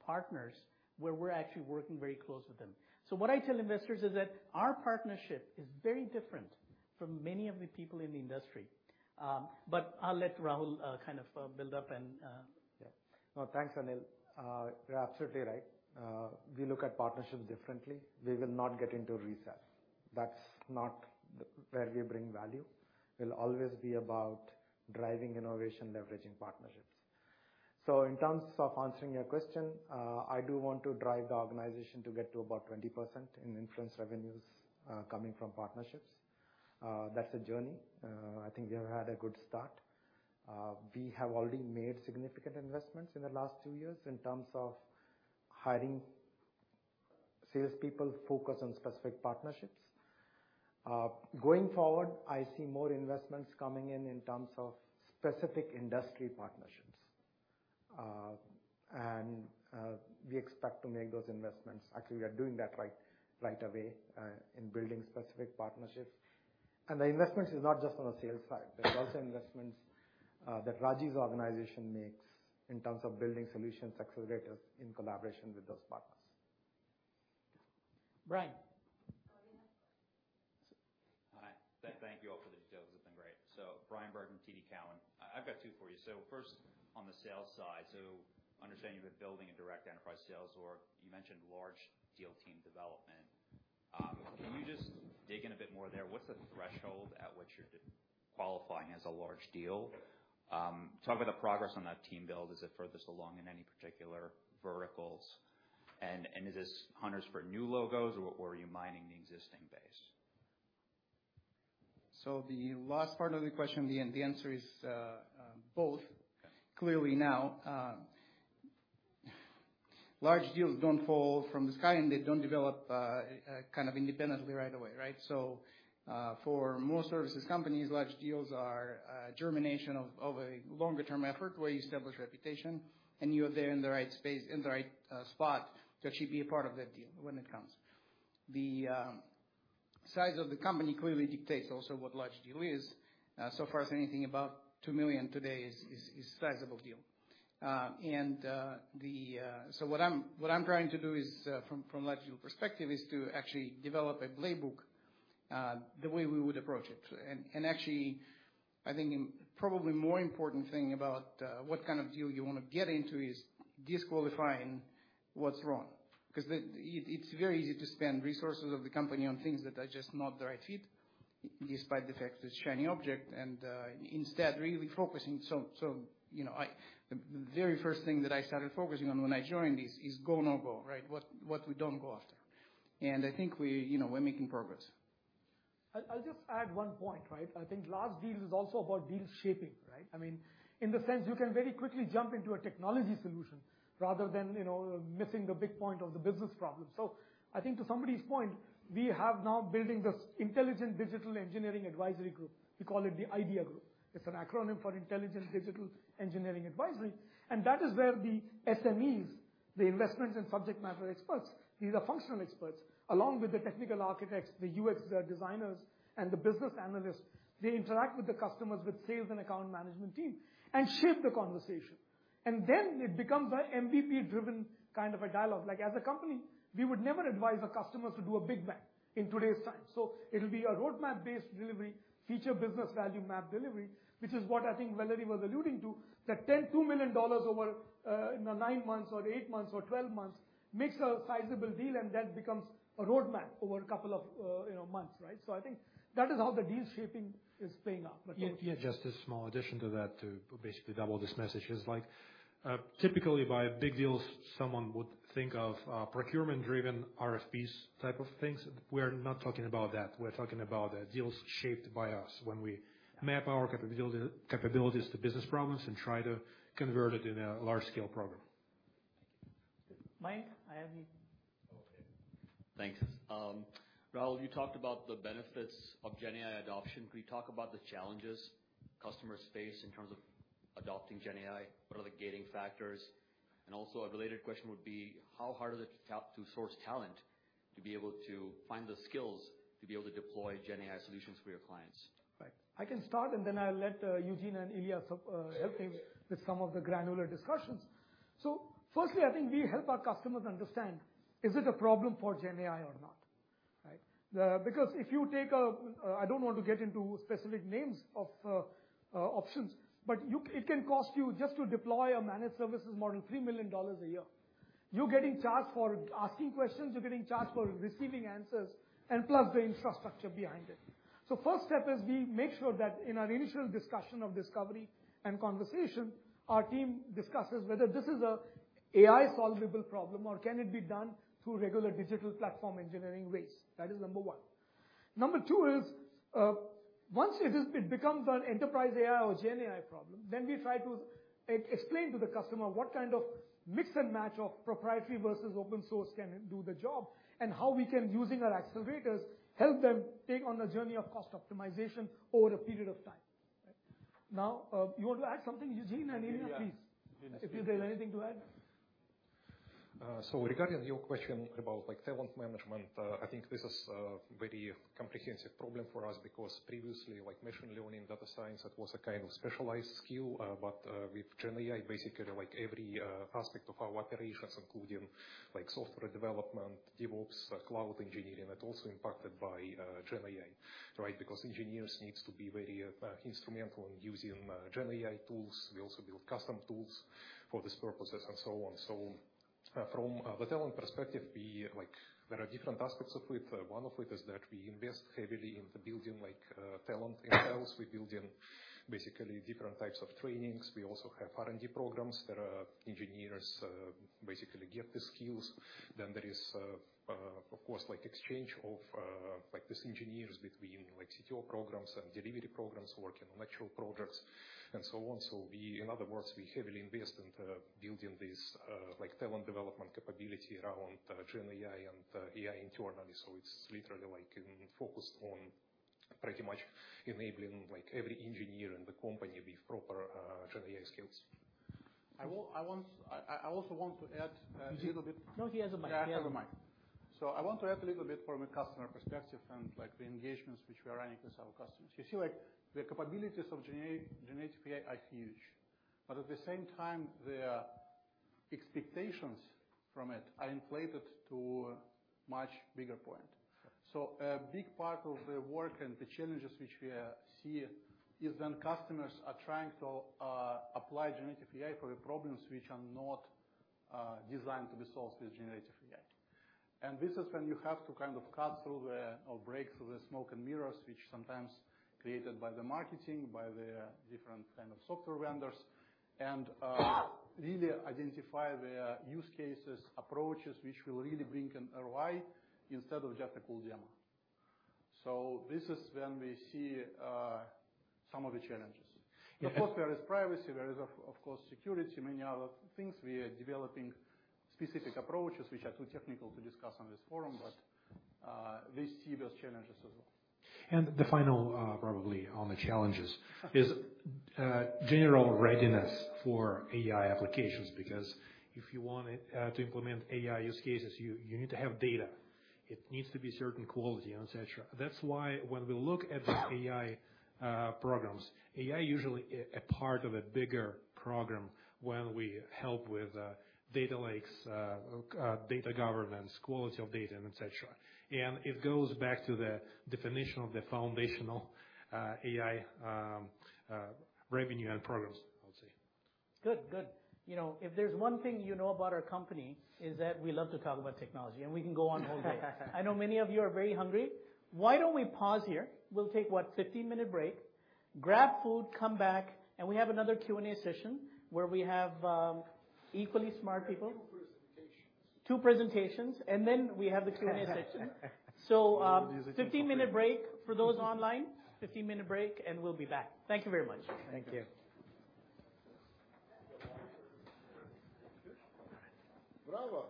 partners, where we're actually working very close with them. So what I tell investors is that our partnership is very different from many of the people in the industry. But I'll let Rahul kind of build up and- Yeah. No, thanks, Anil. You're absolutely right. We look at partnerships differently. We will not get into resale. That's not where we bring value. We'll always be about driving innovation, leveraging partnerships. So in terms of answering your question, I do want to drive the organization to get to about 20% in influence revenues coming from partnerships. That's a journey. I think we have had a good start. We have already made significant investments in the last two years in terms of hiring salespeople, focus on specific partnerships. Going forward, I see more investments coming in, in terms of specific industry partnerships. And we expect to make those investments. Actually, we are doing that right away in building specific partnerships. The investments are not just on the sales side, but also investments that Rajeev's organization makes in terms of building solutions, accelerators, in collaboration with those partners. Brian? Hi. Thank you all for the details. It's been great. So Brian Burton, TD Cowen. I, I've got two for you. So first, on the sales side, so understanding you've been building a direct enterprise sales org, you mentioned large deal team development. Can you just dig in a bit more there? What's the threshold at which you're qualifying as a large deal? Talk about the progress on that team build. Is it furthest along in any particular verticals? And is this hunters for new logos or are you mining the existing base? The last part of the question, the answer is both. Yeah. Clearly now, large deals don't fall from the sky, and they don't develop kind of independently right away, right? So, for most services companies, large deals are a germination of a longer term effort, where you establish reputation, and you are there in the right space, in the right spot to actually be a part of that deal when it comes. The size of the company clearly dictates also what large deal is. So far as anything, about $2 million today is a sizable deal. And so what I'm trying to do is, from a large deal perspective, is to actually develop a playbook, the way we would approach it. Actually, I think the probably more important thing about what kind of deal you want to get into is disqualifying what's wrong. 'Cause it's very easy to spend resources of the company on things that are just not the right fit, despite the fact it's a shiny object, and instead, really focusing. So, you know, the very first thing that I started focusing on when I joined is go, no go, right? What we don't go after. And I think we, you know, we're making progress. I'll, I'll just add one point, right? I think large deals is also about deal shaping, right? I mean, in the sense you can very quickly jump into a technology solution rather than, you know, missing the big point of the business problem. So I think to somebody's point, we have now building this intelligent digital engineering advisory group. We call it the IDEA group. It's an acronym for Intelligent Digital Engineering Advisory, and that is where the SMEs, the investments and subject matter experts, these are functional experts, along with the technical architects, the UX, designers and the business analysts. They interact with the customers, with sales and account management team, and shape the conversation. And then it becomes a MVP-driven kind of a dialogue. Like, as a company, we would never advise our customers to do a big bang in today's time. So it'll be a roadmap-based delivery, feature business value map delivery, which is what I think Valeriy was alluding to, that $10.2 million over nine months or eight months or 12 months, makes a sizable deal, and then becomes a roadmap over a couple of, you know, months, right? So I think that is how the deal shaping is playing out. Yeah, yeah, just a small addition to that, to basically double this message is like, typically, by big deals, someone would think of, procurement-driven RFPs type of things. We're not talking about that. We're talking about the deals shaped by us when we map our capabilities to business problems and try to convert it in a large scale program. Mike, I have you. Okay, thanks. Rahul, you talked about the benefits of GenAI adoption. Could you talk about the challenges customers face in terms of adopting GenAI? What are the gating factors? And also a related question would be: How hard is it to source talent, to be able to find the skills, to be able to deploy GenAI solutions for your clients? Right. I can start, and then I'll let Eugene and Ilya help me with some of the granular discussions. So firstly, I think we help our customers understand, is it a problem for GenAI or not, right? Because if you take a I don't want to get into specific names of options, but you it can cost you just to deploy a managed services more than $3 million a year. You're getting charged for asking questions, you're getting charged for receiving answers, and plus the infrastructure behind it. So first step is we make sure that in our initial discussion of discovery and conversation, our team discusses whether this is a AI solvable problem, or can it be done through regular digital platform engineering ways? That is number one. Number two is, once it becomes an enterprise AI or GenAI problem, then we try to explain to the customer what kind of mix and match of proprietary versus open source can do the job, and how we can, using our accelerators, help them take on a journey of cost optimization over a period of time. Now, you want to add something, Eugene and Ilya, please, if you have anything to add. So regarding your question about, like, talent management, I think this is a very comprehensive problem for us because previously, like machine learning, data science, it was a kind of specialized skill, but, with GenAI, basically, like, every, aspect of our operations, including like software development, DevOps, cloud engineering, are also impacted by, GenAI, right? Because engineers needs to be very, instrumental in using, GenAI tools. We also build custom tools for these purposes and so on. So, from, the talent perspective, we like. There are different aspects of it. One of it is that we invest heavily into building, like, talent in-house. We build in basically different types of trainings. We also have R&D programs that, engineers, basically get the skills. Then there is, of course, like exchange of, like, these engineers between, like, CTO programs and delivery programs, working on actual projects and so on. So, in other words, we heavily invest in building this, like, talent development capability around GenAI and AI internally. So it's literally, like, focused on pretty much enabling, like, every engineer in the company with proper GenAI skills. I also want to add a little bit No, he has a mic. Yeah, I have a mic. So I want to add a little bit from a customer perspective and, like, the engagements which we are running with our customers. You see, like, the capabilities of GenAI, generative AI are huge, but at the same time, the expectations from it are inflated to a much bigger point. So a big part of the work and the challenges which we see is when customers are trying to apply generative AI for the problems which are not designed to be solved with generative AI. And this is when you have to kind of cut through the, or break through the smoke and mirrors, which sometimes created by the marketing, by the different kind of software vendors, and really identify the use cases, approaches, which will really bring an ROI instead of just a cool demo. So this is when we see some of the challenges. Yeah. Of course, there is privacy, there is, of course, security, many other things. We are developing specific approaches which are too technical to discuss on this forum, but we see those challenges as well. And the final, probably on the challenges is, general readiness for AI applications. Because if you want to implement AI use cases, you need to have data. It needs to be certain quality, et cetera. That's why when we look at the AI programs, AI usually a part of a bigger program when we help with data lakes, data governance, quality of data, and et cetera. And it goes back to the definition of the foundational AI revenue and programs, I would say. Good. Good. You know, if there's one thing you know about our company, is that we love to talk about technology, and we can go on all day. I know many of you are very hungry. Why don't we pause here? We'll take, what, 15-minute break, grab food, come back, and we have another Q&A session where we have equally smart people. Two presentations. Two presentations, and then we have the Q&A session. 15-minute break. For those online, 15-minute break, and we'll be back. Thank you very much. Thank you. Bravo! Thank you. Bravo.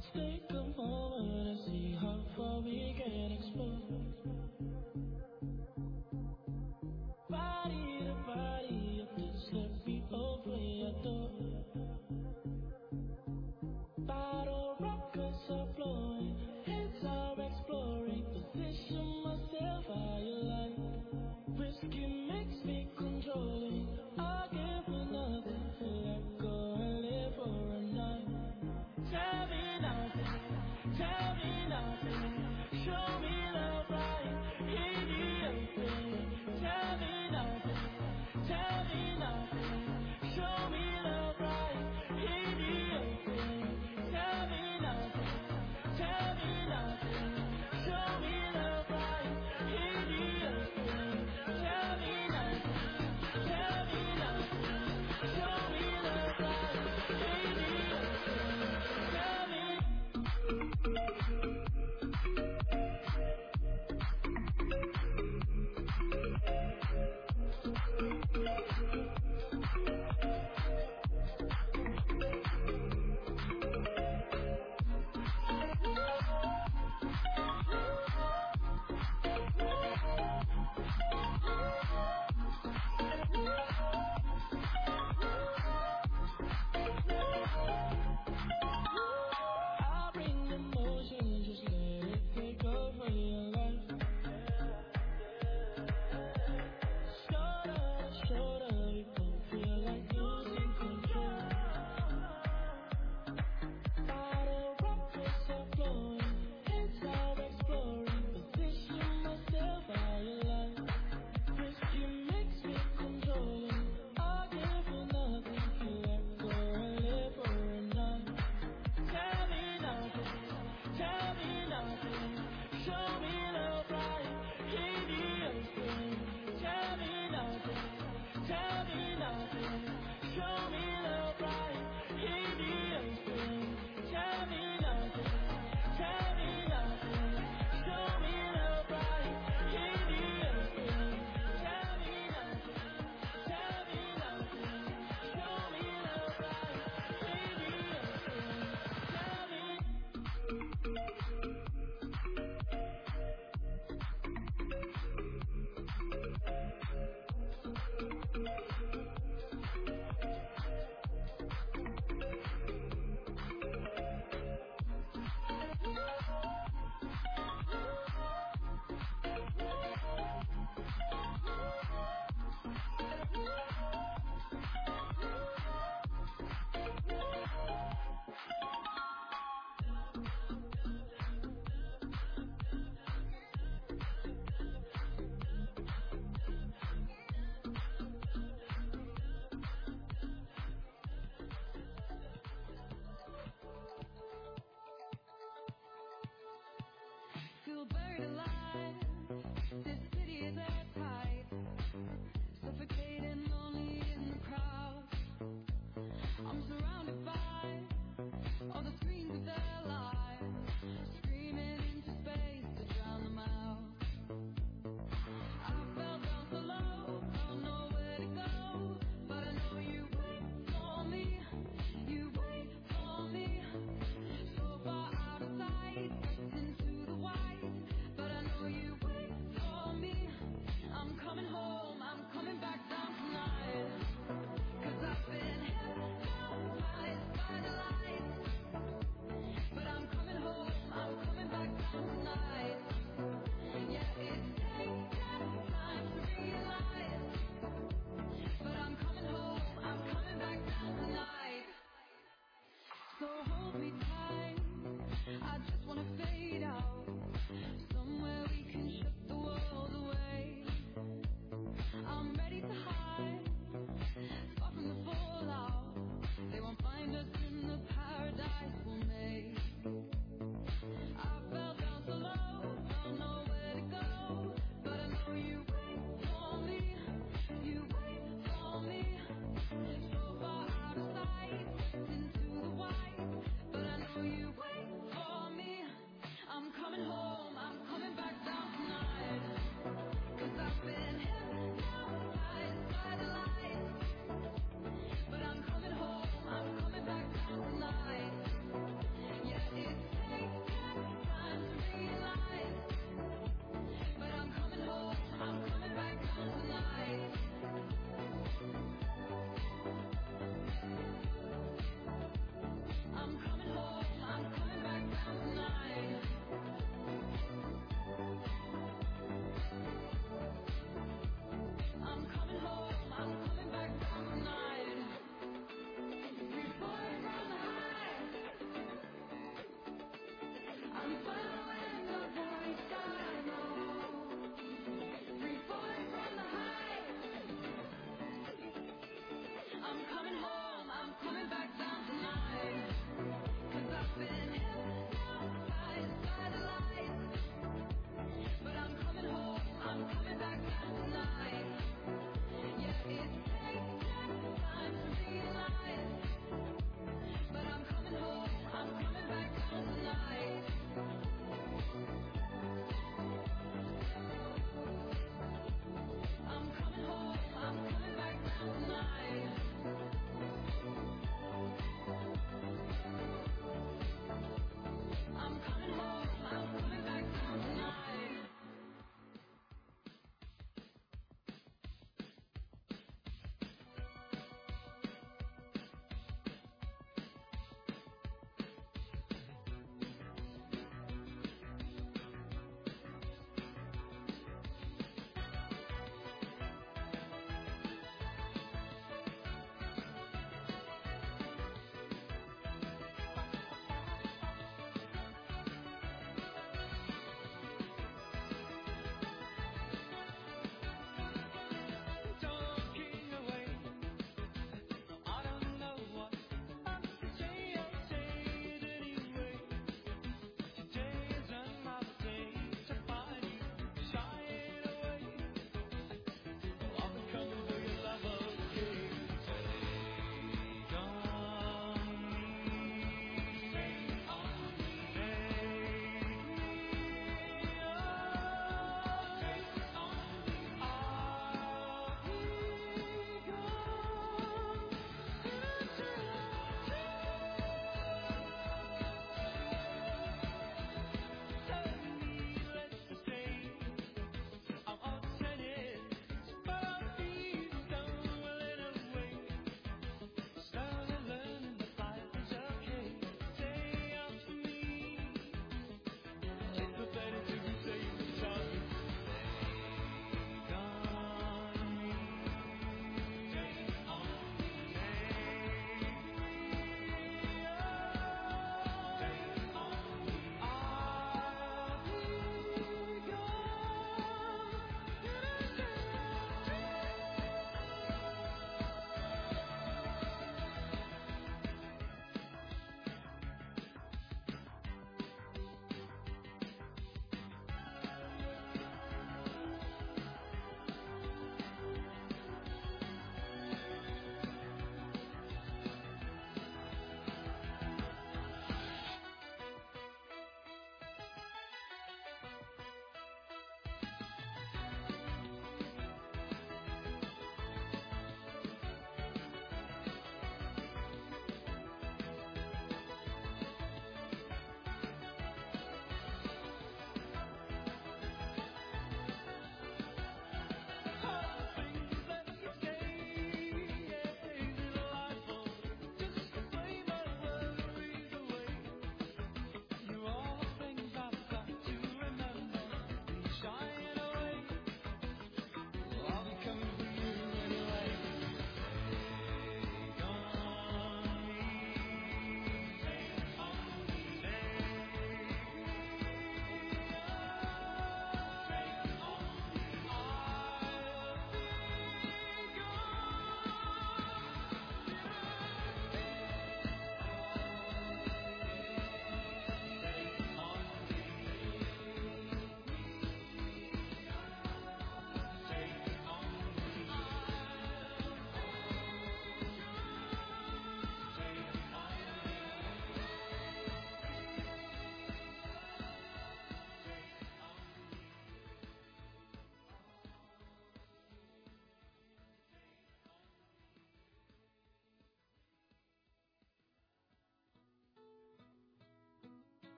Bravo.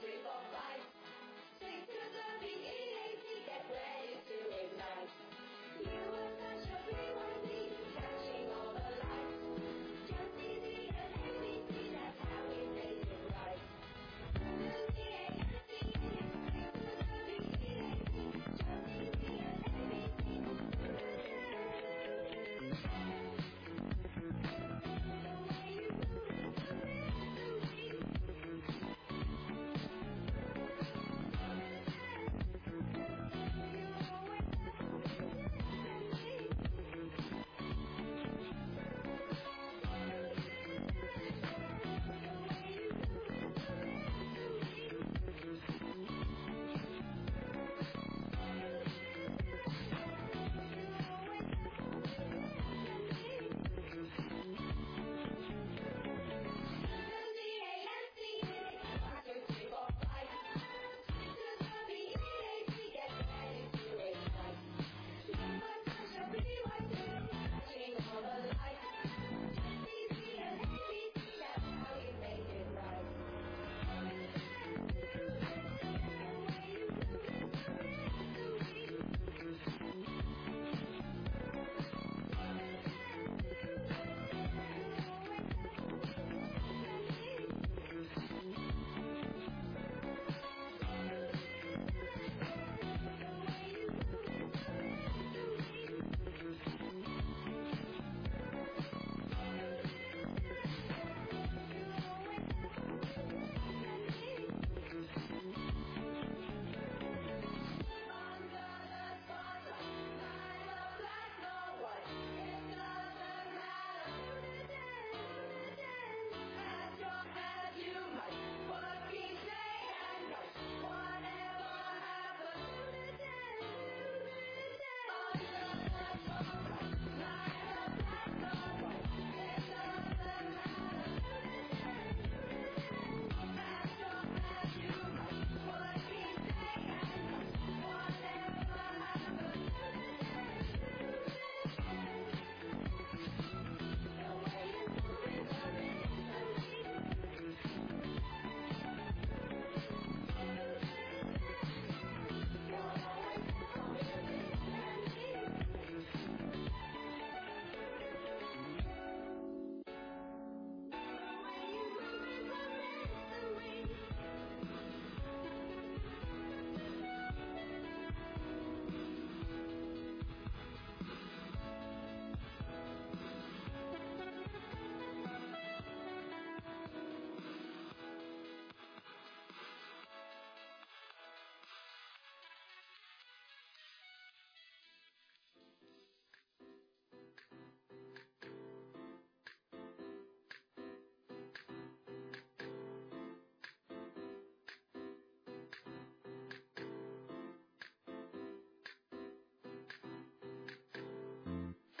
Guys,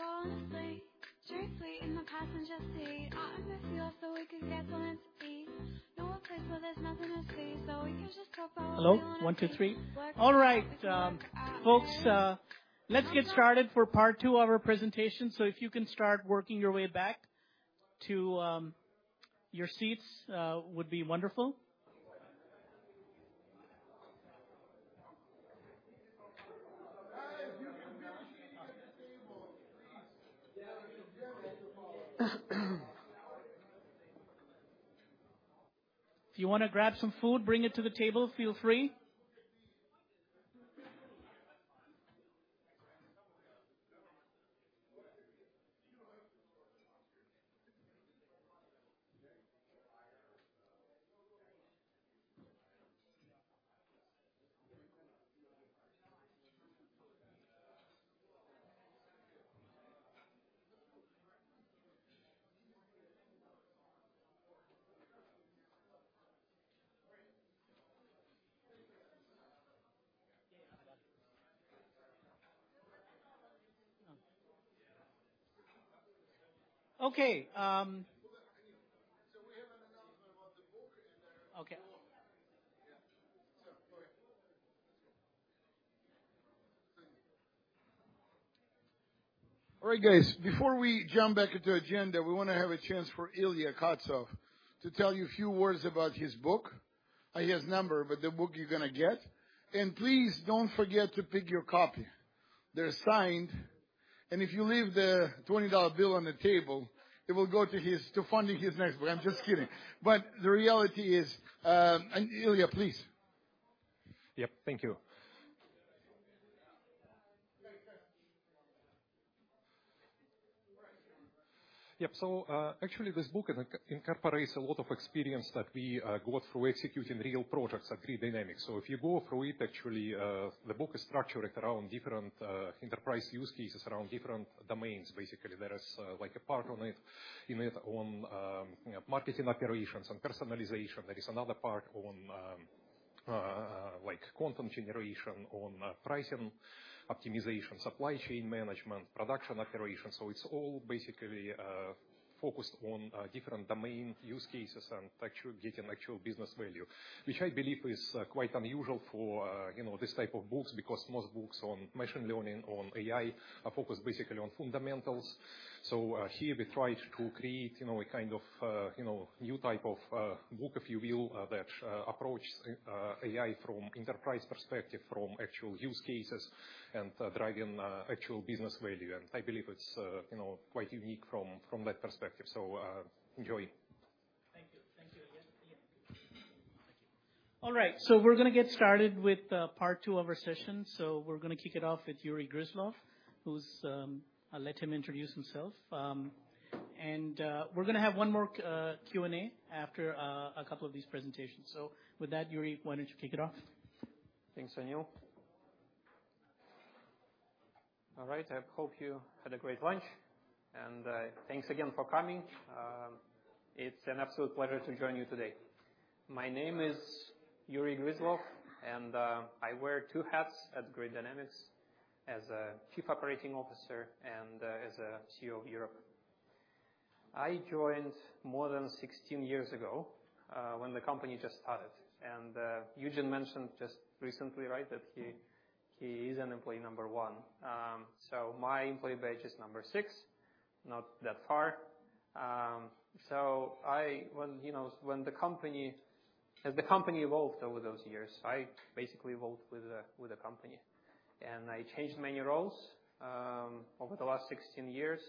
you can come and sit at the table, please. If you want to grab some food, bring it to the table, feel free. Okay, so we have an announcement about the book in there. Okay. Yeah. So go ahead. All right, guys, before we jump back into agenda, we want to have a chance for Ilya Katsov to tell you a few words about his book and his number, but the book you're gonna get. And please don't forget to pick your copy. They're signed, and if you leave the $20 bill on the table, it will go to his to funding his next book. I'm just kidding. But the reality is, and Ilya, please. Yep. Thank you. Yep. So, actually, this book incorporates a lot of experience that we got through executing real projects at Grid Dynamics. So if you go through it, actually, the book is structured around different enterprise use cases, around different domains. Basically, there is, like, a part on it, you know, on marketing operations and personalization. There is another part on, like, content generation, on pricing optimization, supply chain management, production operations. So it's all basically focused on different domain use cases and actually getting actual business value. Which I believe is quite unusual for, you know, this type of books, because most books on machine learning, on AI, are focused basically on fundamentals. So, here we try to create, you know, a kind of, you know, new type of book, if you will, that approaches AI from enterprise perspective, from actual use cases and driving actual business value. And I believe it's, you know, quite unique from, from that perspective. So, enjoy. All right, so we're going to get started with part two of our session. So we're going to kick it off with Yury Gryzlov, who's, I'll let him introduce himself. And we're going to have one more Q&A after a couple of these presentations. So with that, Yury, why don't you kick it off? Thanks, Sunil. All right, I hope you had a great lunch, and thanks again for coming. It's an absolute pleasure to join you today. My name is Yury Gryzlov, and I wear two hats at Grid Dynamics as a Chief Operating Officer and as a CEO of Europe. I joined more than 16 years ago, when the company just started, and Eugene mentioned just recently, right, that he is employee number 1. So my employee badge is number 6, not that far. So I, you know, when the company as the company evolved over those years, I basically evolved with the company, and I changed many roles over the last 16 years,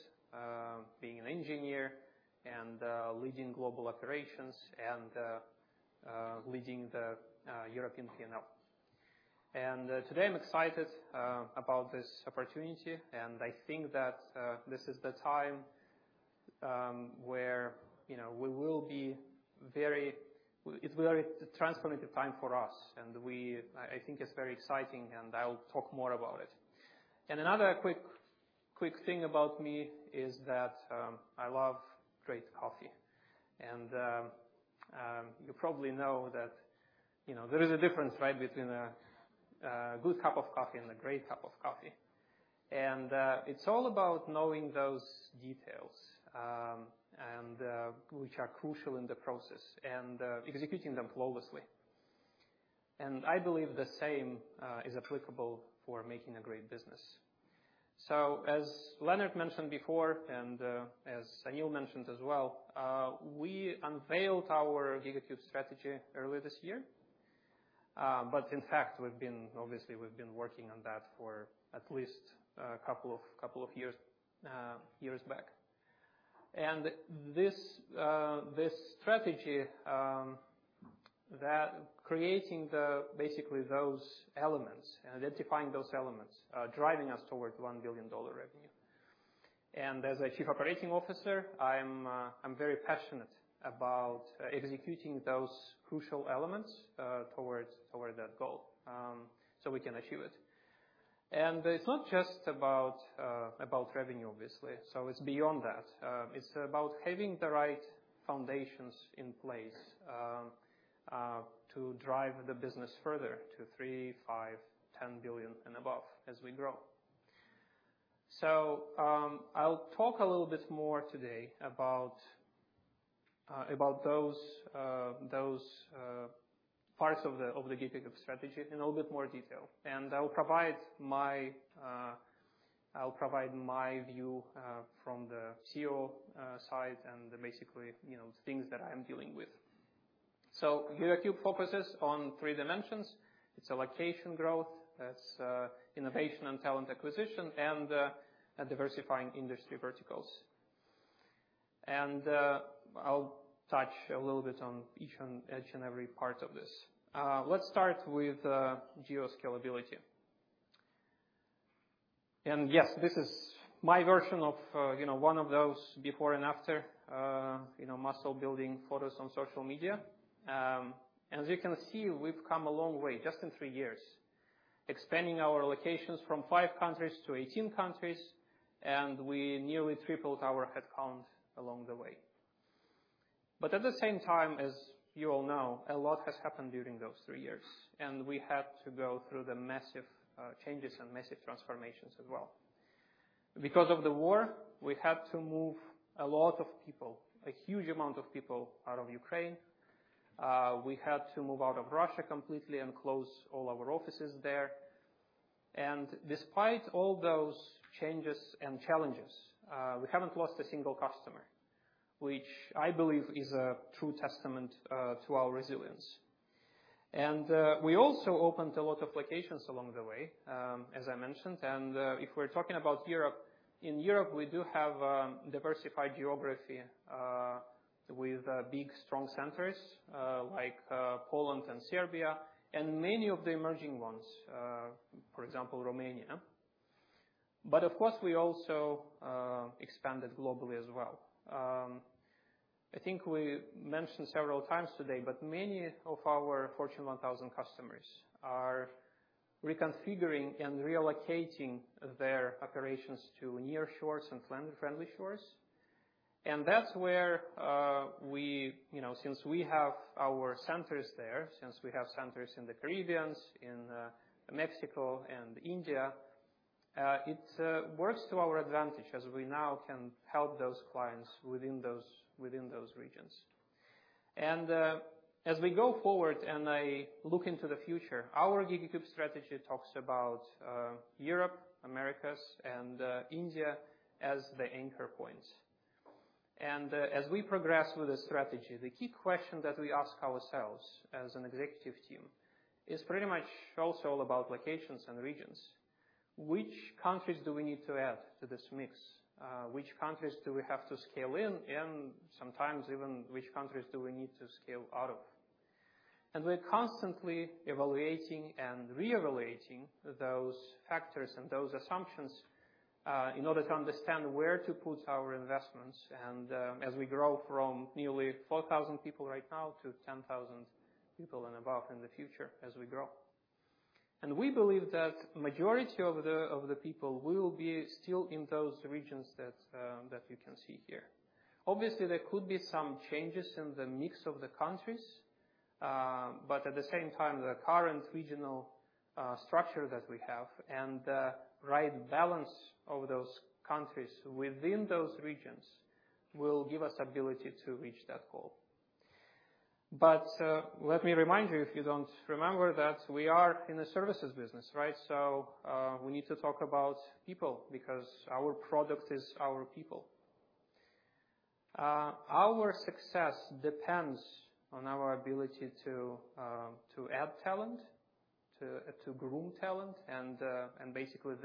being an engineer and leading global operations and leading the European P&L. Today, I'm excited about this opportunity, and I think that this is the time where, you know, we will be very. It's very transformative time for us, and we, I, I think it's very exciting, and I'll talk more about it. Another quick thing about me is that I love great coffee, and you probably know that, you know, there is a difference, right, between a good cup of coffee and a great cup of coffee. It's all about knowing those details and which are crucial in the process and executing them flawlessly. I believe the same is applicable for making a great business. So as Leonard mentioned before, and as Sunil mentioned as well, we unveiled our GigaCube strategy earlier this year. But in fact, we've been, obviously, we've been working on that for at least a couple of years back. And this strategy that creating the, basically, those elements, identifying those elements, are driving us towards $1 billion revenue. And as a Chief Operating Officer, I'm very passionate about executing those crucial elements toward that goal, so we can achieve it. And it's not just about revenue, obviously, so it's beyond that. It's about having the right foundations in place to drive the business further to $3 billion, $5 billion, $10 billion and above as we grow. So, I'll talk a little bit more today about those parts of the GigaCube strategy in a little bit more detail. I'll provide my view from the CEO side and basically, you know, things that I'm dealing with. So GigaCube focuses on three dimensions. It's a location growth, that's innovation and talent acquisition, and diversifying industry verticals. I'll touch a little bit on each and every part of this. Let's start with geo scalability. Yes, this is my version of, you know, one of those before and after, you know, muscle building photos on social media. As you can see, we've come a long way, just in three years, expanding our locations from 5 countries to 18 countries, and we nearly tripled our headcount along the way. But at the same time, as you all know, a lot has happened during those three years, and we had to go through the massive changes and massive transformations as well. Because of the war, we had to move a lot of people, a huge amount of people out of Ukraine. We had to move out of Russia completely and close all our offices there. And despite all those changes and challenges, we haven't lost a single customer, which I believe is a true testament to our resilience. And we also opened a lot of locations along the way, as I mentioned, and if we're talking about Europe, in Europe, we do have a diversified geography with big, strong centers like Poland and Serbia, and many of the emerging ones, for example, Romania. But of course, we also expanded globally as well. I think we mentioned several times today, but many of our Fortune 1000 customers are reconfiguring and relocating their operations to near shores and friendly shores. And that's where, we, you know, since we have our centers there, since we have centers in the Caribbean, in Mexico and India, it works to our advantage as we now can help those clients within those, within those regions. And, as we go forward, and I look into the future, our GigaCube strategy talks about Europe, Americas, and India as the anchor points. And, as we progress with the strategy, the key question that we ask ourselves as an executive team is pretty much also all about locations and regions. Which countries do we need to add to this mix? Which countries do we have to scale in, and sometimes even which countries do we need to scale out of? And we're constantly evaluating and re-evaluating those factors and those assumptions, in order to understand where to put our investments and, as we grow from nearly 4,000 people right now to 10,000 people and above in the future as we grow. And we believe that majority of the, of the people will be still in those regions that, that you can see here. Obviously, there could be some changes in the mix of the countries, but at the same time, the current regional, structure that we have and the right balance of those countries within those regions will give us ability to reach that goal. But let me remind you, if you don't remember, that we are in the services business, right? So we need to talk about people because our product is our people. Our success depends on our ability to add talent, to groom talent, and basically,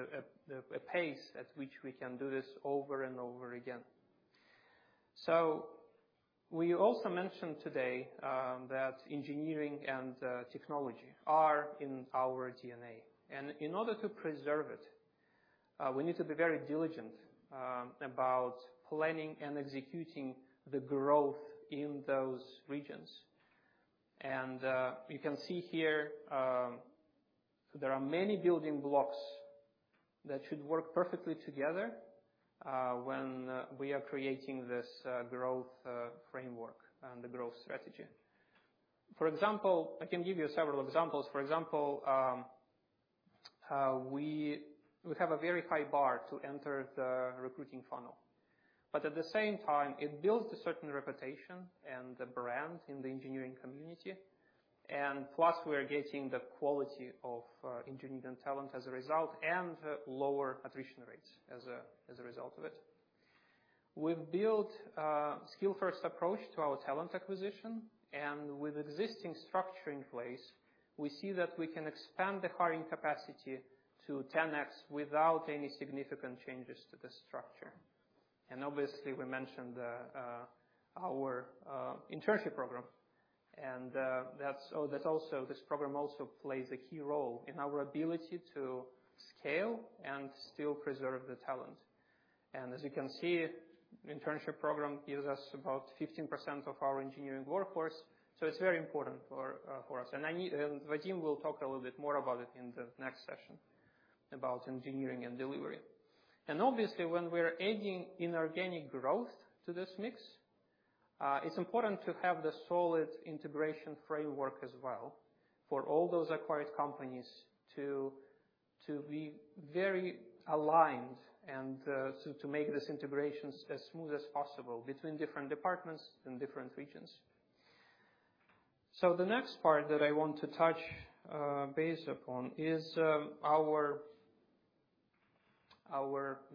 the pace at which we can do this over and over again. So we also mentioned today that engineering and technology are in our DNA, and in order to preserve it, we need to be very diligent about planning and executing the growth in those regions. And you can see here, there are many building blocks that should work perfectly together when we are creating this growth framework and the growth strategy. For example, I can give you several examples. For example, we have a very high bar to enter the recruiting funnel, but at the same time, it builds a certain reputation and the brand in the engineering community. Plus, we are getting the quality of engineering talent as a result, and lower attrition rates as a result of it. We've built a skill-first approach to our talent acquisition, and with existing structure in place, we see that we can expand the hiring capacity to 10x without any significant changes to the structure. Obviously, we mentioned our internship program, and this program also plays a key role in our ability to scale and still preserve the talent. As you can see, internship program gives us about 15% of our engineering workforce, so it's very important for us. And Vadim will talk a little bit more about it in the next session, about engineering and delivery. And obviously, when we're adding inorganic growth to this mix, it's important to have the solid integration framework as well for all those acquired companies to be very aligned and so to make these integrations as smooth as possible between different departments and different regions. So the next part that I want to touch base upon is our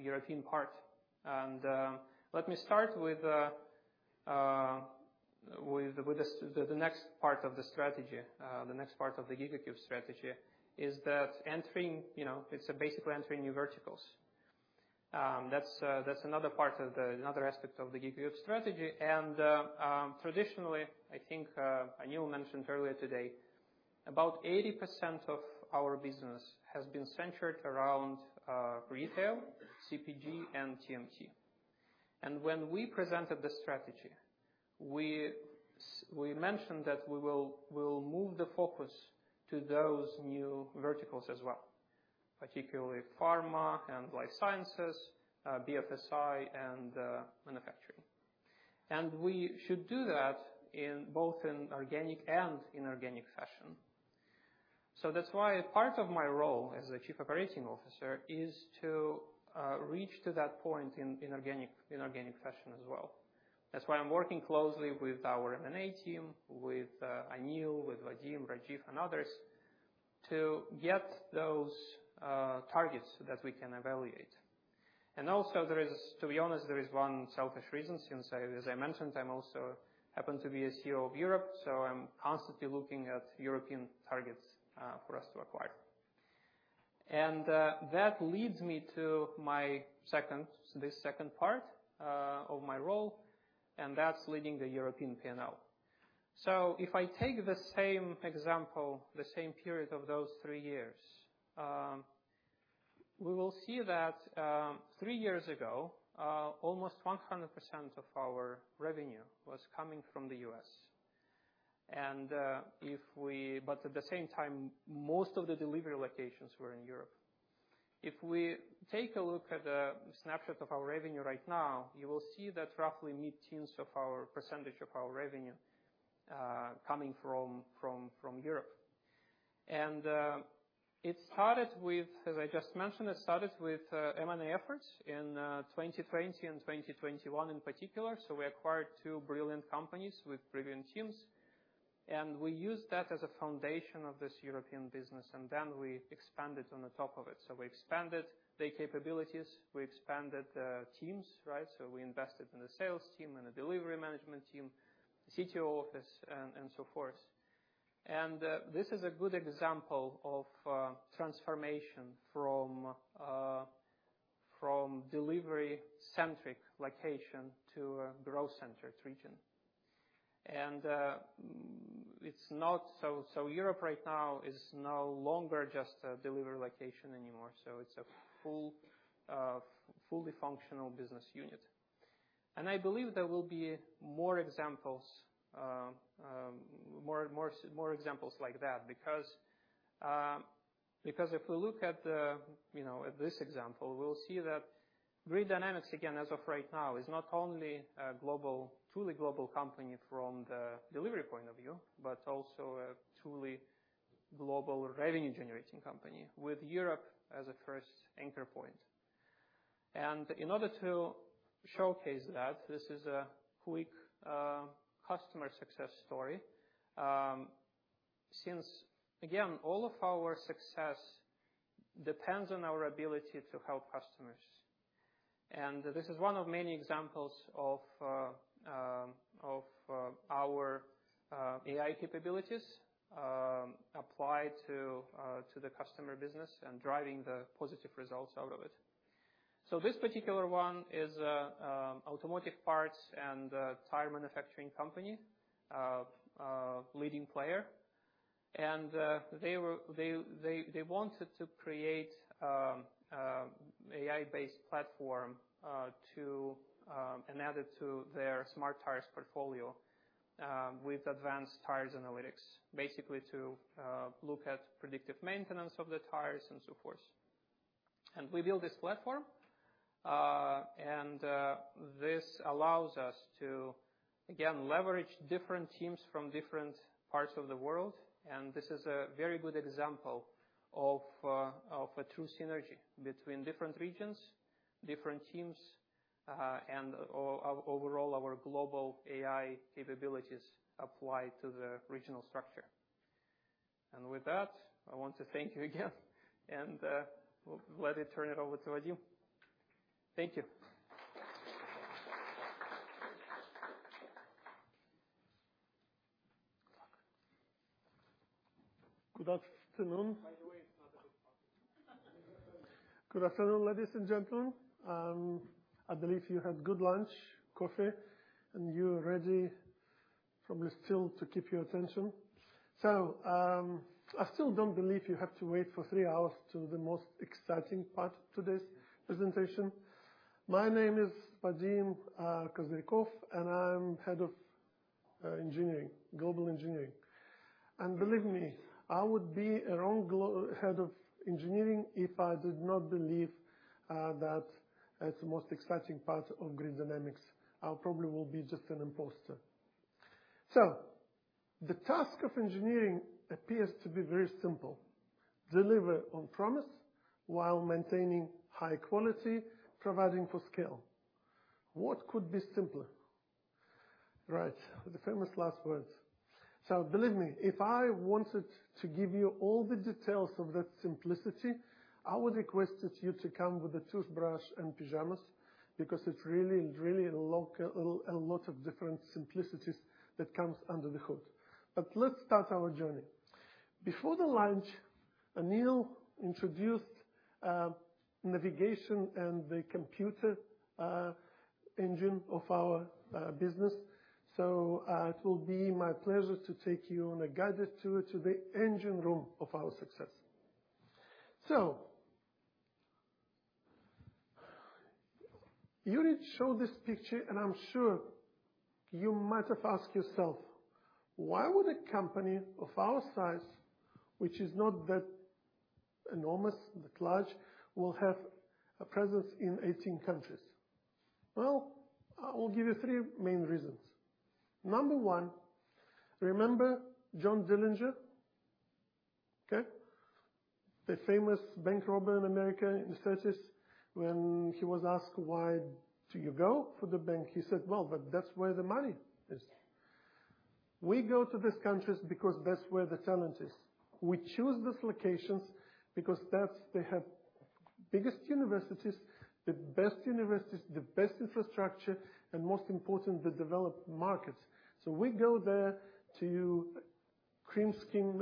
European part. Let me start with the next part of the strategy. The next part of the GigaCube strategy is that entering, you know, it's basically entering new verticals. That's another part of the another aspect of the GigaCube strategy. Traditionally, I think Anil mentioned earlier today, about 80% of our business has been centered around retail, CPG, and TMT. And when we presented the strategy, we mentioned that we will, we'll move the focus to those new verticals as well, particularly pharma and life sciences, BFSI, and manufacturing. And we should do that in both organic and inorganic fashion. So that's why part of my role as the Chief Operating Officer is to reach to that point in organic, inorganic fashion as well. That's why I'm working closely with our M&A team, with Anil, with Vadim, Rajeev, and others, to get those targets that we can evaluate. And also, there is. To be honest, there is one selfish reason, since, as I mentioned, I also happen to be a CEO of Europe, so I'm constantly looking at European targets for us to acquire. And, that leads me to my second, this second part, of my role, and that's leading the European P&L. So if I take the same example, the same period of those three years, we will see that, three years ago, almost 100% of our revenue was coming from the U.S. And, but at the same time, most of the delivery locations were in Europe. If we take a look at a snapshot of our revenue right now, you will see that roughly mid-teens of our percentage of our revenue, coming from Europe. It started with, as I just mentioned, it started with M&A efforts in 2020 and 2021 in particular. So we acquired two brilliant companies with brilliant teams, and we used that as a foundation of this European business, and then we expanded on the top of it. So we expanded the capabilities, we expanded the teams, right? So we invested in the sales team and the delivery management team, the CTO office, and so forth. This is a good example of transformation from delivery-centric location to a growth-centric region. It's not so, so Europe right now is no longer just a delivery location anymore, so it's a fully functional business unit. I believe there will be more examples like that because if we look at the, you know, at this example, we'll see that Grid Dynamics, again, as of right now, is not only a global, truly global company from the delivery point of view, but also a truly global revenue generating company, with Europe as a first anchor point. In order to showcase that, this is a quick customer success story. Since, again, all of our success depends on our ability to help customers, and this is one of many examples of our AI capabilities applied to the customer business and driving the positive results out of it. This particular one is a automotive parts and tire manufacturing company, a leading player. And they wanted to create AI-based platform to and add it to their smart tires portfolio with advanced tires analytics, basically to look at predictive maintenance of the tires and so forth. And we built this platform and this allows us to, again, leverage different teams from different parts of the world, and this is a very good example of a true synergy between different regions, different teams and overall, our global AI capabilities applied to the regional structure. And with that, I want to thank you again, and well, let me turn it over to Vadim. Thank you. Good afternoon. By the way, it's not a good talk. Good afternoon, ladies and gentlemen. I believe you had good lunch, coffee, and you're ready for me still to keep your attention. So, I still don't believe you have to wait for three hours to the most exciting part of today's presentation. My name is Vadim Kozyrkov, and I'm Head of Global Engineering. And believe me, I would be a wrong Head of Global Engineering if I did not believe that it's the most exciting part of Grid Dynamics. I probably will be just an imposter. So the task of engineering appears to be very simple: deliver on promise while maintaining high quality, providing for scale. What could be simpler? Right, the famous last words. So believe me, if I wanted to give you all the details of that simplicity, I would requested you to come with a toothbrush and pajamas, because it's really, really a lot, a lot of different simplicities that comes under the hood. But let's start our journey. Before the lunch, Anil introduced navigation and the computer engine of our business. So, it will be my pleasure to take you on a guided tour to the engine room of our success. So Yury showed this picture, and I'm sure you might have asked yourself: Why would a company of our size, which is not that enormous, that large, will have a presence in 18 countries? Well, I will give you three main reasons. Number one: remember John Dillinger? Okay. The famous bank robber in America in the thirties. When he was asked, "Why do you go for the bank?" He said, "Well, but that's where the money is." We go to these countries because that's where the talent is. We choose these locations because they have biggest universities, the best universities, the best infrastructure, and most important, the developed markets. So we go there to cream skim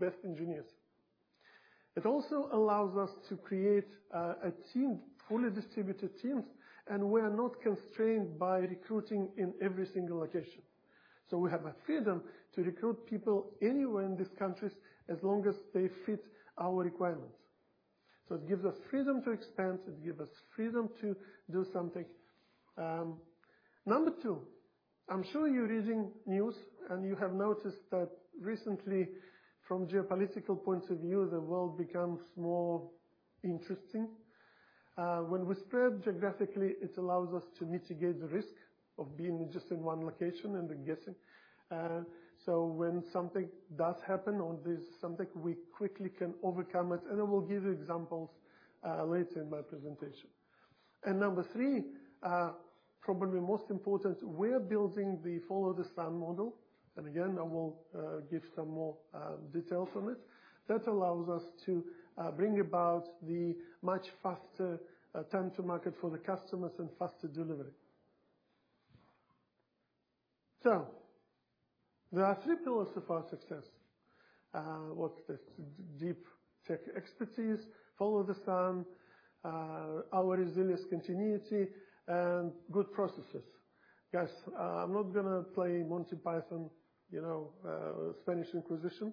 best engineers. It also allows us to create a team, fully distributed teams, and we are not constrained by recruiting in every single location. So we have a freedom to recruit people anywhere in these countries, as long as they fit our requirements. So it gives us freedom to expand, it gives us freedom to do something. Number two, I'm sure you're reading news, and you have noticed that recently, from geopolitical points of view, the world becomes more interesting. When we spread geographically, it allows us to mitigate the risk of being just in one location and then guessing. So when something does happen or there's something, we quickly can overcome it, and I will give you examples later in my presentation. And number three, probably most important, we're building the Follow-the-Sun model. And again, I will give some more details on it. That allows us to bring about the much faster time to market for the customers and faster delivery. So there are three pillars of our success. What's this? Deep tech expertise, Follow-the-Sun, our resilience, continuity, and good processes. Guys, I'm not going to play Monty Python, you know, Spanish Inquisition.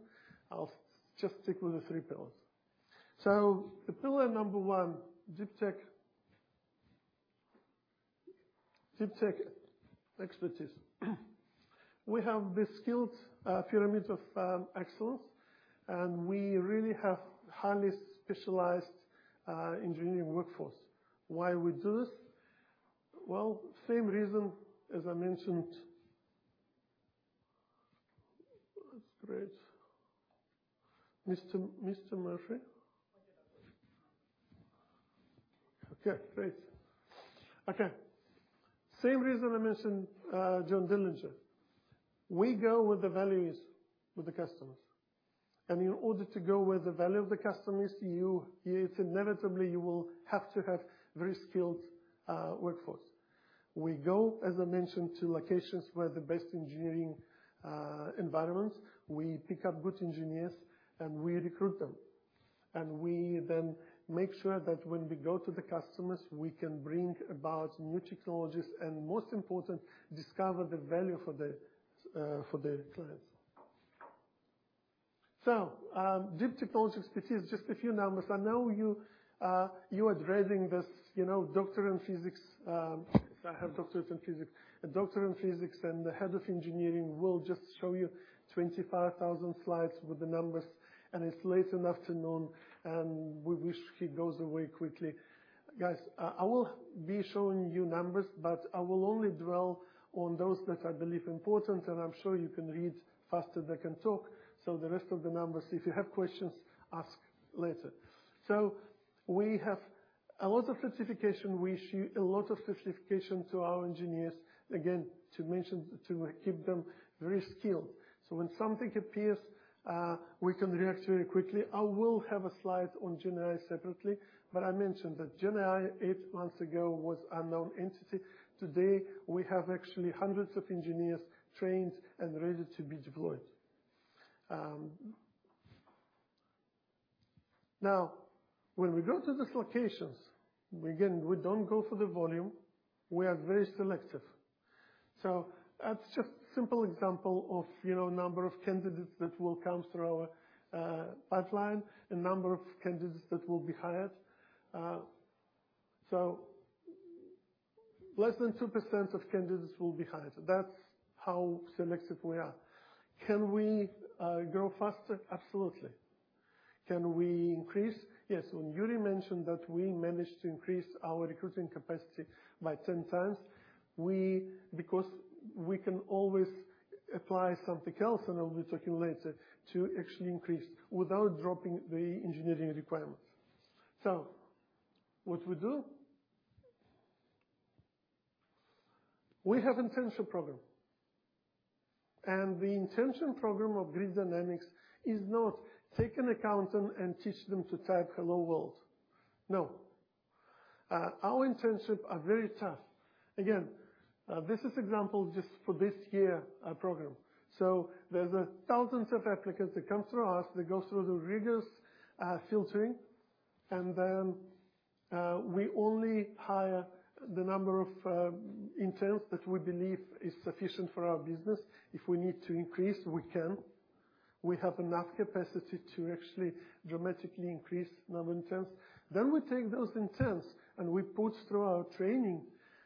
I'll just stick with the three pillars. So the pillar number one, deep tech, deep tech expertise. We have this skilled pyramid of excellence, and we really have highly specialized engineering workforce. Why we do this? Well, same reason, as I mentioned. Great. Mr. Murphy? I'll get back with you. Okay, great. Okay. Same reason I mentioned, John Dillinger. We go where the value is with the customers, and in order to go where the value of the customer is, you, you inevitably you will have to have very skilled workforce. We go, as I mentioned, to locations where the best engineering environments, we pick up good engineers, and we recruit them. And we then make sure that when we go to the customers, we can bring about new technologies and most important, discover the value for the, for the clients. So, deep technology expertise, just a few numbers. I know you, you are reading this, you know, doctor in physics, I have doctors in physics. A doctor in physics and the head of engineering will just show you 25,000 slides with the numbers, and it's late in the afternoon, and we wish he goes away quickly. Guys, I, I will be showing you numbers, but I will only dwell on those that I believe important, and I'm sure you can read faster than I can talk. So the rest of the numbers, if you have questions, ask later. So we have a lot of certification. We issue a lot of certification to our engineers, again, to mention, to keep them very skilled. So when something appears, we can react very quickly. I will have a slide on GenAI separately, but I mentioned that GenAI, eight months ago, was unknown entity. Today, we have actually hundreds of engineers trained and ready to be deployed. Now, when we go to these locations, again, we don't go for the volume. We are very selective. So that's just simple example of, you know, number of candidates that will come through our pipeline and number of candidates that will be hired. So less than 2% of candidates will be hired. That's how selective we are. Can we grow faster? Absolutely. Can we increase? Yes. When Yuri mentioned that we managed to increase our recruiting capacity by 10 times, because we can always apply something else, and I'll be talking later, to actually increase without dropping the engineering requirements. So what we do? We have internship program, and the internship program of Grid Dynamics is not take an accountant and teach them to type, "Hello, world." No. Our internship are very tough. Again, this is example just for this year, program. So there's a thousands of applicants that comes through us, that goes through the rigorous, filtering, and then, we only hire the number of, interns that we believe is sufficient for our business. If we need to increase, we can. We have enough capacity to actually dramatically increase the number of interns. Then we take those interns, and we put through our training,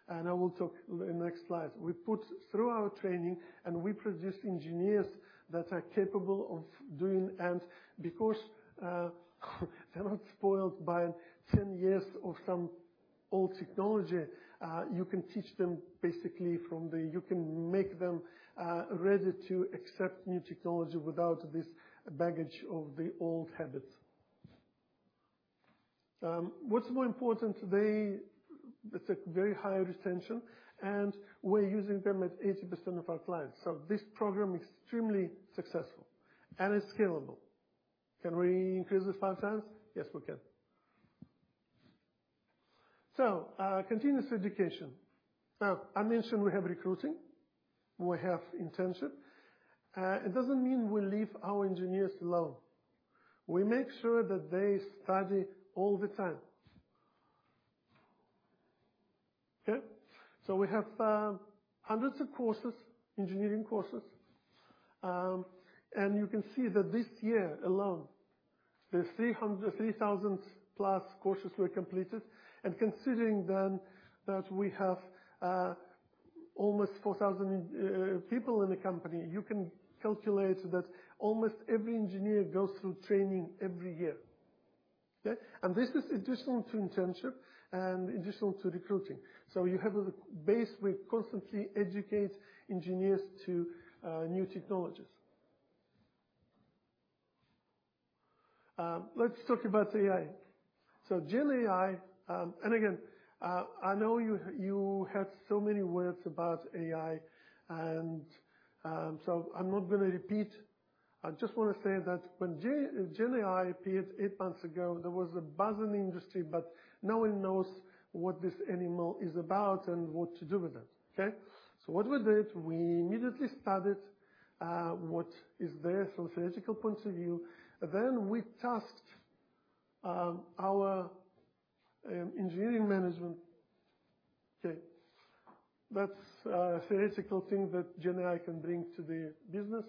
and I will talk in the next slide. We put through our training, and we produce engineers that are capable of doing and because, they're not spoiled by ten years of some old technology, you can teach them basically from the you can make them, ready to accept new technology without this baggage of the old habits. What's more important today, it's a very high retention, and we're using them at 80% of our clients. So this program is extremely successful, and it's scalable. Can we increase it five times? Yes, we can. So, continuous education. I mentioned we have recruiting, we have internship. It doesn't mean we leave our engineers alone. We make sure that they study all the time. Okay? So we have hundreds of courses, engineering courses, and you can see that this year alone, there's 300, 3,000+ courses were completed. And considering then that we have almost 4,000 people in the company, you can calculate that almost every engineer goes through training every year. Okay? And this is additional to internship and additional to recruiting. So you have a base. We constantly educate engineers to new technologies. Let's talk about AI. So GenAI, and again, I know you, you had so many words about AI, and, so I'm not going to repeat. I just want to say that when GenAI appeared eight months ago, there was a buzz in the industry, but no one knows what this animal is about and what to do with it, okay? So what we did, we immediately started, what is there from theoretical points of view, then we tasked, our, engineering management. Okay, that's a theoretical thing that GenAI can bring to the business.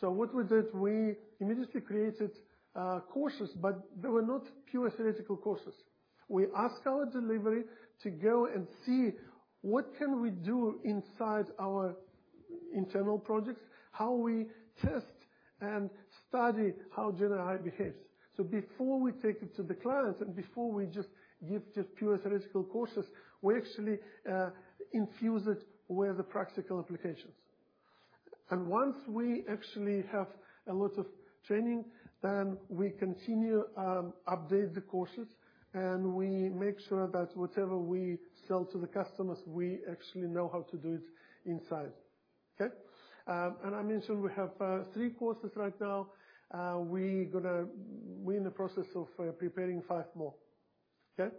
So what we did, we immediately created, courses, but they were not pure theoretical courses. We asked our delivery to go and see what can we do inside our internal projects, how we test and study how GenAI behaves. So before we take it to the clients, and before we just give just pure theoretical courses, we actually infuse it where the practical applications. Once we actually have a lot of training, then we continue update the courses, and we make sure that whatever we sell to the customers, we actually know how to do it inside, okay? I mentioned we have 3 courses right now. We're in the process of preparing five more, okay?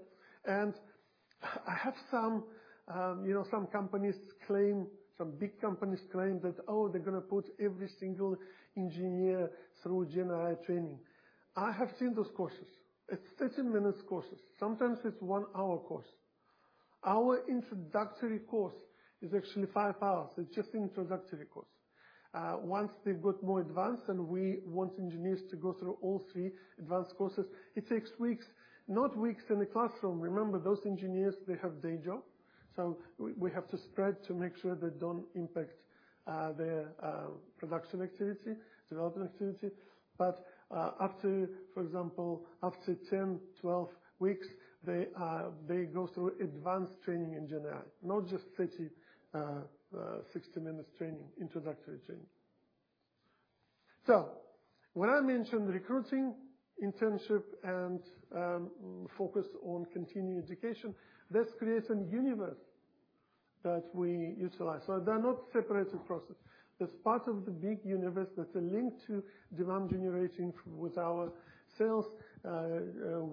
I have some, you know, some companies claim, some big companies claim that, oh, they're going to put every single engineer through GenAI training. I have seen those courses. It's 30 minutes courses. Sometimes it's one hour course. Our introductory course is actually five hours. It's just introductory course. Once they've got more advanced, and we want engineers to go through all three advanced courses, it takes weeks, not weeks in the classroom. Remember, those engineers, they have day job, so we have to spread to make sure they don't impact their production activity, development activity. But after, for example, after 10-12 weeks, they go through advanced training in GenAI, not just 30-60 minutes training, introductory training. So when I mentioned recruiting, internship, and focus on continued education, that's creating universe that we utilize. So they're not separated process. That's part of the big universe that's a link to demand generating with our sales.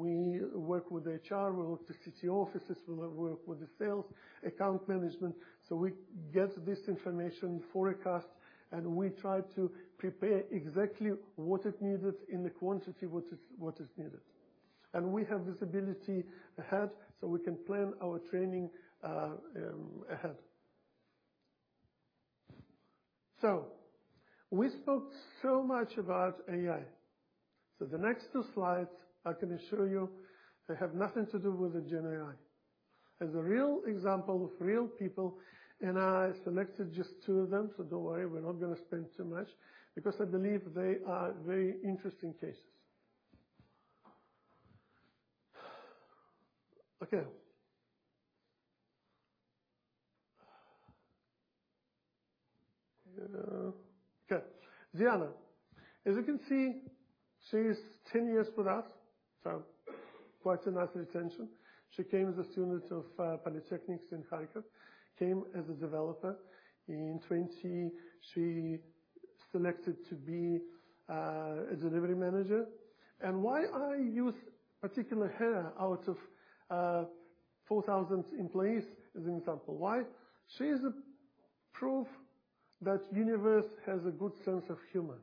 We work with HR, we work with city offices, we work with the sales, account management. So we get this information forecast, and we try to prepare exactly what is needed in the quantity, what is needed. And we have this ability ahead, so we can plan our training ahead. So we spoke so much about AI. So the next two slides, I can assure you they have nothing to do with the GenAI. As a real example of real people, and I selected just two of them, so don't worry, we're not going to spend too much, because I believe they are very interesting cases. Okay. Okay. Diana, as you can see, she's ten years with us, so quite a nice retention. She came as a student of polytechnics in Kharkiv, came as a developer. In twenty, she selected to be a delivery manager. Why I use a particular her out of 4,000 employees as an example, why? She is a proof that universe has a good sense of humor.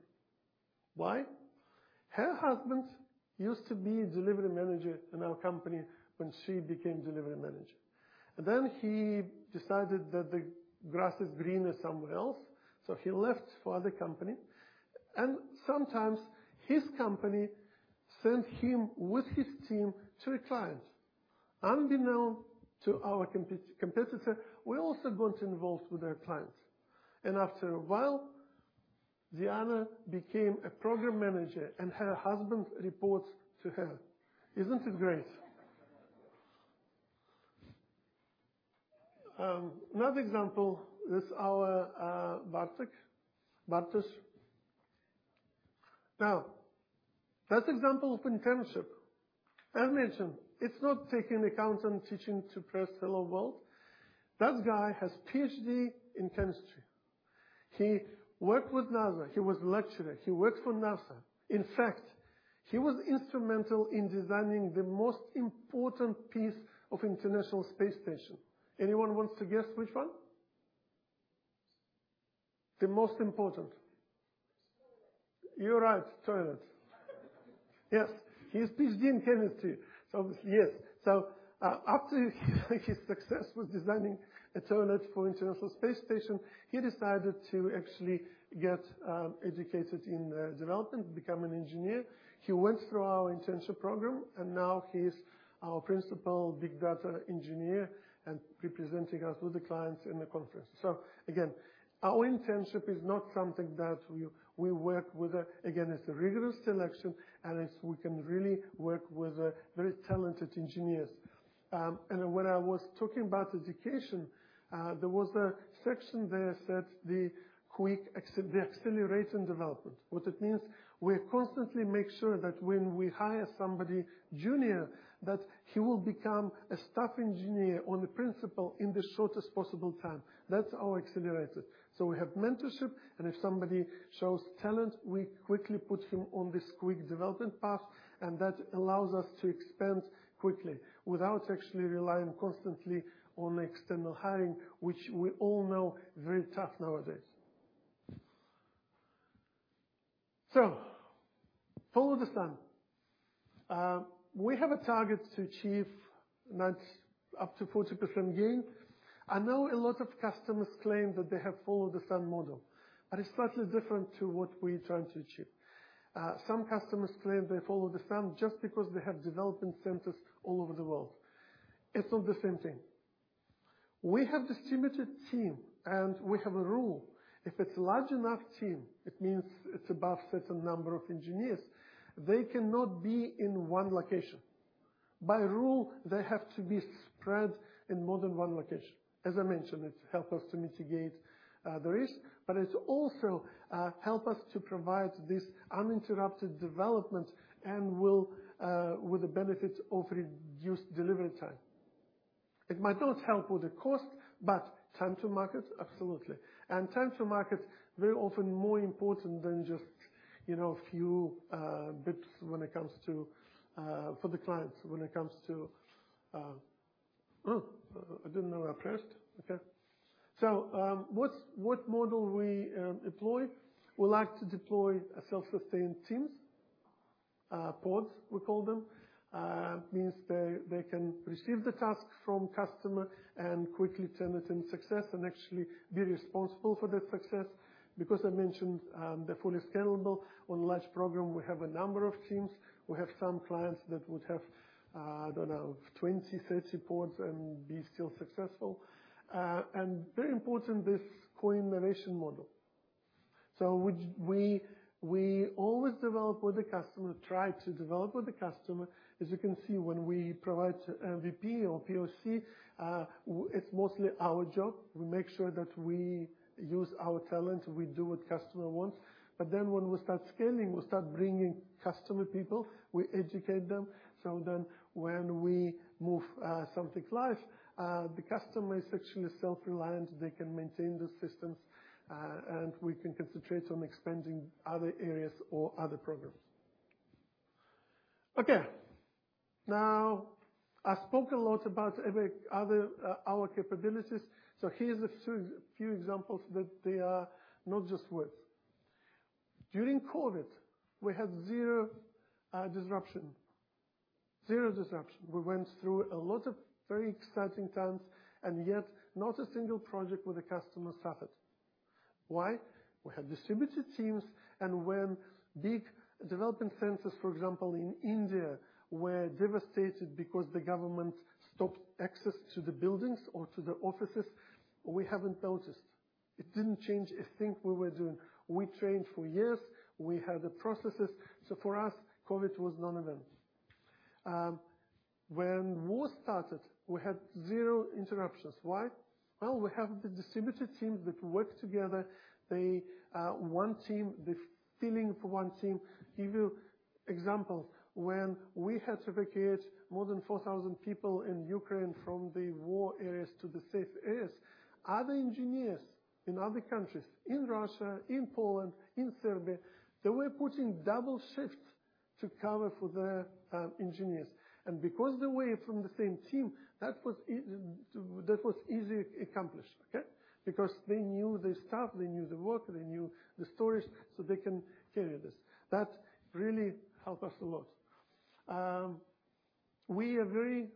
Why? Her husband used to be a delivery manager in our company when she became delivery manager, and then he decided that the grass is greener somewhere else, so he left for other company. Sometimes his company sent him with his team to a client. Unbeknown to our competitor, we also got involved with their clients, and after a while, Diana became a program manager, and her husband reports to her. Isn't it great? Another example is our Bartek Bartosz. Now, that example of internship I mentioned, it's not taking account and teaching to press hello world. That guy has PhD in chemistry. He worked with NASA. He was a lecturer. He worked for NASA. In fact, he was instrumental in designing the most important piece of International Space Station. Anyone wants to guess which one? The most important. Toilet. You're right, toilet. Yes, he has Ph.D. in chemistry, so yes. So, after his success with designing a toilet for International Space Station, he decided to actually get educated in the development, become an engineer. He went through our internship program, and now he's our principal big data engineer and representing us with the clients in the conference. So again, our internship is not something that we work with. Again, it's a rigorous selection, and it's we can really work with very talented engineers. And when I was talking about education, there was a section there that said the accelerating development. What it means, we constantly make sure that when we hire somebody junior, that he will become a staff engineer on the principle in the shortest possible time. That's our accelerator. So we have mentorship, and if somebody shows talent, we quickly put him on this quick development path, and that allows us to expand quickly without actually relying constantly on external hiring, which we all know is very tough nowadays. So Follow-the-Sun. We have a target to achieve that's up to 40% gain. I know a lot of customers claim that they have followed the sun model, but it's slightly different to what we're trying to achieve. Some customers claim they Follow-the-Sun just because they have development centers all over the world. It's not the same thing. We have distributed team, and we have a rule: If it's large enough team, it means it's above certain number of engineers, they cannot be in one location. By rule, they have to be spread in more than one location. As I mentioned, it help us to mitigate, the risk, but it also, help us to provide this uninterrupted development and will, with the benefits of reduced delivery time. It might not help with the cost, but time to market? Absolutely. And time to market, very often more important than just, you know, a few, bits when it comes to, for the clients, when it comes to. Oh, I didn't know I pressed. Okay. So, what, what model we, employ? We like to deploy a self-sustained teams, pods, we call them. Means they, they can receive the task from customer and quickly turn it in success and actually be responsible for that success. Because I mentioned, they're fully scalable. On large program, we have a number of teams. We have some clients that would have, I don't know, 20, 30 pods and be still successful. And very important, this co-innovation model. So we always develop with the customer, try to develop with the customer. As you can see, when we provide MVP or POC, it's mostly our job. We make sure that we use our talent, we do what customer wants. But then when we start scaling, we start bringing customer people, we educate them. So then when we move something live, the customer is actually self-reliant. They can maintain the systems, and we can concentrate on expanding other areas or other programs. Okay. Now, I spoke a lot about our capabilities, so here's a few examples that they are not just words. During COVID, we had zero disruption. Zero disruption. We went through a lot of very exciting times, and yet, not a single project with a customer suffered. Why? We have distributed teams, and when big development centers, for example, in India, were devastated because the government stopped access to the buildings or to the offices, we haven't noticed. It didn't change a thing we were doing. We trained for years. We had the processes. So for us, COVID was none event. When war started, we had zero interruptions. Why? Well, we have the distributed teams that work together. They are one team, the feeling for one team. Give you example, when we had to vacate more than 4,000 people in Ukraine from the war areas to the safe areas, other engineers in other countries, in Russia, in Poland, in Serbia, they were putting double shift to cover for the engineers. Because they were from the same team, that was easily accomplished, okay? Because they knew the stuff, they knew the work, they knew the stories, so they can carry this. That really helped us a lot. We are very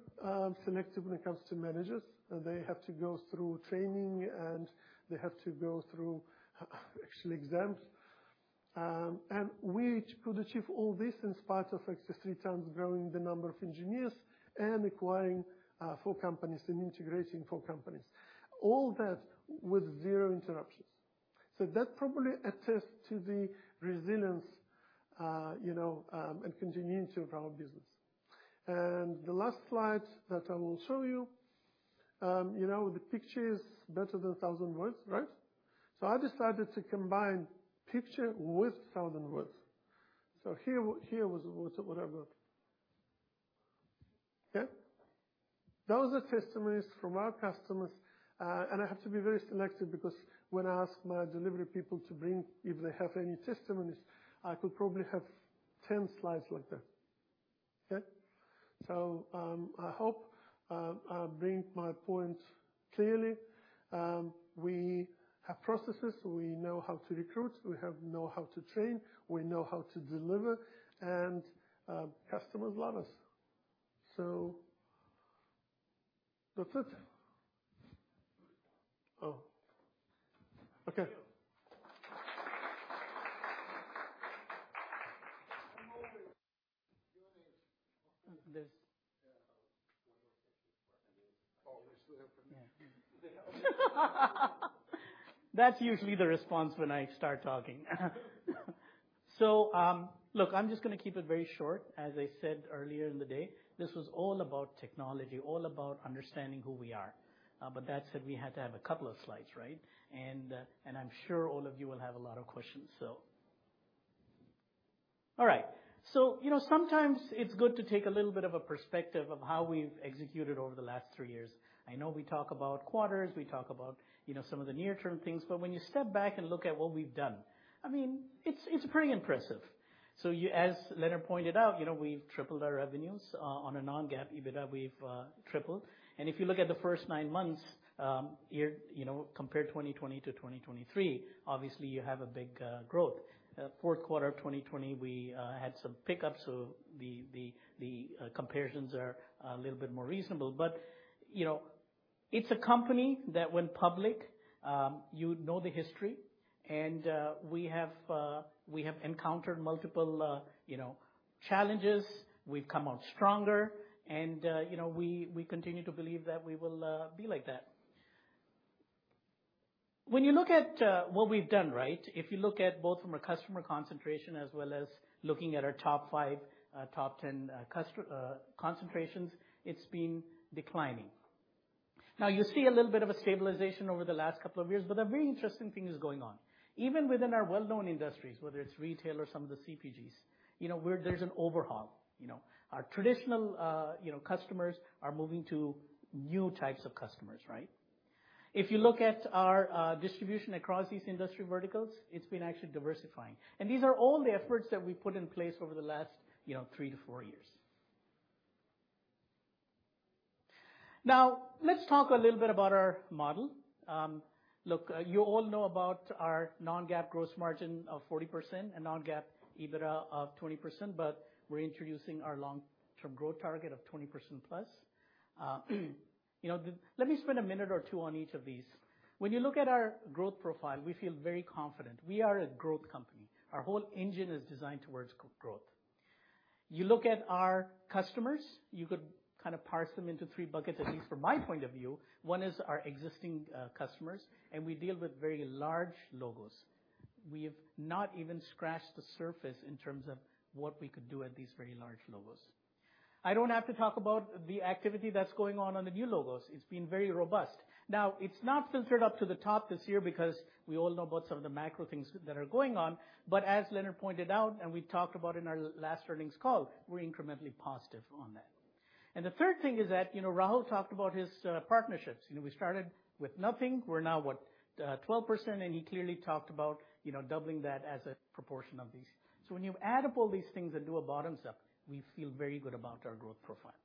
selective when it comes to managers, and they have to go through training, and they have to go through actual exams. We could achieve all this in spite of actually three times growing the number of engineers and acquiring four companies and integrating four companies. All that with zero interruptions. So that probably attest to the resilience, you know, and continuity of our business. And the last slide that I will show you, you know, the picture is better than a thousand words, right? So I decided to combine picture with thousand words. So here was what I got. Okay. Those are testimonies from our customers, and I have to be very selective because when I ask my delivery people to bring, if they have any testimonies, I could probably have 10 slides like that. Okay? So, I hope I bring my point clearly. We have processes, we know how to recruit, we have know how to train, we know how to deliver, and, customers love us. So that's it. Oh, okay. That's usually the response when I start talking. So, look, I'm just gonna keep it very short. As I said earlier in the day, this was all about technology, all about understanding who we are. But that said, we had to have a couple of slides, right? And, and I'm sure all of you will have a lot of questions, so all right. So, you know, sometimes it's good to take a little bit of a perspective of how we've executed over the last three years. I know we talk about quarters, we talk about, you know, some of the near-term things, but when you step back and look at what we've done, I mean, it's, it's pretty impressive. So you as Leonard pointed out, you know, we've tripled our revenues, on a non-GAAP EBITDA, we've tripled. And if you look at the first nine months, year, you know, compare 2020 to 2023, obviously, you have a big growth. Fourth quarter of 2020, we had some pickups, so the comparisons are a little bit more reasonable. But, you know, it's a company that went public. You know the history, and we have encountered multiple you know challenges. We've come out stronger and, you know, we continue to believe that we will be like that. When you look at what we've done, right? If you look at both from a customer concentration as well as looking at our top 5, top 10, customer concentrations, it's been declining. Now, you see a little bit of a stabilization over the last couple of years, but a very interesting thing is going on. Even within our well-known industries, whether it's retail or some of the CPGs, you know, we're, there's an overhaul, you know. Our traditional, you know, customers are moving to new types of customers, right? If you look at our, distribution across these industry verticals, it's been actually diversifying, and these are all the efforts that we put in place over the last, you know, three to four years. Now, let's talk a little bit about our model. Look, you all know about our non-GAAP gross margin of 40% and non-GAAP EBITDA of 20%, but we're introducing our long-term growth target of 20%+. You know, the. Let me spend a minute or two on each of these. When you look at our growth profile, we feel very confident. We are a growth company. Our whole engine is designed towards growth. You look at our customers, you could kind of parse them into three buckets, at least from my point of view. One is our existing customers, and we deal with very large logos. We have not even scratched the surface in terms of what we could do at these very large logos. I don't have to talk about the activity that's going on on the new logos. It's been very robust. Now, it's not filtered up to the top this year because we all know about some of the macro things that are going on, but as Leonard pointed out, and we talked about in our last earnings call, we're incrementally positive on that. The third thing is that, you know, Rahul talked about his partnerships. You know, we started with nothing. We're now what? Twelve percent, and he clearly talked about, you know, doubling that as a proportion of these. So when you add up all these things and do a bottom up, we feel very good about our growth profile.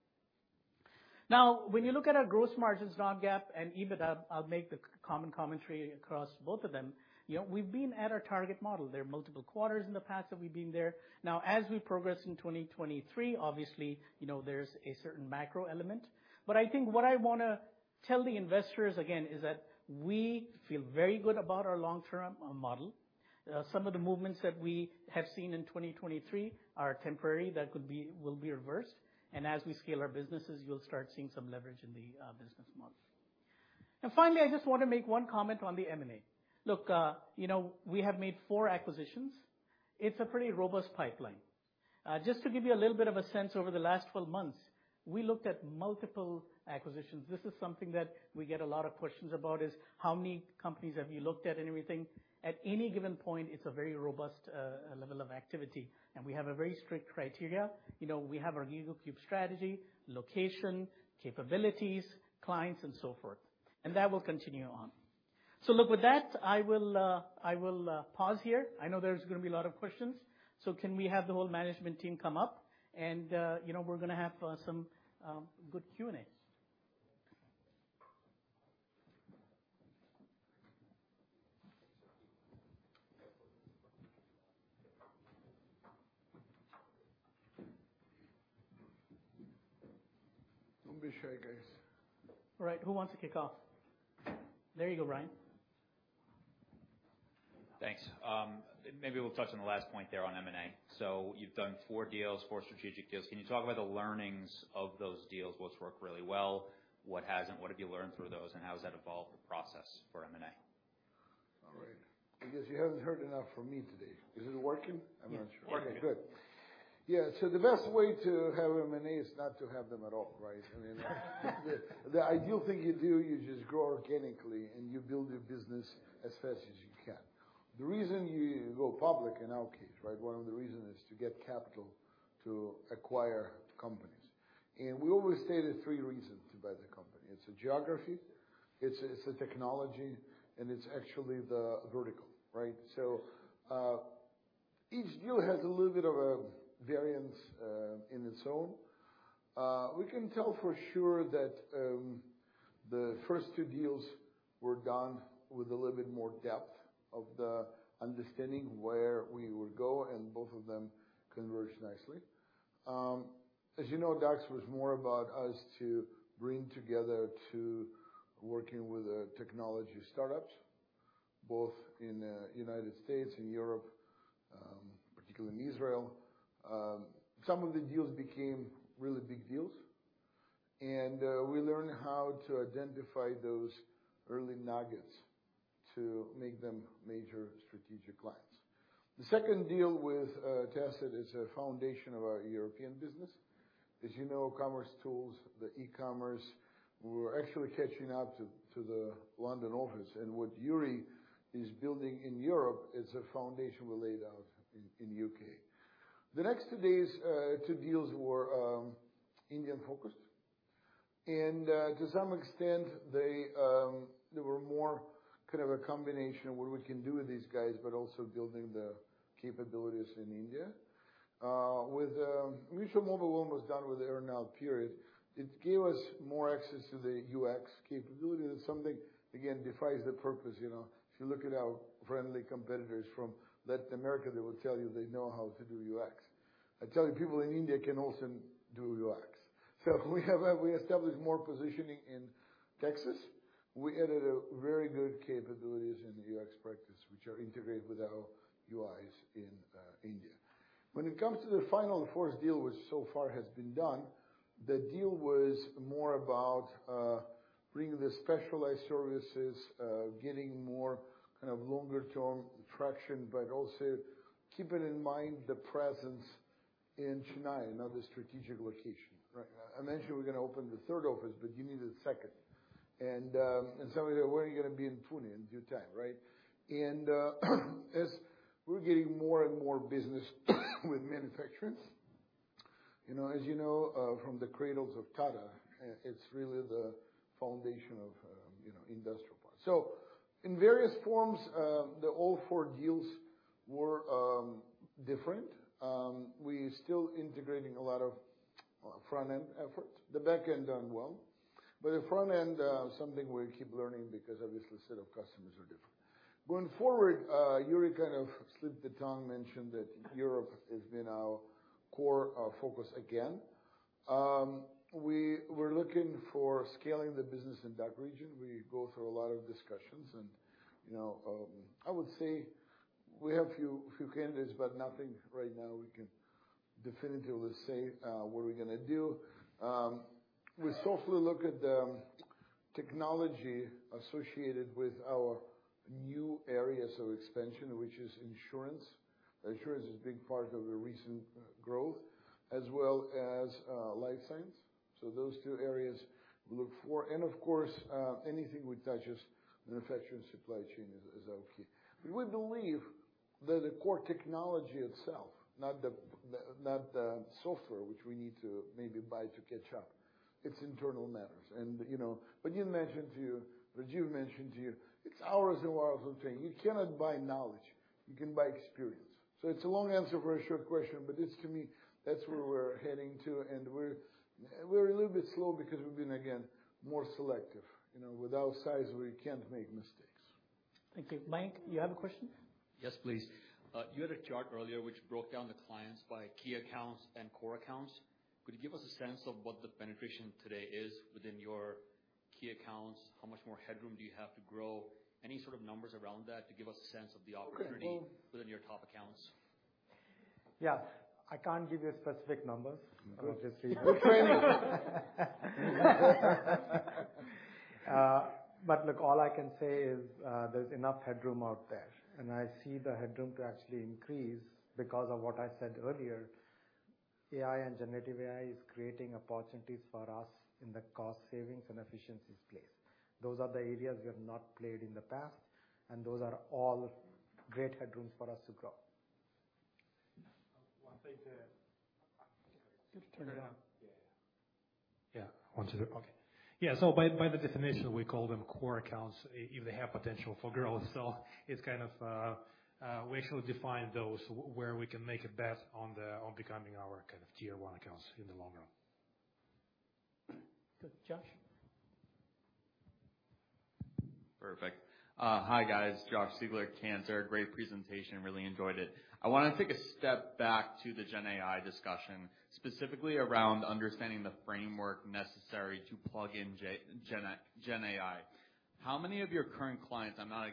Now, when you look at our gross margins, non-GAAP and EBITDA, I'll make the common commentary across both of them. You know, we've been at our target model. There are multiple quarters in the past that we've been there. Now, as we progress in 2023, obviously, you know, there's a certain macro element. But I think what I wanna tell the investors again, is that we feel very good about our long-term model. Some of the movements that we have seen in 2023 are temporary, that could be will be reversed, and as we scale our businesses, you'll start seeing some leverage in the business months. And finally, I just want to make one comment on the M&A. Look, you know, we have made four acquisitions. It's a pretty robust pipeline. Just to give you a little bit of a sense, over the last 12 months, we looked at multiple acquisitions. This is something that we get a lot of questions about, is: How many companies have you looked at and everything? At any given point, it's a very robust level of activity, and we have a very strict criteria. You know, we have our GigaCube strategy, location, capabilities, clients, and so forth, and that will continue on. So look, with that, I will pause here. I know there's gonna be a lot of questions, so can we have the whole management team come up? And, you know, we're gonna have some good Q&As. Don't be shy, guys. All right, who wants to kick off? There you go, Ryan. Thanks. Maybe we'll touch on the last point there on M&A. So you've done 4 deals, 4 strategic deals. Can you talk about the learnings of those deals? What's worked really well, what hasn't? What have you learned through those, and how has that evolved the process for M&A? All right. I guess you haven't heard enough from me today. Is it working? I'm not sure. Working. Good. Yeah, so the best way to have M&A is not to have them at all, right? I mean, the ideal thing you do, you just grow organically, and you build your business as fast as you can. The reason you go public, in our case, right, one of the reasons is to get capital to acquire companies. And we always state the three reasons to buy the company. It's the geography, it's the technology, and it's actually the vertical, right? So, each deal has a little bit of a variance, in its own. We can tell for sure that, the first two deals were done with a little bit more depth of the understanding where we would go, and both of them converged nicely. As you know, Daxx was more about us to bring together to working with the technology startups, both in United States and Europe. Particularly in Israel, some of the deals became really big deals, and we learned how to identify those early nuggets to make them major strategic clients. The second deal with Tacit is a foundation of our European business. As you know, commercetools, the e-commerce, we're actually catching up to the London office, and what Yury is building in Europe is a foundation we laid out in UK. The next two deals were Indian focused. To some extent, they were more kind of a combination of what we can do with these guys, but also building the capabilities in India. With Mutual Mobile, one was done with the earn-out period. It gave us more access to the UX capability. That's something, again, defies the purpose, you know. If you look at our friendly competitors from Latin America, they will tell you they know how to do UX. I tell you, people in India can also do UX. So we have, we established more positioning in Texas. We added a very good capabilities in the UX practice, which are integrated with our UIs in India. When it comes to the final fourth deal, which so far has been done, the deal was more about, bringing the specialized services, getting more kind of longer-term traction, but also keeping in mind the presence in Chennai, another strategic location, right? I mentioned we're gonna open the third office, but you need a second. And, and so we're gonna be in Pune in due time, right? As we're getting more and more business with manufacturers, you know, as you know, from the cradles of Tata, it's really the foundation of, you know, industrial part. So in various forms, the all four deals were different. We still integrating a lot of front-end effort. The back-end done well, but the front-end, something we keep learning because obviously, set of customers are different. Going forward, Yury kind of slipped the tongue, mentioned that Europe has been our core focus again. We're looking for scaling the business in that region. We go through a lot of discussions and, you know, I would say we have few, few candidates, but nothing right now we can definitively say what we're gonna do. We softly look at the technology associated with our new areas of expansion, which is insurance. Insurance is a big part of the recent growth, as well as life science. So those two areas we look for, and of course, anything which touches manufacturing supply chain is our key. We believe that the core technology itself, not the software which we need to maybe buy to catch up, it's internal matters. And, you know, Vadim mentioned to you, Rajeev mentioned to you, it's hours and hours of training. You cannot buy knowledge. You can buy experience. So it's a long answer for a short question, but it's to me, that's where we're heading to, and we're a little bit slow because we've been, again, more selective. You know, with our size, we can't make mistakes. Thank you. Mike, you have a question? Yes, please. You had a chart earlier which broke down the clients by key accounts and core accounts. Could you give us a sense of what the penetration today is within your key accounts? How much more headroom do you have to grow? Any sort of numbers around that to give us a sense of the opportunity- Well within your top accounts? Yeah. I can't give you specific numbers. I'll just say. But look, all I can say is, there's enough headroom out there, and I see the headroom to actually increase because of what I said earlier, AI and generative AI is creating opportunities for us in the cost savings and efficiencies place. Those are the areas we have not played in the past, and those are all great headrooms for us to grow. One thing to Just turn it on. Yeah. Yeah one two, okay. Yeah, so by the definition, we call them core accounts if they have potential for growth. So it's kind of, we actually define those where we can make a bet on becoming our kind of tier one accounts in the long run. Good. Josh? Perfect. Hi, guys. Josh Siegler, Cantor. Great presentation. Really enjoyed it. I wanna take a step back to the GenAI discussion, specifically around understanding the framework necessary to plug in GenAI. How many of your current clients, I'm not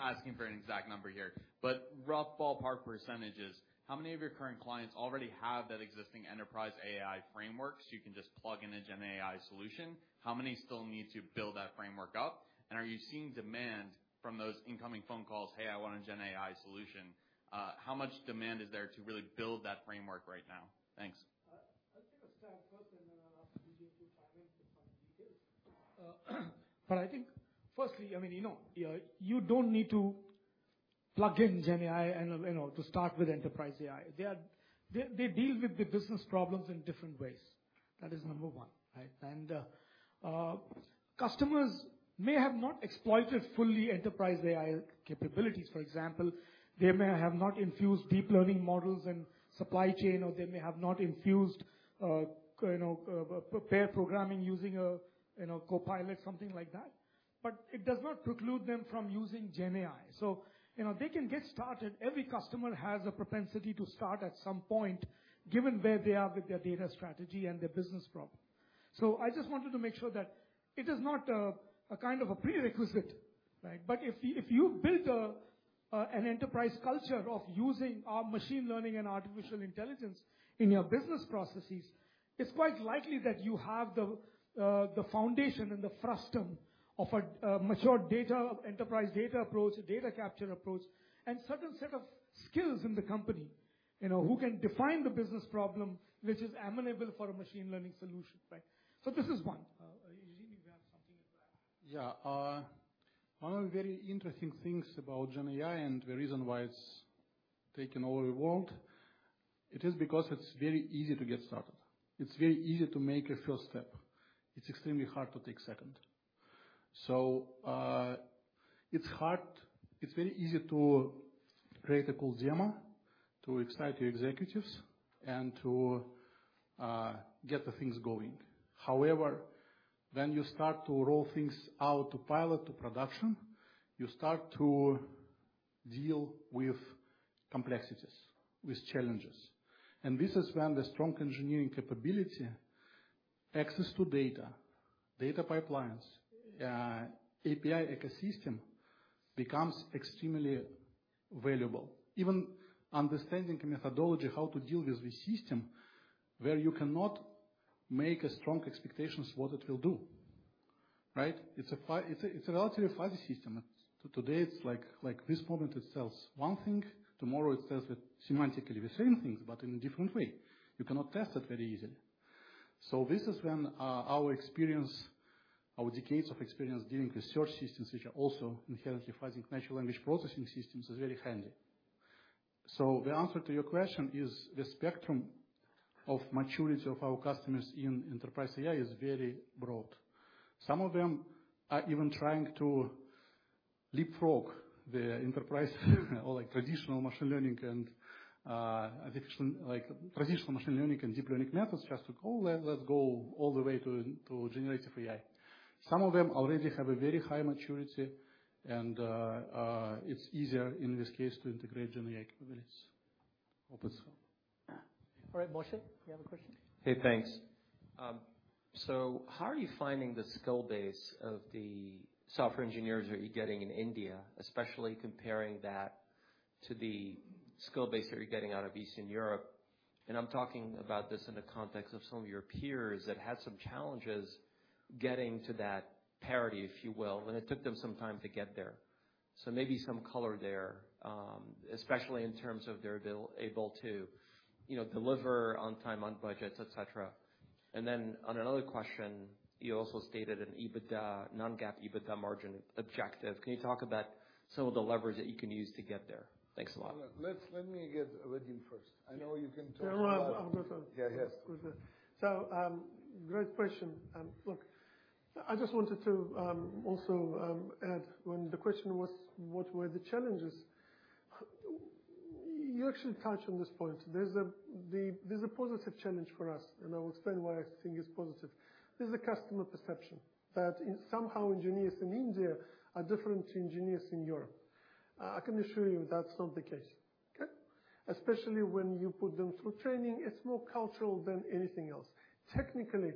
asking for an exact number here, but rough ballpark percentages, how many of your current clients already have that existing enterprise AI framework, so you can just plug in a GenAI solution? How many still need to build that framework up? And are you seeing demand from those incoming phone calls, "Hey, I want a GenAI solution"? How much demand is there to really build that framework right now? Thanks. I'll take a start first, and then I'll ask you to comment and provide the details. But I think firstly, I mean, you know, you don't need to plug in GenAI and, you know, to start with enterprise AI. They are- they, they deal with the business problems in different ways. That is number one, right? And customers may have not exploited fully enterprise AI capabilities. For example, they may have not infused deep learning models and supply chain, or they may have not infused, you know, prepare programming using a, you know, copilot, something like that. But it does not preclude them from using GenAI. So, you know, they can get started. Every customer has a propensity to start at some point, given where they are with their data strategy and their business problem. So I just wanted to make sure that it is not a, a kind of a prerequisite, right? But if you, if you built a, an enterprise culture of using our machine learning and artificial intelligence in your business processes, it's quite likely that you have the, the foundation and the frustum of a, a mature data, enterprise data approach, a data capture approach, and certain set of skills in the company, you know, who can define the business problem, which is amenable for a machine learning solution, right? So this is one. Eugene, you have something to add? Yeah. One of the very interesting things about GenAI and the reason why it's taken over the world, it is because it's very easy to get started. It's very easy to make a first step. It's extremely hard to take second. So, it's very easy to create a cool demo to excite your executives and to get the things going. However, when you start to roll things out to pilot, to production, you start to deal with complexities, with challenges. And this is when the strong engineering capability, access to data, data pipelines, API ecosystem, becomes extremely valuable. Even understanding the methodology, how to deal with the system, where you cannot make a strong expectations what it will do, right? It's a it's, it's a relatively fuzzy system. Today, it's like, like, this moment it sells one thing, tomorrow, it sells it semantically the same things, but in a different way. You cannot test it very easily. So this is when our experience, our decades of experience dealing with search systems, which are also inherently fuzzy, natural language processing systems, is very handy. So the answer to your question is the spectrum of maturity of our customers in enterprise AI is very broad. Some of them are even trying to leapfrog the enterprise, or like traditional machine learning and like traditional machine learning and deep learning methods, just to go, let's go all the way to generative AI. Some of them already have a very high maturity, and it's easier in this case to integrate GenAI capabilities. Hope it's so. All right, Moshe, you have a question? Hey, thanks. So how are you finding the skill base of the software engineers that you're getting in India, especially comparing that to the skill base that you're getting out of Eastern Europe? And I'm talking about this in the context of some of your peers that had some challenges getting to that parity, if you will, and it took them some time to get there. So maybe some color there, especially in terms of they're available to, you know, deliver on time, on budgets, et cetera. And then on another question, you also stated an EBITDA, non-GAAP EBITDA margin objective. Can you talk about some of the levers that you can use to get there? Thanks a lot. Let me get Vadim first. I know you can talk a lot. Yeah, I'll go first. Yeah, yes. Great question. Look, I just wanted to also add when the question was: What were the challenges? You actually touched on this point. There's a positive challenge for us, and I will explain why I think it's positive. There's a customer perception that somehow, engineers in India are different to engineers in Europe. I can assure you that's not the case, okay? Especially when you put them through training, it's more cultural than anything else. Technically,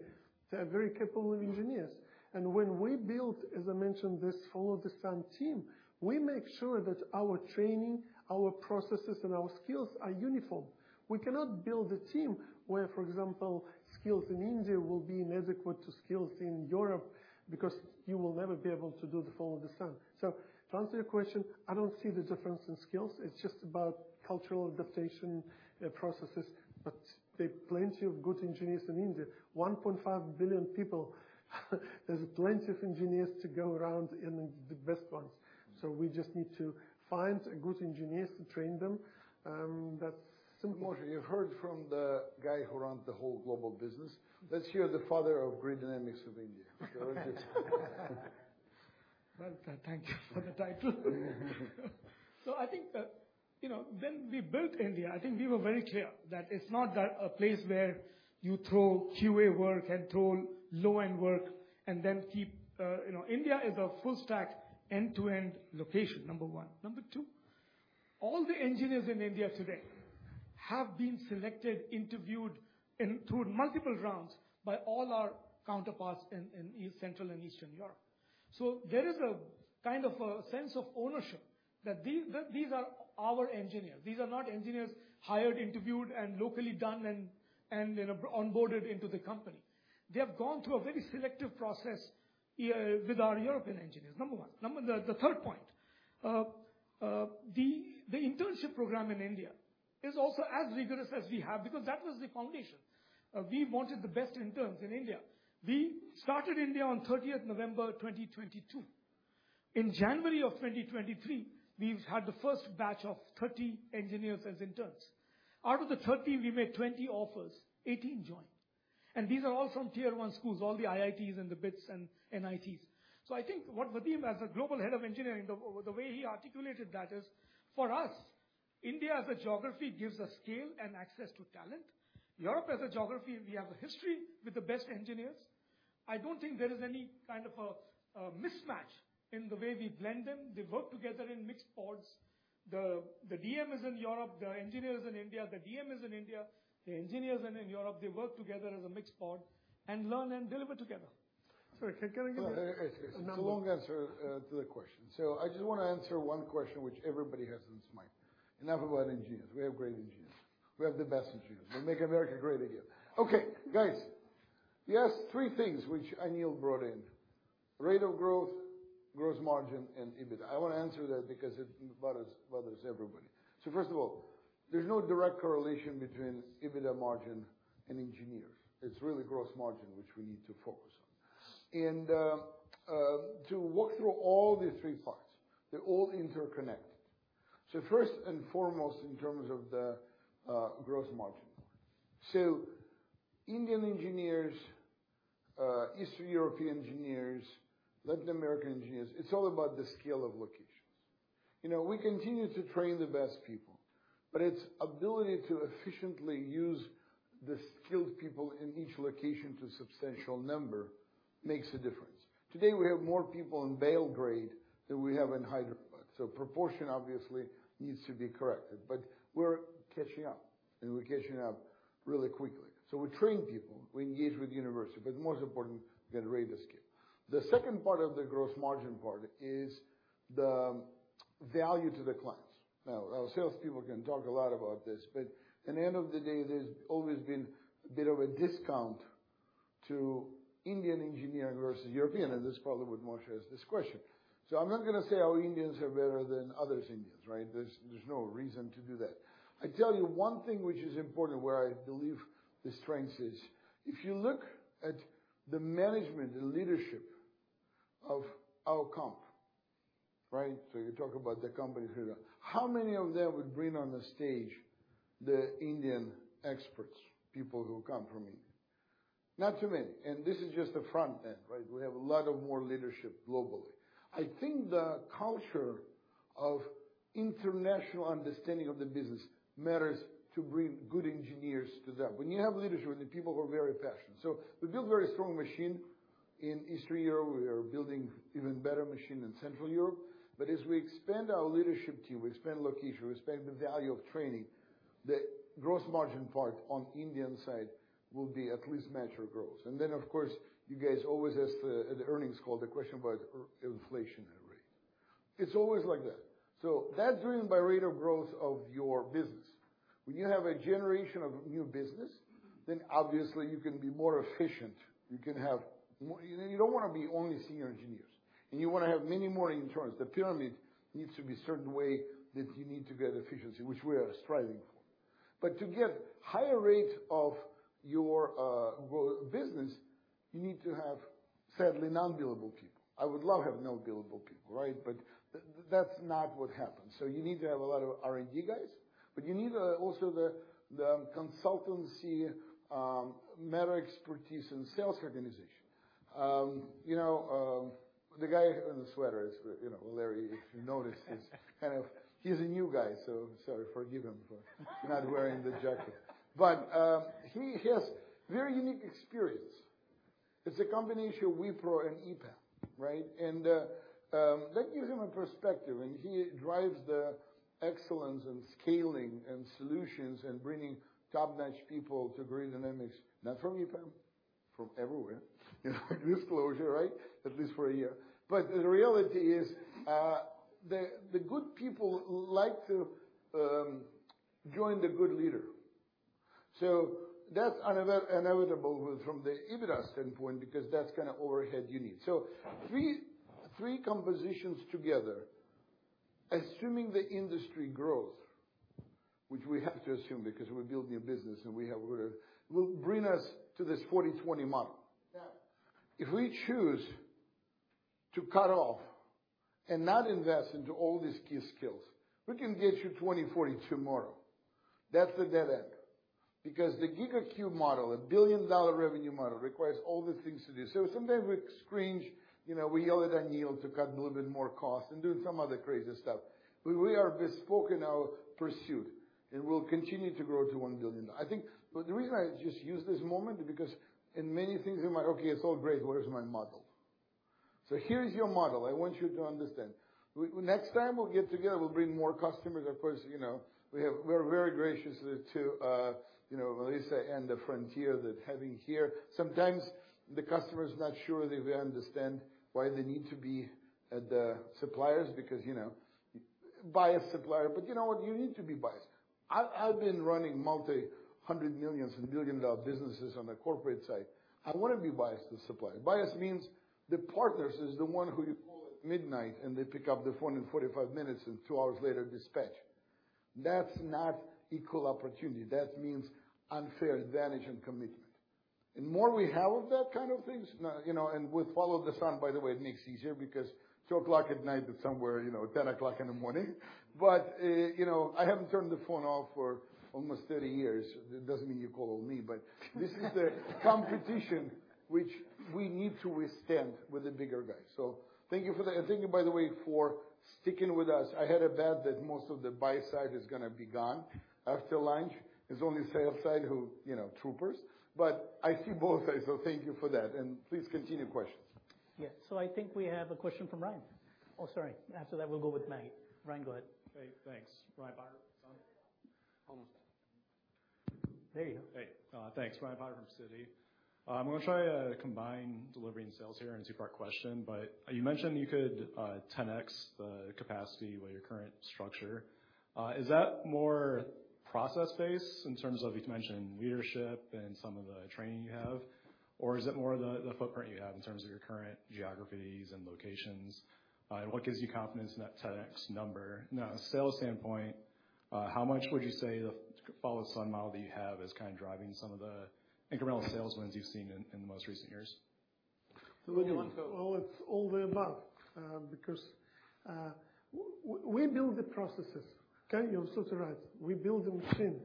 they are very capable engineers, and when we build, as I mentioned, this Follow-the-Sun team, we make sure that our training, our processes, and our skills are uniform. We cannot build a team where, for example, skills in India will be inadequate to skills in Europe, because you will never be able to do the Follow-the-Sun. So to answer your question, I don't see the difference in skills. It's just about cultural adaptation, processes, but there are plenty of good engineers in India, 1.5 billion people. There's plenty of engineers to go around and the best ones, so we just need to find good engineers to train them, that's simple. Moshe, you've heard from the guy who run the whole global business. Let's hear the father of Grid Dynamics of India. Well, thank you for the title. So I think, you know, when we built India, I think we were very clear that it's not that a place where you throw QA work and throw low-end work and then keep you know, India is a full stack, end-to-end location, number one. Number two, all the engineers in India today have been selected, interviewed, and through multiple rounds by all our counterparts in, in East, Central and Eastern Europe. So there is a kind of a sense of ownership, that these, these are our engineers. These are not engineers hired, interviewed, and locally done and, and, you know, onboarded into the company. They have gone through a very selective process, with our European engineers, number one. Number the third point, the internship program in India is also as rigorous as we have, because that was the foundation. We wanted the best interns in India. We started India on 30th November 2022. In January 2023, we've had the first batch of 30 engineers as interns. Out of the 30, we made 20 offers, 18 joined, and these are all from Tier 1 schools, all the IITs and the BITS and NITs. So I think what Vadim, as a global head of engineering, the way he articulated that is, for us, India, as a geography, gives us scale and access to talent. Europe, as a geography, we have a history with the best engineers. I don't think there is any kind of a mismatch in the way we blend them. They work together in mixed pods. The DM is in Europe, the engineer is in India. The DM is in India, the engineer's in Europe. They work together as a mixed pod and learn and deliver together. Sorry, can I give you It's a long answer to the question. So I just want to answer one question which everybody has in his mind. Enough about engineers. We have great engineers. We have the best engineers. We make America great again. Okay, guys, he asked three things which Anil brought in: rate of growth, growth margin, and EBITDA. I want to answer that because it bothers everybody. So first of all, there's no direct correlation between EBITDA margin and engineers. It's really gross margin, which we need to focus on. And to walk through all the three parts, they're all interconnected. So first and foremost, in terms of the gross margin. So Indian engineers, Eastern European engineers, Latin American engineers, it's all about the scale of locations. You know, we continue to train the best people, but its ability to efficiently use the skilled people in each location to substantial number makes a difference. Today, we have more people in Belgrade than we have in Hyderabad, so proportion obviously needs to be corrected, but we're catching up, and we're catching up really quickly. So we train people, we engage with university, but most important, get rate of scale. The second part of the gross margin part is the value to the clients. Now, our sales people can talk a lot about this, but in the end of the day, there's always been a bit of a discount to Indian engineering versus European, and this is probably what Moshe has this question. So I'm not gonna say, oh, Indians are better than others Indians, right? There's, there's no reason to do that. I tell you one thing which is important, where I believe the strength is, if you look at the management, the leadership of our company, right? So you talk about the company. How many of them would bring on the stage the Indian experts, people who come from India? Not too many, and this is just the front end, right? We have a lot more leadership globally. I think the culture of international understanding of the business matters to bring good engineers to that. When you have leadership, the people who are very passionate. So we build very strong machine in Eastern Europe. We are building even better machine in Central Europe. But as we expand our leadership team, we expand location, we expand the value of training, the gross margin part on Indian side will be at least match your growth. Then, of course, you guys always ask, at the earnings call, the question about inflation rate. It's always like that. So that's driven by rate of growth of your business. When you have a generation of new business, then obviously you can be more efficient. You can have more. You don't want to be only senior engineers, and you want to have many more interns. The pyramid needs to be a certain way that you need to get efficiency, which we are striving for. But to get higher rate of your growth business, you need to have sadly non-billable people. I would love to have no billable people, right? But that's not what happens. So you need to have a lot of R&D guys, but you need also the consultancy matter expertise and sales organization. You know, the guy in the sweater is, you know, Larry, if you notice, is kind of he's a new guy, so sorry, forgive him for not wearing the jacket. But, he has very unique experience. It's a combination of Wipro and EPAM, right? And, that gives him a perspective, and he drives the excellence and scaling and solutions and bringing top-notch people to Grid Dynamics, not from EPAM, from everywhere. Disclosure, right? At least for a year. But the reality is, the, the good people like to, join the good leader. So that's inevitable from the EBITDA standpoint, because that's kind of overhead you need. So three, three compositions together, assuming the industry growth, which we have to assume because we're building a business and we have to will bring us to this 40/20 model. Now, if we choose to cut off and not invest into all these key skills, we can get you 20/40 tomorrow. That's a dead end, because the GigaCube model, a $1 billion revenue model, requires all the things to do. So sometimes we cringe, you know, we yell at Anil to cut a little bit more cost and do some other crazy stuff. But we are bespoke in our pursuit, and we'll continue to grow to $1 billion. I think but the reason I just use this moment, because in many things, they're like, "Okay, it's all great. Where's my model?" So here's your model. I want you to understand. Next time we'll get together, we'll bring more customers. Of course, you know, we have we're very gracious to, you know, Melissa and the Frontier for having her here. Sometimes the customer is not sure they understand why they need to be at the suppliers, because, you know, buy a supplier, but you know what? You need to be biased. I've, I've been running multi-hundred millions and billion-dollar businesses on the corporate side. I want to be biased to supplier. Biased means the partners is the one who you call at midnight, and they pick up the phone in 45 minutes and two hours later, dispatch. That's not equal opportunity. That means unfair advantage and commitment. And more we have of that kind of things, you know, and with Follow-the-Sun, by the way, it makes easier because 2:00 A.M. at night is somewhere, you know, 10:00 A.M. in the morning. s. But, you know, I haven't turned the phone off for almost 30 year It doesn't mean you call on me, but this is the competition which we need to withstand with the bigger guys. So thank you for that. And thank you, by the way, for coming sticking with us. I had a bet that most of the buy side is gonna be gone after lunch. It's only sales side who, you know, troopers, but I see both sides, so thank you for that, and please continue questions. Yes. So I think we have a question from Ryan. Oh, sorry. After that, we'll go with Maggie. Ryan, go ahead. Hey, thanks. Ryan Potter. Almost. There you go. Hey, thanks. Ryan Potter from Citi. I'm gonna try to combine delivering sales here in a two-part question, but you mentioned you could 10x the capacity with your current structure. Is that more process-based in terms of you've mentioned leadership and some of the training you have, or is it more the, the footprint you have in terms of your current geographies and locations? And what gives you confidence in that 10x number? Now, sales standpoint, how much would you say the Follow-the-Sun model that you have is kind of driving some of the incremental sales wins you've seen in, in the most recent years? So well, it's all the above, because we build the processes. Okay? You're sort of right. We build the machine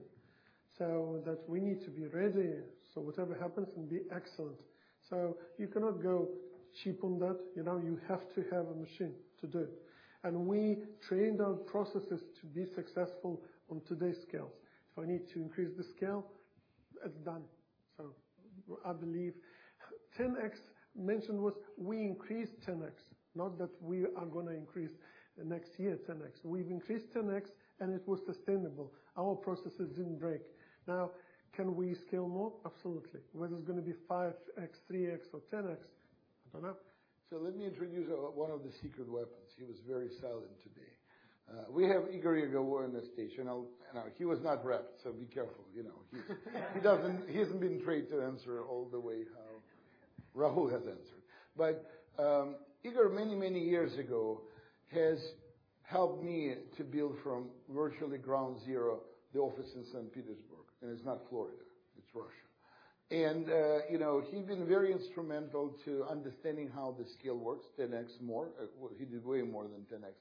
so that we need to be ready, so whatever happens, we'll be excellent. So you cannot go cheap on that. You know, you have to have a machine to do it. And we trained our processes to be successful on today's scales. If I need to increase the scale, it's done. So I believe 10x mentioned was we increased 10x, not that we are gonna increase next year 10x. We've increased 10x, and it was sustainable. Our processes didn't break. Now, can we scale more? Absolutely. Whether it's gonna be 5x, 3x, or 10x, I don't know. So let me introduce one of the secret weapons. He was very silent today. We have Igor Yegorov on the stage. Now, he was not repped, so be careful, you know. He's, he doesn't, he hasn't been trained to answer all the way how Rahul has answered. But, Igor, many, many years ago, has helped me to build from virtually ground zero, the office in St. Petersburg, and it's not Florida, it's Russia. And, you know, he's been very instrumental to understanding how the scale works, 10x more. Well, he did way more than 10x,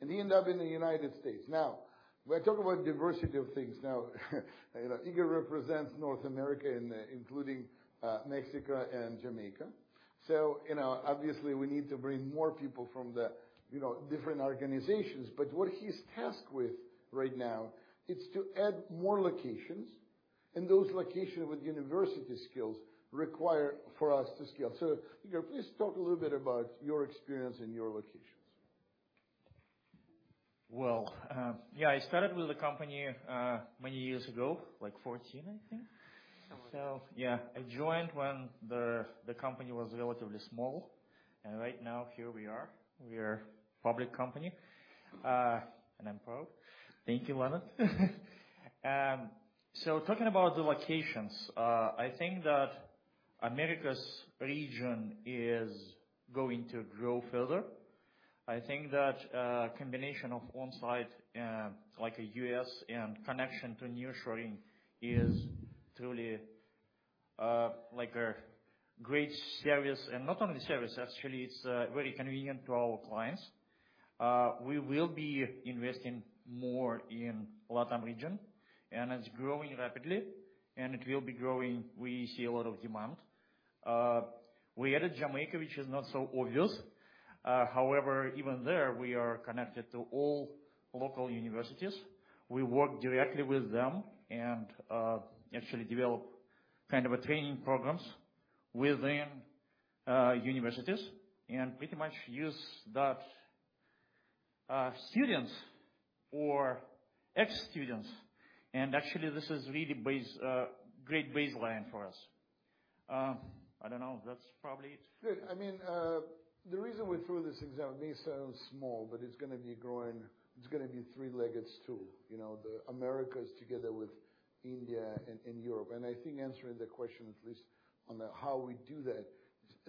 and he ended up in the United States. Now, we're talking about diversity of things now. You know, Igor represents North America, including, Mexico and Jamaica. So, you know, obviously, we need to bring more people from the, you know, different organizations. But what he's tasked with right now, it's to add more locations, and those locations with university skills require for us to scale. So, Igor, please talk a little bit about your experience and your locations. Well, yeah, I started with the company many years ago, like 14, I think. So yeah, I joined when the company was relatively small, and right now, here we are. We are a public company, and I'm proud. Thank you, Leonard. So talking about the locations, I think that Americas region is going to grow further. I think that combination of on-site, like a U.S. and connection to nearshoring is truly like a great service, and not only service, actually, it's very convenient to our clients. We will be investing more in Latin region, and it's growing rapidly, and it will be growing. We see a lot of demand. We added Jamaica, which is not so obvious. However, even there, we are connected to all local universities. We work directly with them and, actually develop kind of a training programs within, universities and pretty much use that, students or ex-students. Actually, this is really base, great baseline for us. I don't know. That's probably it. Good. I mean, the reason we threw this example may sound small, but it's gonna be growing It's gonna be three-legged stool. You know, the Americas together with India and, and Europe. And I think, answering the question, at least on the how we do that,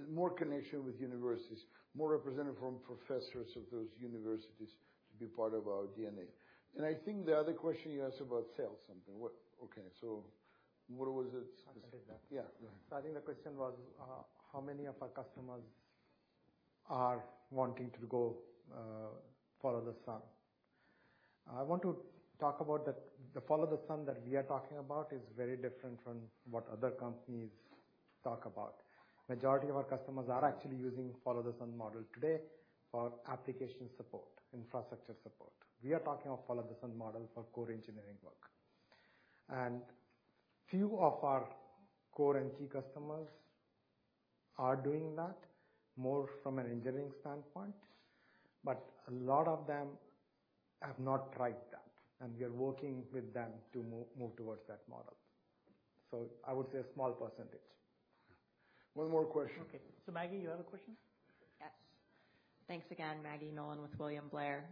more connection with universities, more representative from professors of those universities to be part of our DNA. And I think the other question you asked about sales something. What? Okay, so what was it? I said that. Yeah, go ahead. I think the question was, how many of our customers are wanting to go, Follow-the-Sun? I want to talk about that the Follow-the-Sun that we are talking about is very different from what other companies talk about. The majority of our customers are actually using Follow-the-Sun model today for application support, infrastructure support. We are talking of Follow-the-Sun model for core engineering work. Few of our core and key customers are doing that more from an engineering standpoint, but a lot of them have not tried that, and we are working with them to move towards that model. So I would say a small percentage. One more question. Okay. So Maggie, you have a question? Yes. Thanks again. Maggie Nolan with William Blair.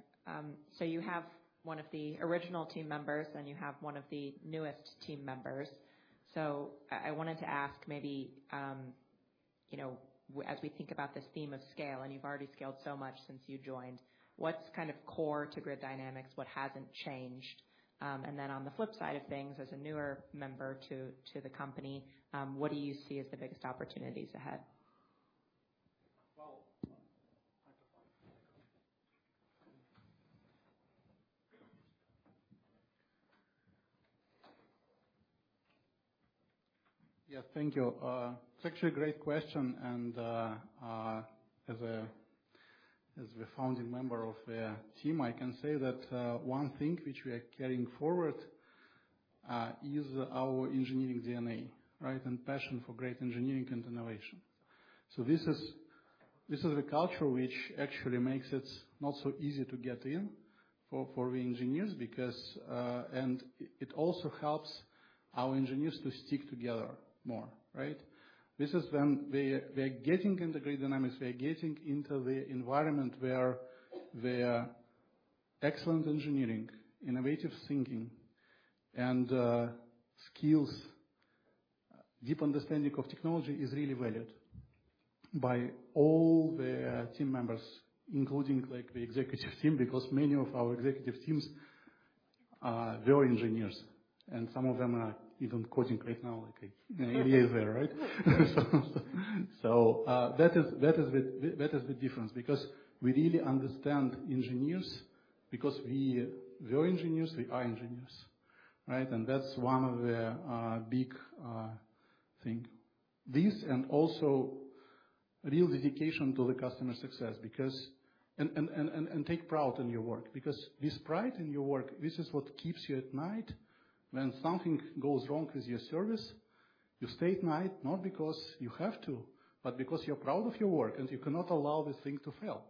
So you have one of the original team members, and you have one of the newest team members. So I wanted to ask maybe, you know, as we think about this theme of scale, and you've already scaled so much since you joined, what's kind of core to Grid Dynamics? What hasn't changed? And then on the flip side of things, as a newer member to the company, what do you see as the biggest opportunities ahead? Well, microphone. Yes, thank you. It's actually a great question, and, as a, as the founding member of the team, I can say that, one thing which we are carrying forward, is our engineering DNA, right? And passion for great engineering and innovation. So this is, this is a culture which actually makes it not so easy to get in for, for the engineers, because, and it also helps our engineers to stick together more, right? This is when we are, we are getting into Grid Dynamics, we are getting into the environment where, where excellent engineering, innovative thinking, and, skills, deep understanding of technology is really valued by all the team members, including, like, the executive team, because many of our executive teams are were engineers, and some of them are even coding right now, like, Ilya is there, right? That is the difference, because we really understand engineers, because we were engineers, we are engineers, right? And that's one of the big thing. This, and also real dedication to the customer success, because take pride in your work, because this pride in your work, this is what keeps you at night. When something goes wrong with your service, you stay at night not because you have to, but because you're proud of your work, and you cannot allow this thing to fail.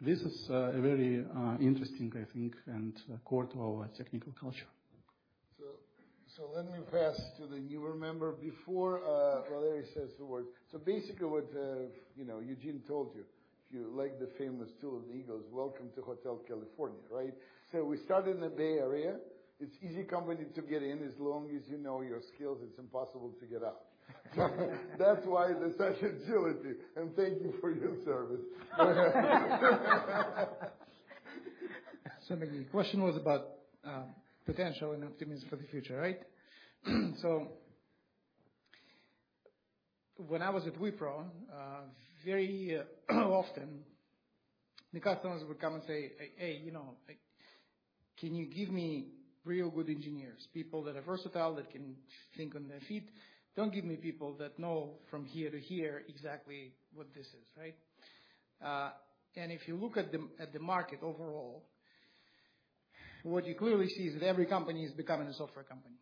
This is a very interesting, I think, and core to our technical culture. So, so let me pass to the new member before Valeriy says a word. So basically, what you know, Eugene told you, if you like the famous tune of the Eagles, welcome to Hotel California, right? So we start in the Bay Area. It's easy company to get in as long as you know your skills; it's impossible to get out. So that's why there's such agility, and thank you for your service. So the question was about potential and optimism for the future, right? So when I was at Wipro, very often the customers would come and say, "Hey, you know, like, can you give me real good engineers, people that are versatile, that can think on their feet? Don't give me people that know from here to here exactly what this is," right? And if you look at the market overall, what you clearly see is that every company is becoming a software company,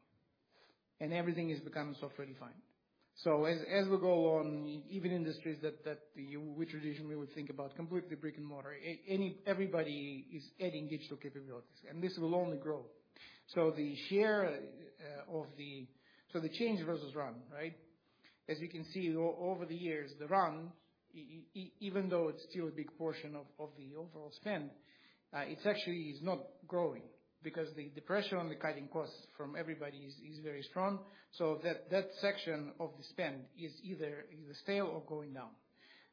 and everything is becoming software-defined. So as we go on, even industries that we traditionally would think about completely brick-and-mortar, anybody is adding digital capabilities, and this will only grow. So the share of the So the change versus run, right? As you can see, over the years, the run, even though it's still a big portion of the overall spend, it's actually not growing because the pressure on cutting costs from everybody is very strong. So that section of the spend is either stale or going down.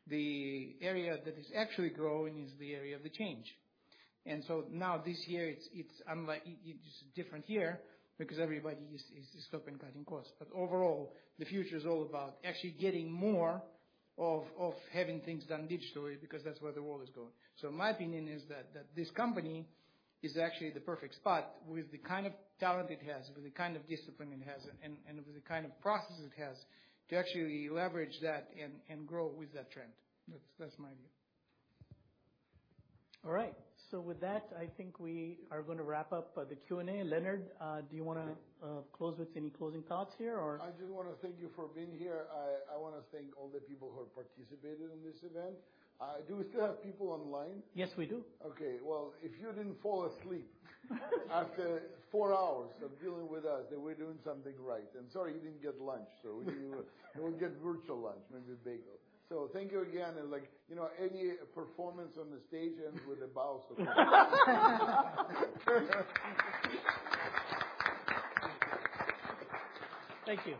The area that is actually growing is the area of the change. And so now this year, it's unlike It's just different here because everybody is stopping cutting costs. But overall, the future is all about actually getting more of having things done digitally, because that's where the world is going. My opinion is that this company is actually the perfect spot with the kind of talent it has, with the kind of discipline it has, and with the kind of processes it has, to actually leverage that and grow with that trend. That's my view. All right. So with that, I think we are going to wrap up the Q&A. Leonard, do you wanna close with any closing thoughts here, or? I just want to thank you for being here. I want to thank all the people who have participated in this event. Do we still have people online? Yes, we do. Okay, well, if you didn't fall asleep after 4 hours of dealing with us, then we're doing something right. Sorry, you didn't get lunch, so you will get virtual lunch, maybe a bagel. Thank you again, and like, you know, any performance on the stage ends with applause. Thank you.